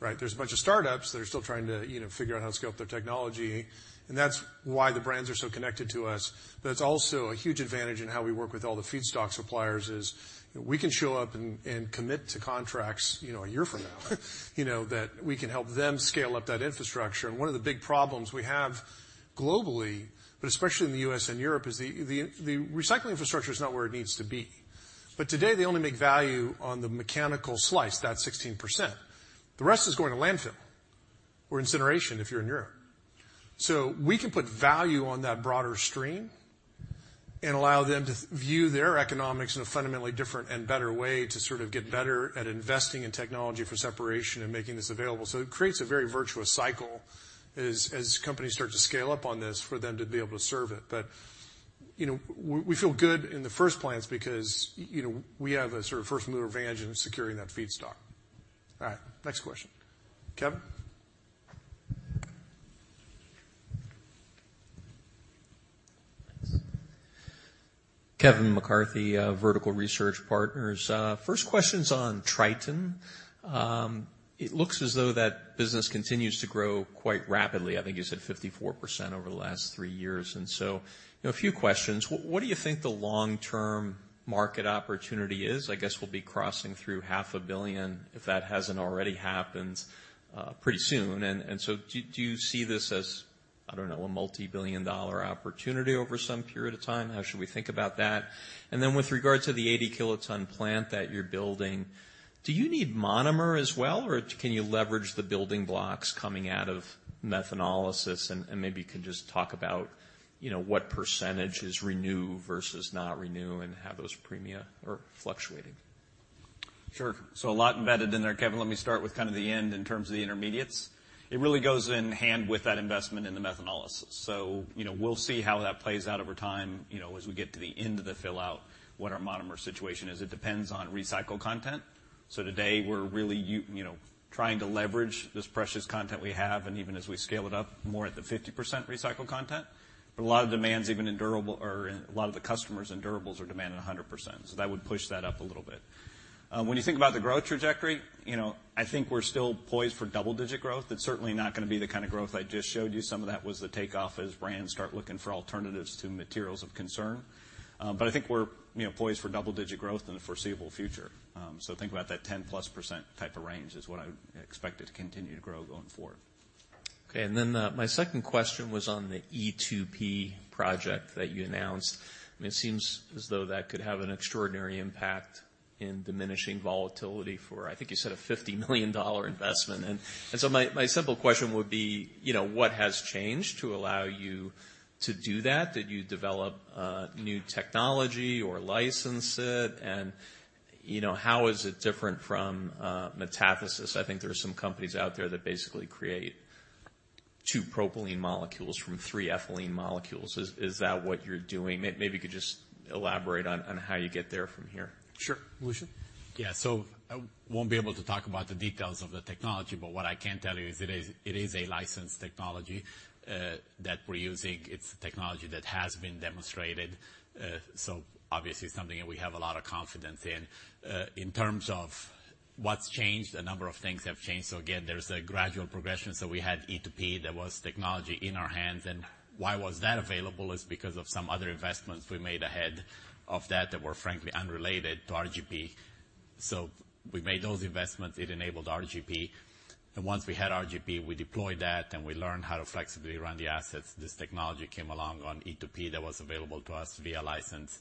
right? There's a bunch of startups that are still trying to, you know, figure out how to scale up their technology, and that's why the brands are so connected to us. It's also a huge advantage in how we work with all the feedstock suppliers is we can show up and commit to contracts, you know, a year from now, you know, that we can help them scale up that infrastructure. One of the big problems we have globally, but especially in the U.S. and Europe, is the recycling infrastructure is not where it needs to be. Today, they only make value on the mechanical slice, that 16%. The rest is going to landfill or incineration if you're in Europe. We can put value on that broader stream and allow them to view their economics in a fundamentally different and better way to sort of get better at investing in technology for separation and making this available. It creates a very virtuous cycle as companies start to scale up on this for them to be able to serve it. You know, we feel good in the first plants because, you know, we have a sort of first-mover advantage in securing that feedstock. All right, next question. Kevin? Kevin McCarthy, Vertical Research Partners. First question's on Tritan. It looks as though that business continues to grow quite rapidly. I think you said 54% over the last three years, you know, a few questions. What do you think the long-term market opportunity is? I guess we'll be crossing through half a billion, if that hasn't already happened, pretty soon. Do you see this as, I don't know, a multi-billion dollar opportunity over some period of time? How should we think about that? With regard to the 80-kiloton plant that you're building, do you need monomer as well, or can you leverage the building blocks coming out of methanolysis? Maybe you can just talk about, you know, what percentage is Renew versus not Renew and how those premiums are fluctuating. Sure. A lot embedded in there, Kevin. Let me start with kind of the end in terms of the intermediates. It really goes in hand with that investment in the methanolysis. You know, we'll see how that plays out over time, you know, as we get to the end of the build out, what our monomer situation is. It depends on recycled content. Today we're really you know, trying to leverage this precious content we have and even as we scale it up more at the 50% recycled content. But a lot of demands even in durables, a lot of the customers in durables are demanding 100%, so that would push that up a little bit. When you think about the growth trajectory, you know, I think we're still poised for double-digit growth. It's certainly not gonna be the kind of growth I just showed you. Some of that was the takeoff as brands start looking for alternatives to materials of concern. But I think we're, you know, poised for double-digit growth in the foreseeable future. Think about that 10%+ type of range is what I expect it to continue to grow going forward. Okay. My second question was on the E2P project that you announced. I mean, it seems as though that could have an extraordinary impact in diminishing volatility, for I think you said a $50 million investment. My simple question would be, you know, what has changed to allow you to do that? Did you develop new technology or license it? You know, how is it different from metathesis? I think there are some companies out there that basically create two propylene molecules from three ethylene molecules. Is that what you're doing? Maybe you could just elaborate on how you get there from here. Sure. Lucian? Yeah. I won't be able to talk about the details of the technology, but what I can tell you is it is a licensed technology that we're using. It's a technology that has been demonstrated. Obviously something that we have a lot of confidence in. In terms of what's changed, a number of things have changed. Again, there's a gradual progression. We had E2P, there was technology in our hands. Why was that available is because of some other investments we made ahead of that were frankly unrelated to RGP. We made those investments, it enabled RGP. Once we had RGP, we deployed that and we learned how to flexibly run the assets. This technology came along on E2P that was available to us via license.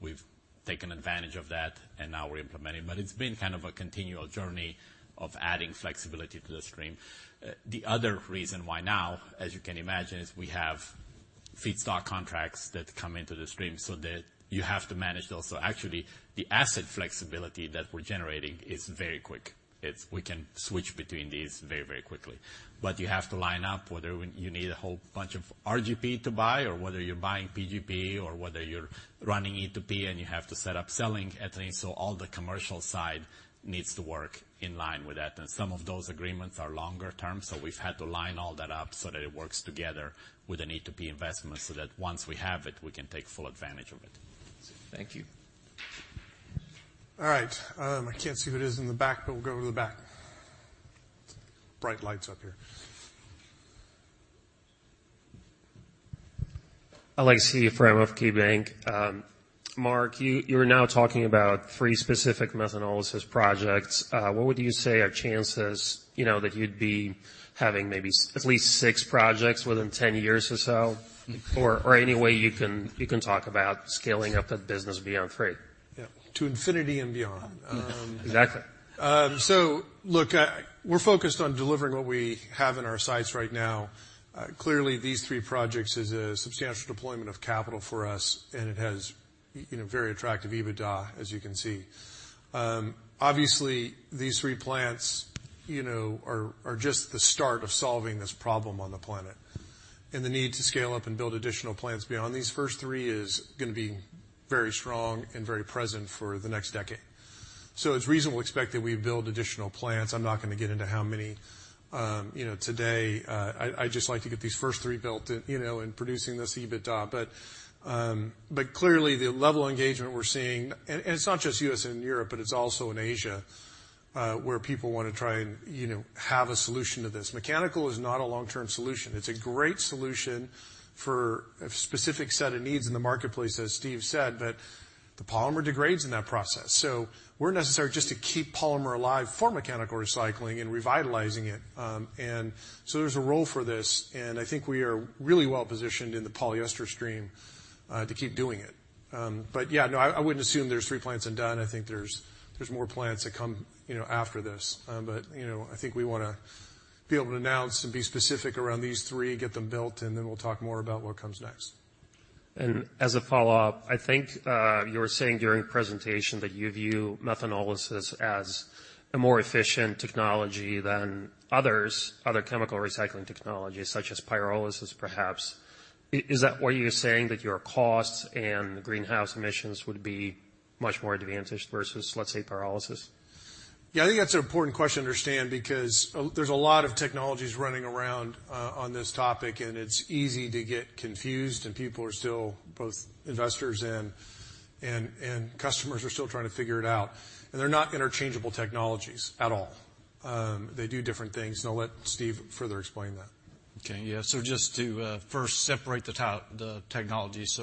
We've taken advantage of that and now we're implementing. It's been kind of a continual journey of adding flexibility to the stream. The other reason why now, as you can imagine, is we have feedstock contracts that come into the stream so that you have to manage those. Actually, the asset flexibility that we're generating is very quick. It's, we can switch between these very, very quickly. You have to line up whether you need a whole bunch of RGP to buy or whether you're buying PGP or whether you're running E2P and you have to set up selling ethylene. All the commercial side needs to work in line with that. Some of those agreements are longer term, so we've had to line all that up so that it works together with the need to be investment, so that once we have it, we can take full advantage of it. Thank you. All right. I can't see who it is in the back, but we'll go to the back. Bright lights up here. Yeah. To infinity and beyond. Exactly. So look, we're focused on delivering what we have in our sites right now. Clearly these three projects is a substantial deployment of capital for us, and it has, you know, very attractive EBITDA, as you can see. Obviously, these three plants, you know, are just the start of solving this problem on the planet. The need to scale up and build additional plants beyond these first three is gonna be very strong and very present for the next decade. It's reasonable to expect that we build additional plants. I'm not gonna get into how many, you know, today. I'd just like to get these first three built and, you know, and producing this EBITDA. Clearly the level of engagement we're seeing, and it's not just U.S. and Europe, but it's also in Asia, where people wanna try and, you know, have a solution to this. Mechanical is not a long-term solution. It's a great solution for a specific set of needs in the marketplace, as Steve said, but the polymer degrades in that process. So we're necessary just to keep polymer alive for mechanical recycling and revitalizing it. And so there's a role for this, and I think we are really well positioned in the polyester stream, to keep doing it. But yeah, no, I wouldn't assume there's three plants and done. I think there's more plants that come, you know, after this. You know, I think we wanna be able to announce and be specific around these three, get them built, and then we'll talk more about what comes next. As a follow-up, I think, you were saying during presentation that you view methanolysis as a more efficient technology than others, other chemical recycling technologies such as pyrolysis perhaps. Is that what you're saying that your costs and greenhouse emissions would be much more advantaged versus, let's say, pyrolysis? Yeah, I think that's an important question to understand because there's a lot of technologies running around on this topic, and it's easy to get confused, and people are still, both investors and customers are still trying to figure it out. They're not interchangeable technologies at all. They do different things, and I'll let Steve further explain that. Okay, yeah. Just to first separate the technologies.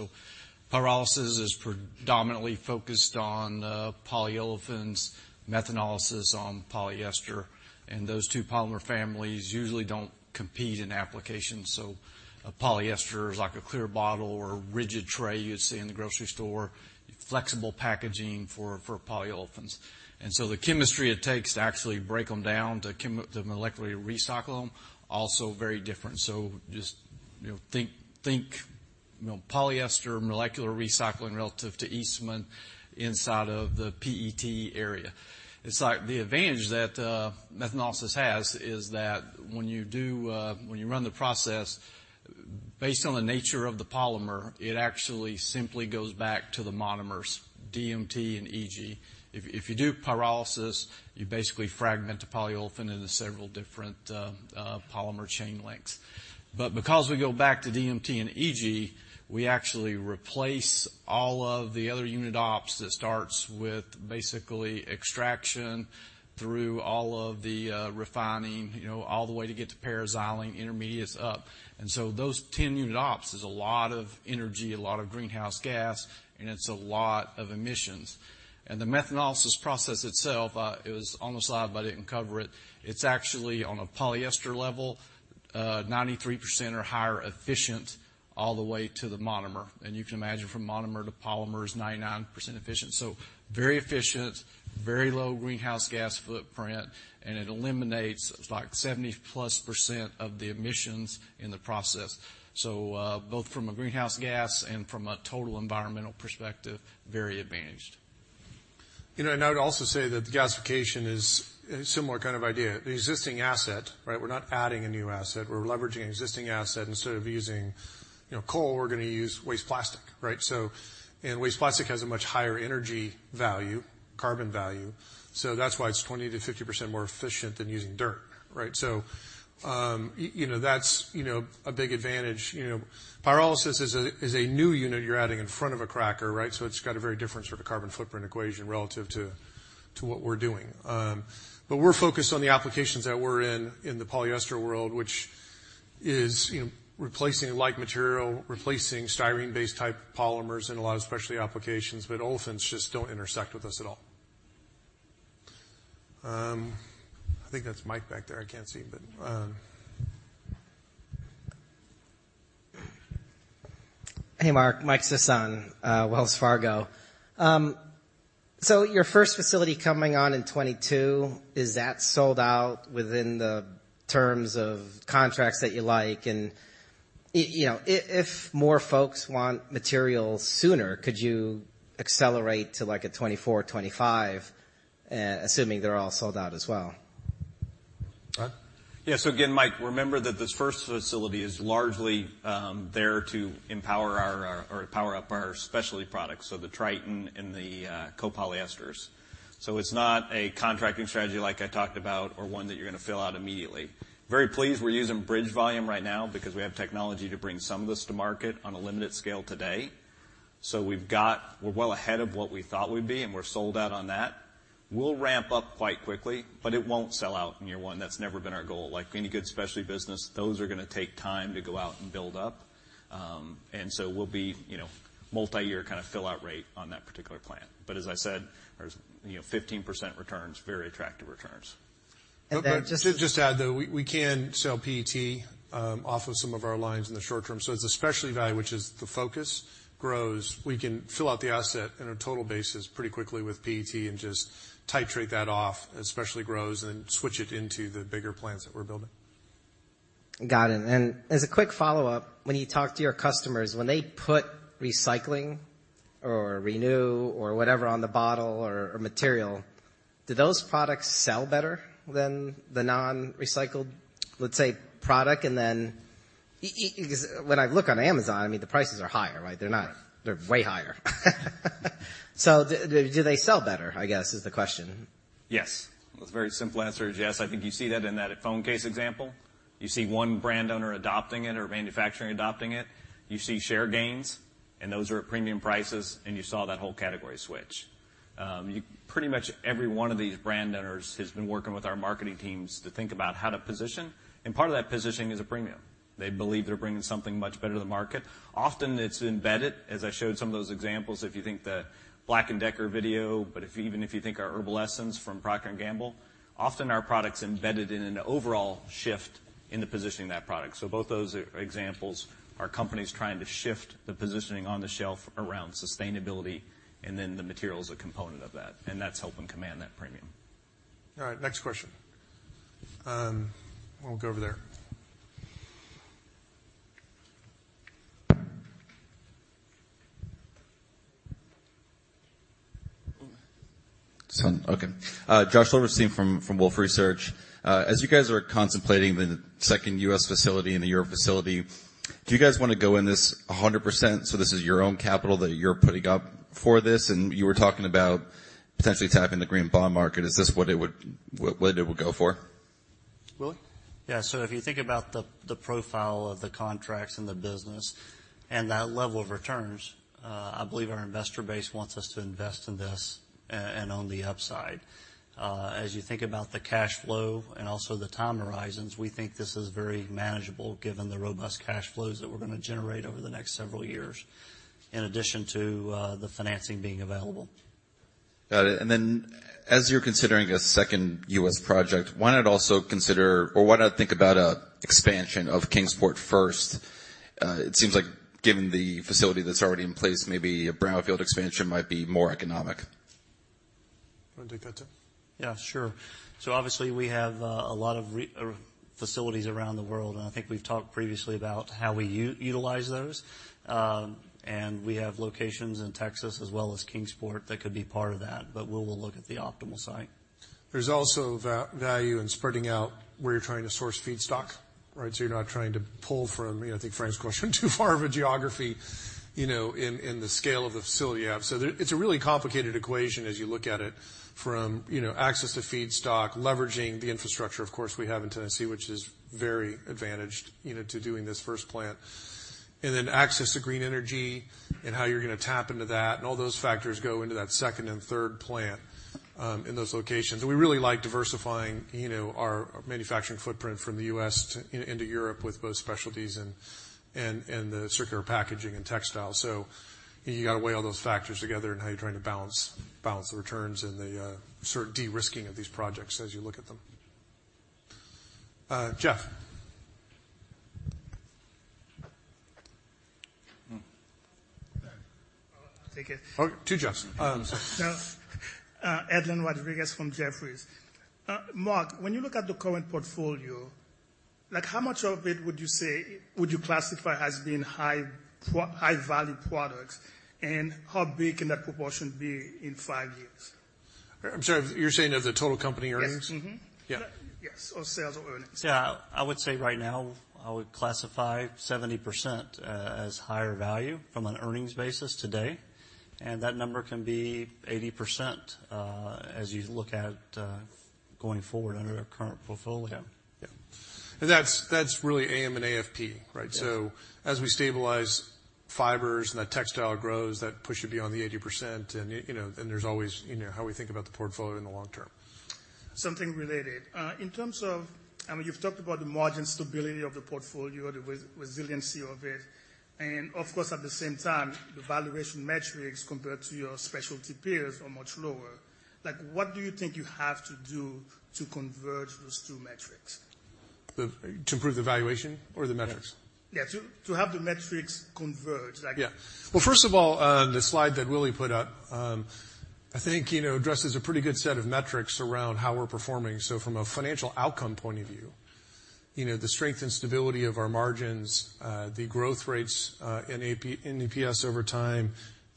Pyrolysis is predominantly focused on polyolefins, methanolysis on polyester, and those two polymer families usually don't compete in applications. A polyester is like a clear bottle or rigid tray you'd see in the grocery store, flexible packaging for polyolefins. The chemistry it takes to actually break them down to molecularly recycle them, also very different. Just, you know, think, you know, polyester molecular recycling relative to Eastman inside of the PET area. It's like the advantage that methanolysis has is that when you run the process, based on the nature of the polymer, it actually simply goes back to the monomers, DMT and EG. If you do pyrolysis, you basically fragment the polyolefin into several different polymer chain lengths. Because we go back to DMT and EG, we actually replace all of the other unit ops that starts with basically extraction through all of the refining all the way to get to paraxylene intermediates up. Those 10 unit ops is a lot of energy, a lot of greenhouse gas, and it's a lot of emissions. The methanolysis process itself, it was on the slide, but I didn't cover it. It's actually on a polyester level, 93% or higher efficient all the way to the monomer. You can imagine from monomer to polymer is 99% efficient. Very efficient, very low greenhouse gas footprint, and it eliminates like 70%+ of the emissions in the process. Both from a greenhouse gas and from a total environmental perspective, very advantaged. You know, I would also say that gasification is a similar kind of idea. The existing asset, right? We're not adding a new asset. We're leveraging an existing asset. Instead of using, you know, coal, we're gonna use waste plastic, right? Waste plastic has a much higher energy value, carbon value, so that's why it's 20%-50% more efficient than using dirt, right? You know, that's you know, a big advantage. You know, pyrolysis is a new unit you're adding in front of a cracker, right? It's got a very different sort of carbon footprint equation relative to what we're doing. We're focused on the applications that we're in the polyester world, which is, you know, replacing like material, replacing styrene-based type polymers in a lot of specialty applications, but olefins just don't intersect with us at all. I think that's Mike back there. I can't see, but. Hey, Mark. Mike Sison, Wells Fargo. So your first facility coming on in 2022, is that sold out within the terms of contracts that you like? You know, if more folks want materials sooner, could you accelerate to like a 2024, 2025 assuming they're all sold out as well? Brad? Yeah. Again, Mike, remember that this first facility is largely there to empower our or power up our specialty products, so the Tritan and the copolyesters. It's not a contracting strategy like I talked about or one that you're gonna fill out immediately. Very pleased we're using bridge volume right now because we have technology to bring some of this to market on a limited scale today. We've got-- we're well ahead of what we thought we'd be, and we're sold out on that. We'll ramp up quite quickly, but it won't sell out in year one. That's never been our goal. Like any good specialty business, those are gonna take time to go out and build up. We'll be, you know, multiyear kinda fill out rate on that particular plant. As I said, there's, you know, 15% returns, very attractive returns. And then just- To just add, though, we can sell PET off of some of our lines in the short term. So it's a specialty value, which is the focus grows. We can fill out the asset on a total basis pretty quickly with PET and just titrate that off as specialty grows and switch it into the bigger plants that we're building. Got it. As a quick follow-up, when you talk to your customers, when they put recycling or renew or whatever on the bottle or material, do those products sell better than the non-recycled, let's say, product? Then 'cause when I look on Amazon, I mean, the prices are higher, right? They're way higher. Do they sell better, I guess, is the question. Yes. The very simple answer is yes. I think you see that in that phone case example. You see one brand owner adopting it or manufacturing adopting it. You see share gains, and those are at premium prices, and you saw that whole category switch. Pretty much every one of these brand owners has been working with our marketing teams to think about how to position, and part of that positioning is a premium. They believe they're bringing something much better to the market. Often it's embedded, as I showed some of those examples, if you think the BLACK+DECKER video, but even if you think our Herbal Essences from Procter & Gamble, often our product's embedded in an overall shift in the positioning of that product. Both those are examples of companies trying to shift the positioning on the shelf around sustainability, and then the material is a component of that, and that's helping command that premium. All right, next question. We'll go over there. Josh Silverstein from Wolfe Research. As you guys are contemplating the second U.S. facility and the Europe facility, do you guys wanna go in this 100%? This is your own capital that you're putting up for this, and you were talking about potentially tapping the green bond market. Is this what it would go for? Willie? Yeah. If you think about the profile of the contracts and the business, and that level of returns, I believe our investor base wants us to invest in this and on the upside. As you think about the cash flow and also the time horizons, we think this is very manageable given the robust cash flows that we're gonna generate over the next several years, in addition to the financing being available. Got it. As you're considering a second U.S. project, why not think about an expansion of Kingsport first? It seems like, given the facility that's already in place, maybe a brownfield expansion might be more economic. Wanna take that, too? Yeah, sure. Obviously, we have a lot of facilities around the world, and I think we've talked previously about how we utilize those. We have locations in Texas as well as Kingsport that could be part of that, but we will look at the optimal site. There's also value in spreading out where you're trying to source feedstock, right? You're not trying to pull from, you know, I think Frank's question, too far of a geography, you know, in the scale of the facility you have. It's a really complicated equation as you look at it from, you know, access to feedstock, leveraging the infrastructure, of course, we have in Tennessee, which is very advantaged, you know, to doing this first plant. Access to green energy and how you're gonna tap into that, and all those factors go into that second and third plant, in those locations. We really like diversifying, you know, our manufacturing footprint from the U.S. into Europe with both specialties and the circular packaging and textiles. You gotta weigh all those factors together and how you're trying to balance the returns and the sort of de-risking of these projects as you look at them. Jeff. I'll take it. Oh, two Jeffs. Edlain Rodriguez from Jefferies. Mark, when you look at the current portfolio, like, how much of it would you say you classify as being high-value products, and how big can that proportion be in five years? I'm sorry. You're saying of the total company earnings? Yes. Yeah. Yes. Sales or earnings. Yeah. I would say right now, I would classify 70% as higher value from an earnings basis today, and that number can be 80% as you look at going forward under our current portfolio. Yeah. Yeah. That's really AM and AFP, right? Yeah. As we stabilize fibers and that textile grows, that push should be on the 80% and, you know, and there's always, you know, how we think about the portfolio in the long term. Something related. In terms of, I mean, you've talked about the margin stability of the portfolio, the resiliency of it. Of course, at the same time, the valuation metrics compared to your specialty peers are much lower. Like, what do you think you have to do to converge those two metrics? To improve the valuation or the metrics? Yeah, to have the metrics converge. Like- Yeah. Well, first of all, the slide that Willie put up, I think, you know, addresses a pretty good set of metrics around how we're performing. From a financial outcome point of view, you know, the strength and stability of our margins, the growth rates in AFP over time,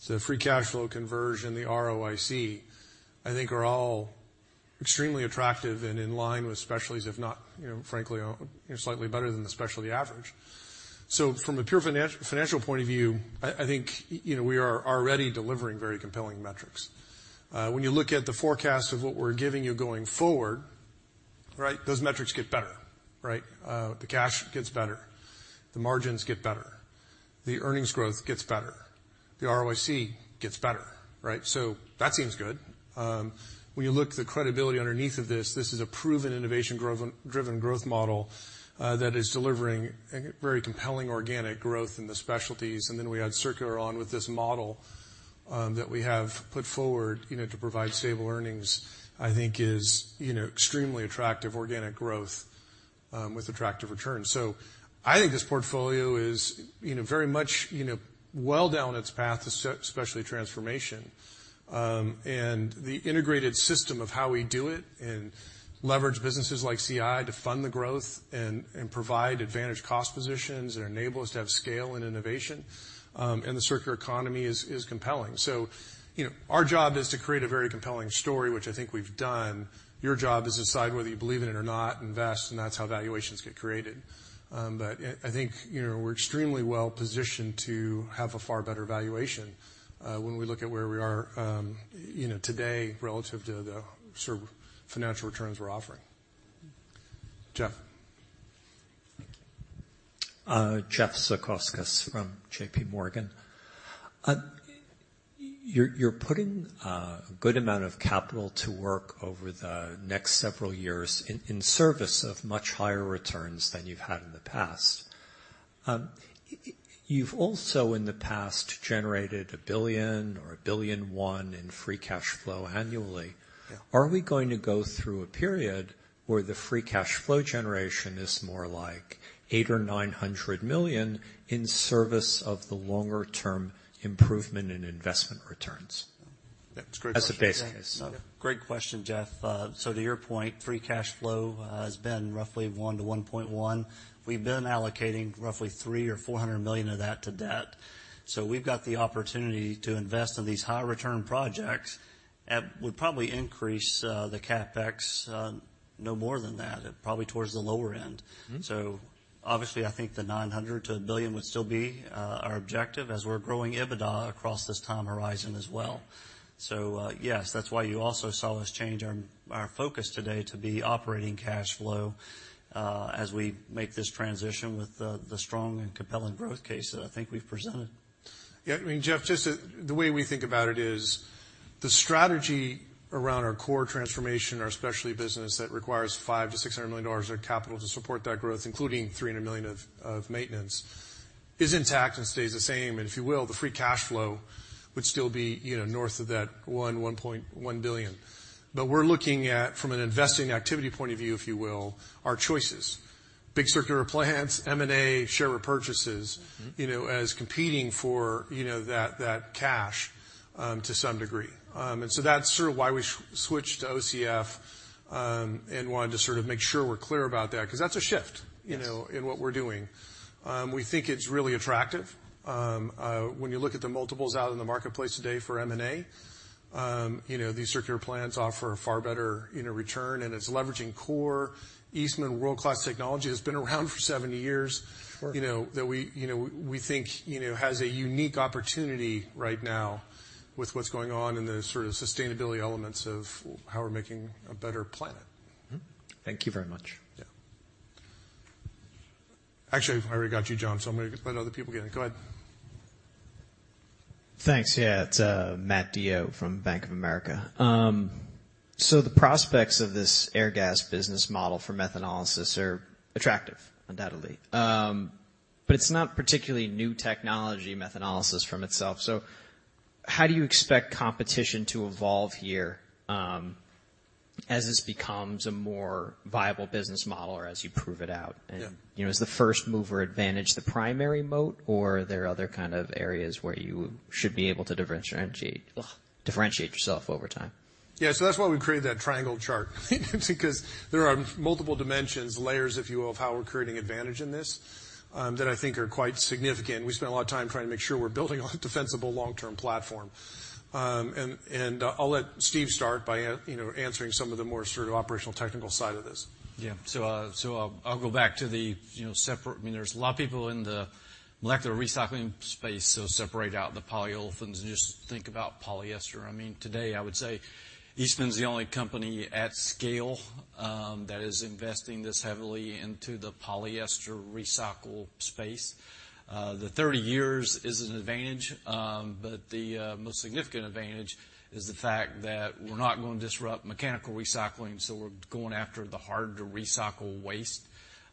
the free cash flow conversion, the ROIC, I think are all extremely attractive and in line with specialties, if not, you know, frankly, slightly better than the specialty average. From a pure financial point of view, I think, you know, we are already delivering very compelling metrics. When you look at the forecast of what we're giving you going forward, those metrics get better. The cash gets better, the margins get better, the earnings growth gets better, the ROIC gets better. That seems good. When you look at the credibility underneath of this is a proven innovation-driven growth model that is delivering a very compelling organic growth in the specialties. Then we add circularity onto this model that we have put forward, you know, to provide stable earnings, I think, you know, is extremely attractive organic growth with attractive returns. I think this portfolio is, you know, very much, you know, well down its path to specialty transformation. The integrated system of how we do it and leverage businesses like CI to fund the growth and provide advantaged cost positions that enable us to have scale and innovation and the circular economy is compelling. Our job is to create a very compelling story, which I think we've done. Your job is to decide whether you believe in it or not, invest, and that's how valuations get created. I think, you know, we're extremely well-positioned to have a far better valuation, when we look at where we are, you know, today relative to the sort of financial returns we're offering. Jeff. Thank you. Jeff Zekauskas from JPMorgan. You're putting a good amount of capital to work over the next several years in service of much higher returns than you've had in the past. You've also in the past generated $1 billion or $1.1 billion in free cash flow annually. Yeah. Are we going to go through a period where the free cash flow generation is more like $800 million or $900 million in service of the longer-term improvement in investment returns? That's a great question. That's the base case. Great question, Jeff. To your point, free cash flow has been roughly 1-1.1. We've been allocating roughly $300 million-$400 million of that to debt. We've got the opportunity to invest in these high return projects. That would probably increase the CapEx no more than that, probably towards the lower end. Mm-hmm. Obviously, I think the $900 million-$1 billion would still be our objective as we're growing EBITDA across this time horizon as well. Yes, that's why you also saw us change our focus today to be operating cash flow as we make this transition with the strong and compelling growth case that I think we've presented. Yeah, I mean, Jeff, just the way we think about it is the strategy around our core transformation, our specialty business that requires $500 million-$600 million of capital to support that growth, including $300 million of maintenance, is intact and stays the same. If you will, the free cash flow would still be, you know, north of $1.1 billion. We're looking at from an investing activity point of view, if you will, our choices, big circular plants, M&A, share repurchases. Mm-hmm. You know, as competing for that cash to some degree. That's sort of why we switched to OCF and wanted to sort of make sure we're clear about that, because that's a shift- Yes. ...you know, in what we're doing. We think it's really attractive. When you look at the multiples out in the marketplace today for M&A, you know, these circular plants offer a far better, you know, return, and it's leveraging core Eastman's world-class technology has been around for 70 years. Sure. You know, we think, you know, has a unique opportunity right now with what's going on in the sort of sustainability elements of how we're making a better planet. Mm-hmm. Thank you very much. Yeah. Actually, I already got you, John, so I'm gonna let other people get in. Go ahead. Thanks. Yeah, it's Matthew DeYoe from Bank of America. The prospects of this Airgas business model for methanolysis are attractive, undoubtedly. It's not particularly new technology, methanolysis in itself. How do you expect competition to evolve here, as this becomes a more viable business model or as you prove it out? Yeah.... Is the first mover advantage the primary moat, or are there other kind of areas where you should be able to differentiate yourself over time? Yeah. That's why we created that triangle chart, because there are multiple dimensions, layers, if you will, of how we're creating advantage in this, that I think are quite significant. We spent a lot of time trying to make sure we're building a defensible long-term platform. I'll let Steve start by, you know, answering some of the more sort of operational technical side of this. Yeah. I'll go back to the, you know. I mean, there's a lot of people in the molecular recycling space, so separate out the polyolefins and just think about polyester. I mean, today, I would say Eastman's the only company at scale that is investing this heavily into the polyester recycling space. The 30 years is an advantage, but the most significant advantage is the fact that we're not going to disrupt mechanical recycling, so we're going after the harder to recycle waste.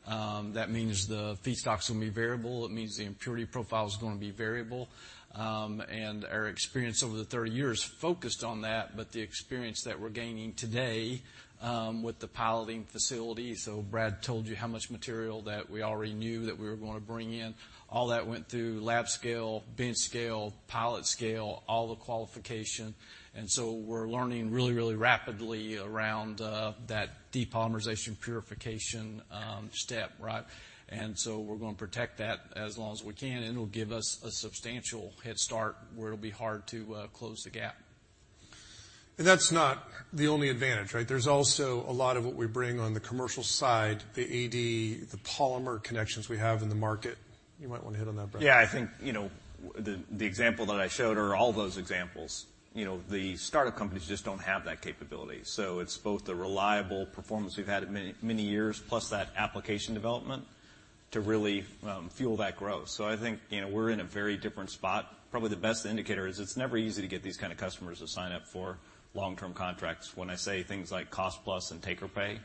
That means the feedstocks will be variable. It means the impurity profile is gonna be variable. Our experience over the 30 years focused on that, but the experience that we're gaining today with the pilot facility. Brad told you how much material that we already knew that we were gonna bring in. All that went through lab scale, bin scale, pilot scale, all the qualification. We're learning really, really rapidly around that depolymerization purification step, right? We're gonna protect that as long as we can, and it'll give us a substantial head start where it'll be hard to close the gap. That's not the only advantage, right? There's also a lot of what we bring on the commercial side, the AD, the polymer connections we have in the market. You might wanna hit on that, Brad. Yeah, I think, you know, the example that I showed or all those examples, you know, the startup companies just don't have that capability. It's both the reliable performance we've had many years plus that application development to really fuel that growth. I think, you know, we're in a very different spot. Probably the best indicator is it's never easy to get these kind of customers to sign up for long-term contracts. When I say things like cost plus and take or pay,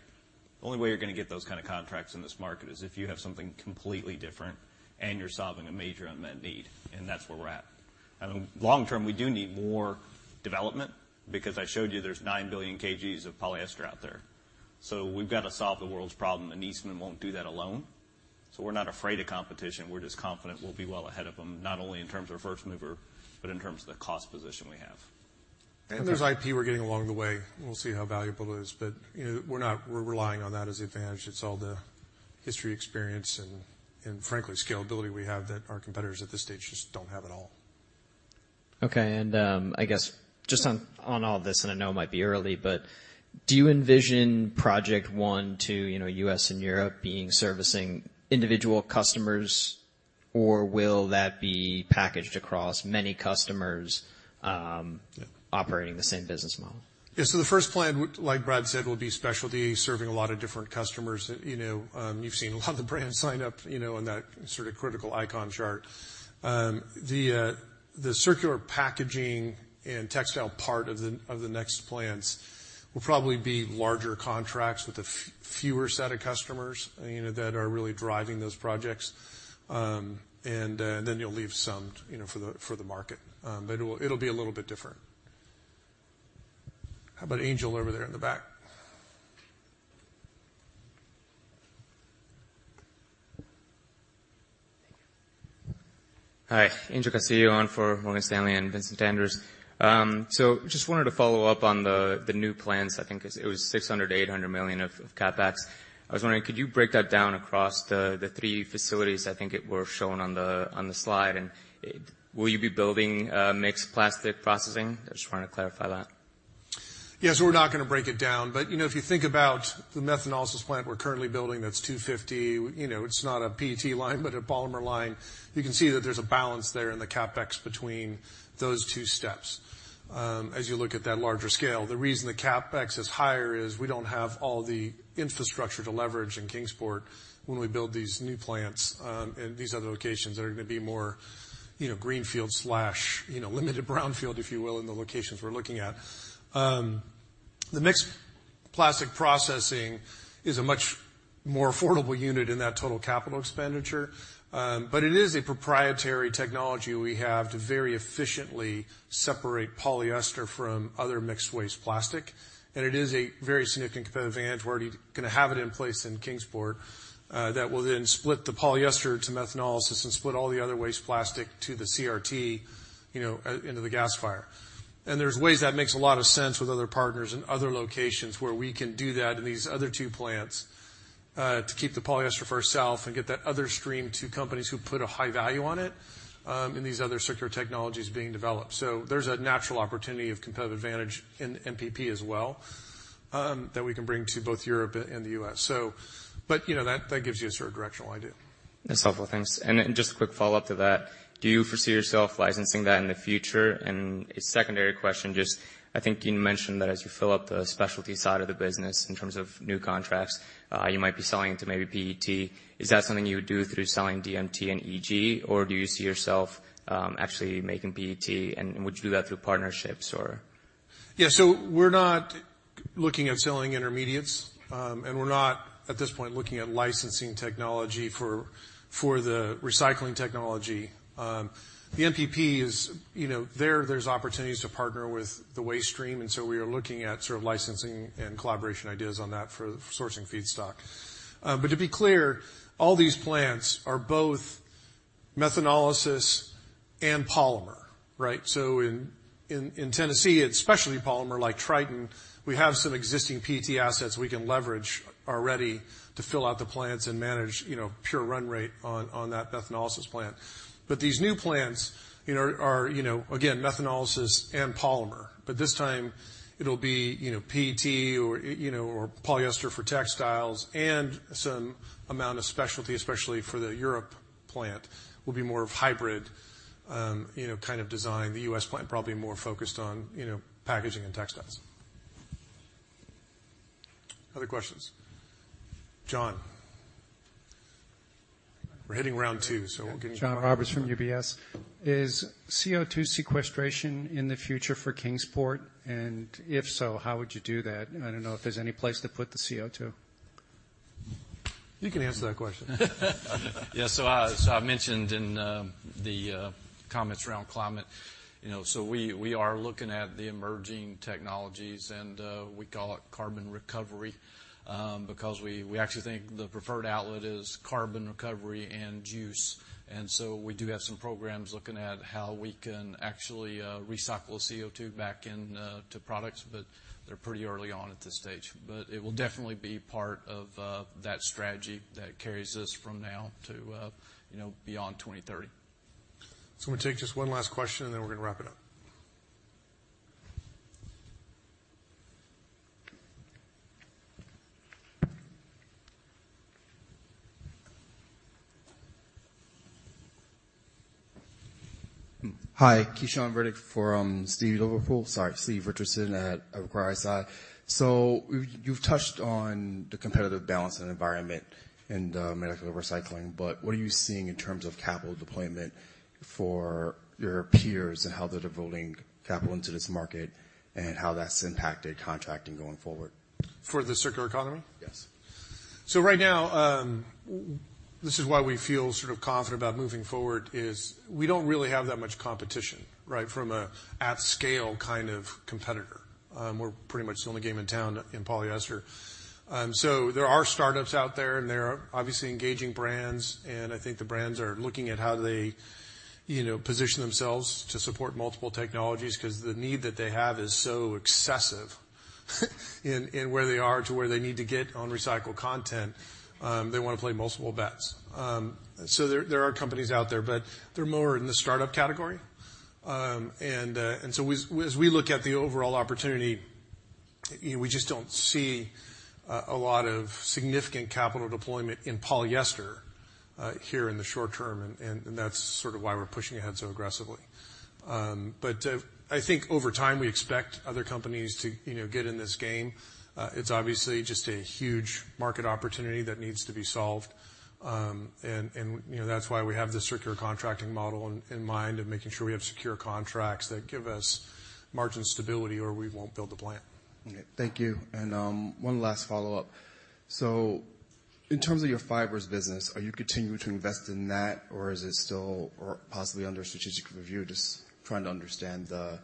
the only way you're gonna get those kind of contracts in this market is if you have something completely different and you're solving a major unmet need, and that's where we're at. Long term, we do need more development because I showed you there's 9 billion kg of polyester out there. We've got to solve the world's problem, and Eastman won't do that alone. We're not afraid of competition. We're just confident we'll be well ahead of them, not only in terms of first mover, but in terms of the cost position we have. There's IP we're getting along the way. We'll see how valuable it is, but, you know, we're relying on that as the advantage. It's all the history, experience, and frankly, scalability we have that our competitors at this stage just don't have at all. Okay. I guess just on all this, and I know it might be early, but do you envision project one to, you know, U.S. and Europe being servicing individual customers, or will that be packaged across many customers, operating the same business model? Yeah. The first plan, like Brad said, will be specialty serving a lot of different customers. You know, you've seen a lot of the brands sign up, you know, on that sort of critical icon chart. The circular packaging and textile part of the next plans will probably be larger contracts with fewer set of customers, you know, that are really driving those projects. Then you'll leave some, you know, for the market. It will, it'll be a little bit different. How about Angel over there in the back? Hi, Angel Castillo on for Morgan Stanley and Vincent Andrews. So just wanted to follow up on the new plans. I think it was $600 million-$800 million of CapEx. I was wondering, could you break that down across the three facilities I think they were shown on the slide? Will you be building mixed plastic processing? I just want to clarify that. Yes, we're not gonna break it down, but, you know, if you think about the methanolysis plant we're currently building that's $250 million, you know, it's not a PET line, but a polymer line. You can see that there's a balance there in the CapEx between those two steps, as you look at that larger scale. The reason the CapEx is higher is we don't have all the infrastructure to leverage in Kingsport when we build these new plants, in these other locations that are gonna be more, you know, greenfield slash, you know, limited brownfield, if you will, in the locations we're looking at. The mixed plastic processing is a much more affordable unit in that total capital expenditure, but it is a proprietary technology we have to very efficiently separate polyester from other mixed waste plastic. It is a very significant competitive advantage. We're already gonna have it in place in Kingsport that will then split the polyester to methanolysis and split all the other waste plastic to the CRT, you know, into the gasifier. There are ways that make a lot of sense with other partners in other locations where we can do that in these other two plants to keep the polyester for ourselves and get that other stream to companies who put a high value on it in these other circular technologies being developed. There's a natural opportunity of competitive advantage in MPP as well that we can bring to both Europe and the U.S. But you know, that gives you a sort of directional idea. That's helpful. Thanks. Just a quick follow-up to that, do you foresee yourself licensing that in the future? A secondary question, just I think you mentioned that as you fill up the specialty side of the business in terms of new contracts, you might be selling to maybe PET. Is that something you would do through selling DMT and EG, or do you see yourself actually making PET, and would you do that through partnerships or? Yeah. We're not looking at selling intermediates, and we're not at this point looking at licensing technology for the recycling technology. The MPP is. There's opportunities to partner with the waste stream, and we are looking at sort of licensing and collaboration ideas on that for sourcing feedstock. To be clear, all these plants are both methanolysis and polymer, right? In Tennessee, it's specialty polymer like Tritan. We have some existing PET assets we can leverage already to fill out the plants and manage pure run rate on that methanolysis plant. These new plants, you know, are, you know, again, methanolysis and polymer, but this time it'll be, you know, PET or, you know, or polyester for textiles and some amount of specialty, especially for the Europe plant, will be more of hybrid, you know, kind of design. The U.S. plant probably more focused on, you know, packaging and textiles. Other questions? John. We're hitting round two, so we're getting- John Roberts from UBS. Is CO2 sequestration in the future for Kingsport? If so, how would you do that? I don't know if there's any place to put the CO2. You can answer that question. Yeah, I mentioned in the comments around climate, you know, we are looking at the emerging technologies, and we call it carbon recovery because we actually think the preferred outlet is carbon recovery and use. We do have some programs looking at how we can actually recycle CO2 back into products, but they're pretty early on at this stage. It will definitely be part of that strategy that carries us from now to, you know, beyond 2030. I'm gonna take just one last question, and then we're gonna wrap it up. Hi, at Evercore ISI. You've touched on the competitive balance and environment and mechanical recycling, but what are you seeing in terms of capital deployment for your peers and how they're devoting capital into this market and how that's impacted contracting going forward? For the circular economy? Yes. Right now, this is why we feel sort of confident about moving forward is we don't really have that much competition, right, from an at-scale kind of competitor. We're pretty much the only game in town in polyester. There are startups out there, and they're obviously engaging brands, and I think the brands are looking at how they, you know, position themselves to support multiple technologies 'cause the need that they have is so excessive in where they are to where they need to get on recycled content. They wanna play multiple bets. There are companies out there, but they're more in the startup category. As we look at the overall opportunity, you know, we just don't see a lot of significant capital deployment in polyester here in the short term, and that's sort of why we're pushing ahead so aggressively. I think over time, we expect other companies to, you know, get in this game. It's obviously just a huge market opportunity that needs to be solved. You know, that's why we have the circular contracting model in mind of making sure we have secure contracts that give us margin stability or we won't build the plant. Okay. Thank you. One last follow-up. In terms of your Fibers business, are you continuing to invest in that, or is it still or possibly under strategic review? Just trying to understand the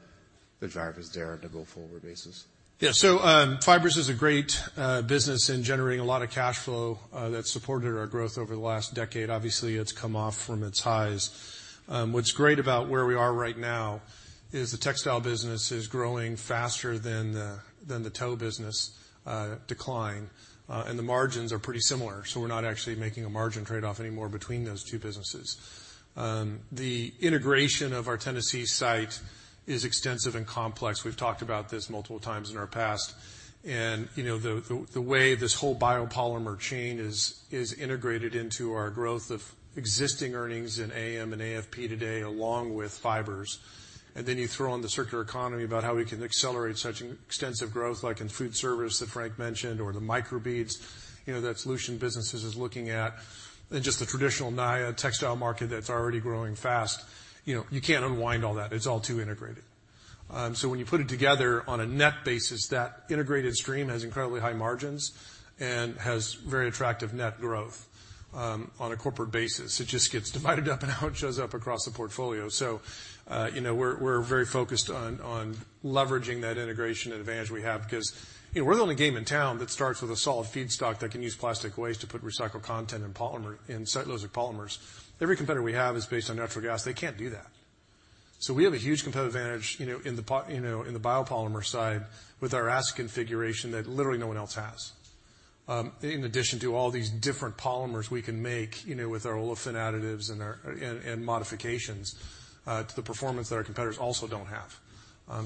drivers there on a go-forward basis. Yeah. Fibers is a great business in generating a lot of cash flow that supported our growth over the last decade. Obviously, it's come off from its highs. What's great about where we are right now is the textile business is growing faster than the tow business decline. The margins are pretty similar, so we're not actually making a margin trade-off anymore between those two businesses. The integration of our Tennessee site is extensive and complex. We've talked about this multiple times in our past. You know, the way this whole biopolymer chain is integrated into our growth of existing earnings in AM and AFP today, along with Fibers, and then you throw in the circular economy about how we can accelerate such an extensive growth, like in food service that Frank mentioned or the micro beads, you know, that Solution businesses is looking at than just the traditional nylon textile market that's already growing fast. You know, you can't unwind all that. It's all too integrated. So when you put it together on a net basis, that integrated stream has incredibly high margins and has very attractive net growth, on a corporate basis. It just gets divided up and now it shows up across the portfolio. You know, we're very focused on leveraging that integration and advantage we have because, you know, we're the only game in town that starts with a solid feedstock that can use plastic waste to put recycled content in polymer, in cellulosic polymers. Every competitor we have is based on natural gas. They can't do that. We have a huge competitive advantage, you know, in the biopolymer side with our asset configuration that literally no one else has. In addition to all these different polymers we can make, you know, with our olefin additives and modifications to the performance that our competitors also don't have.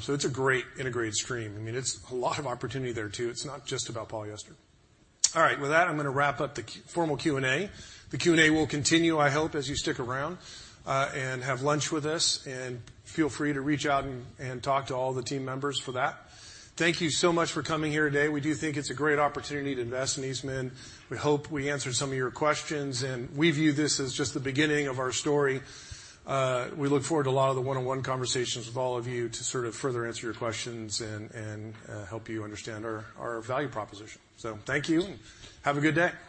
It's a great integrated stream. I mean, it's a lot of opportunity there too. It's not just about polyester. All right. With that, I'm gonna wrap up the formal Q&A. The Q&A will continue, I hope, as you stick around and have lunch with us. Feel free to reach out and talk to all the team members for that. Thank you so much for coming here today. We do think it's a great opportunity to invest in Eastman. We hope we answered some of your questions, and we view this as just the beginning of our story. We look forward to a lot of the one-on-one conversations with all of you to sort of further answer your questions and help you understand our value proposition. Thank you. Have a good day.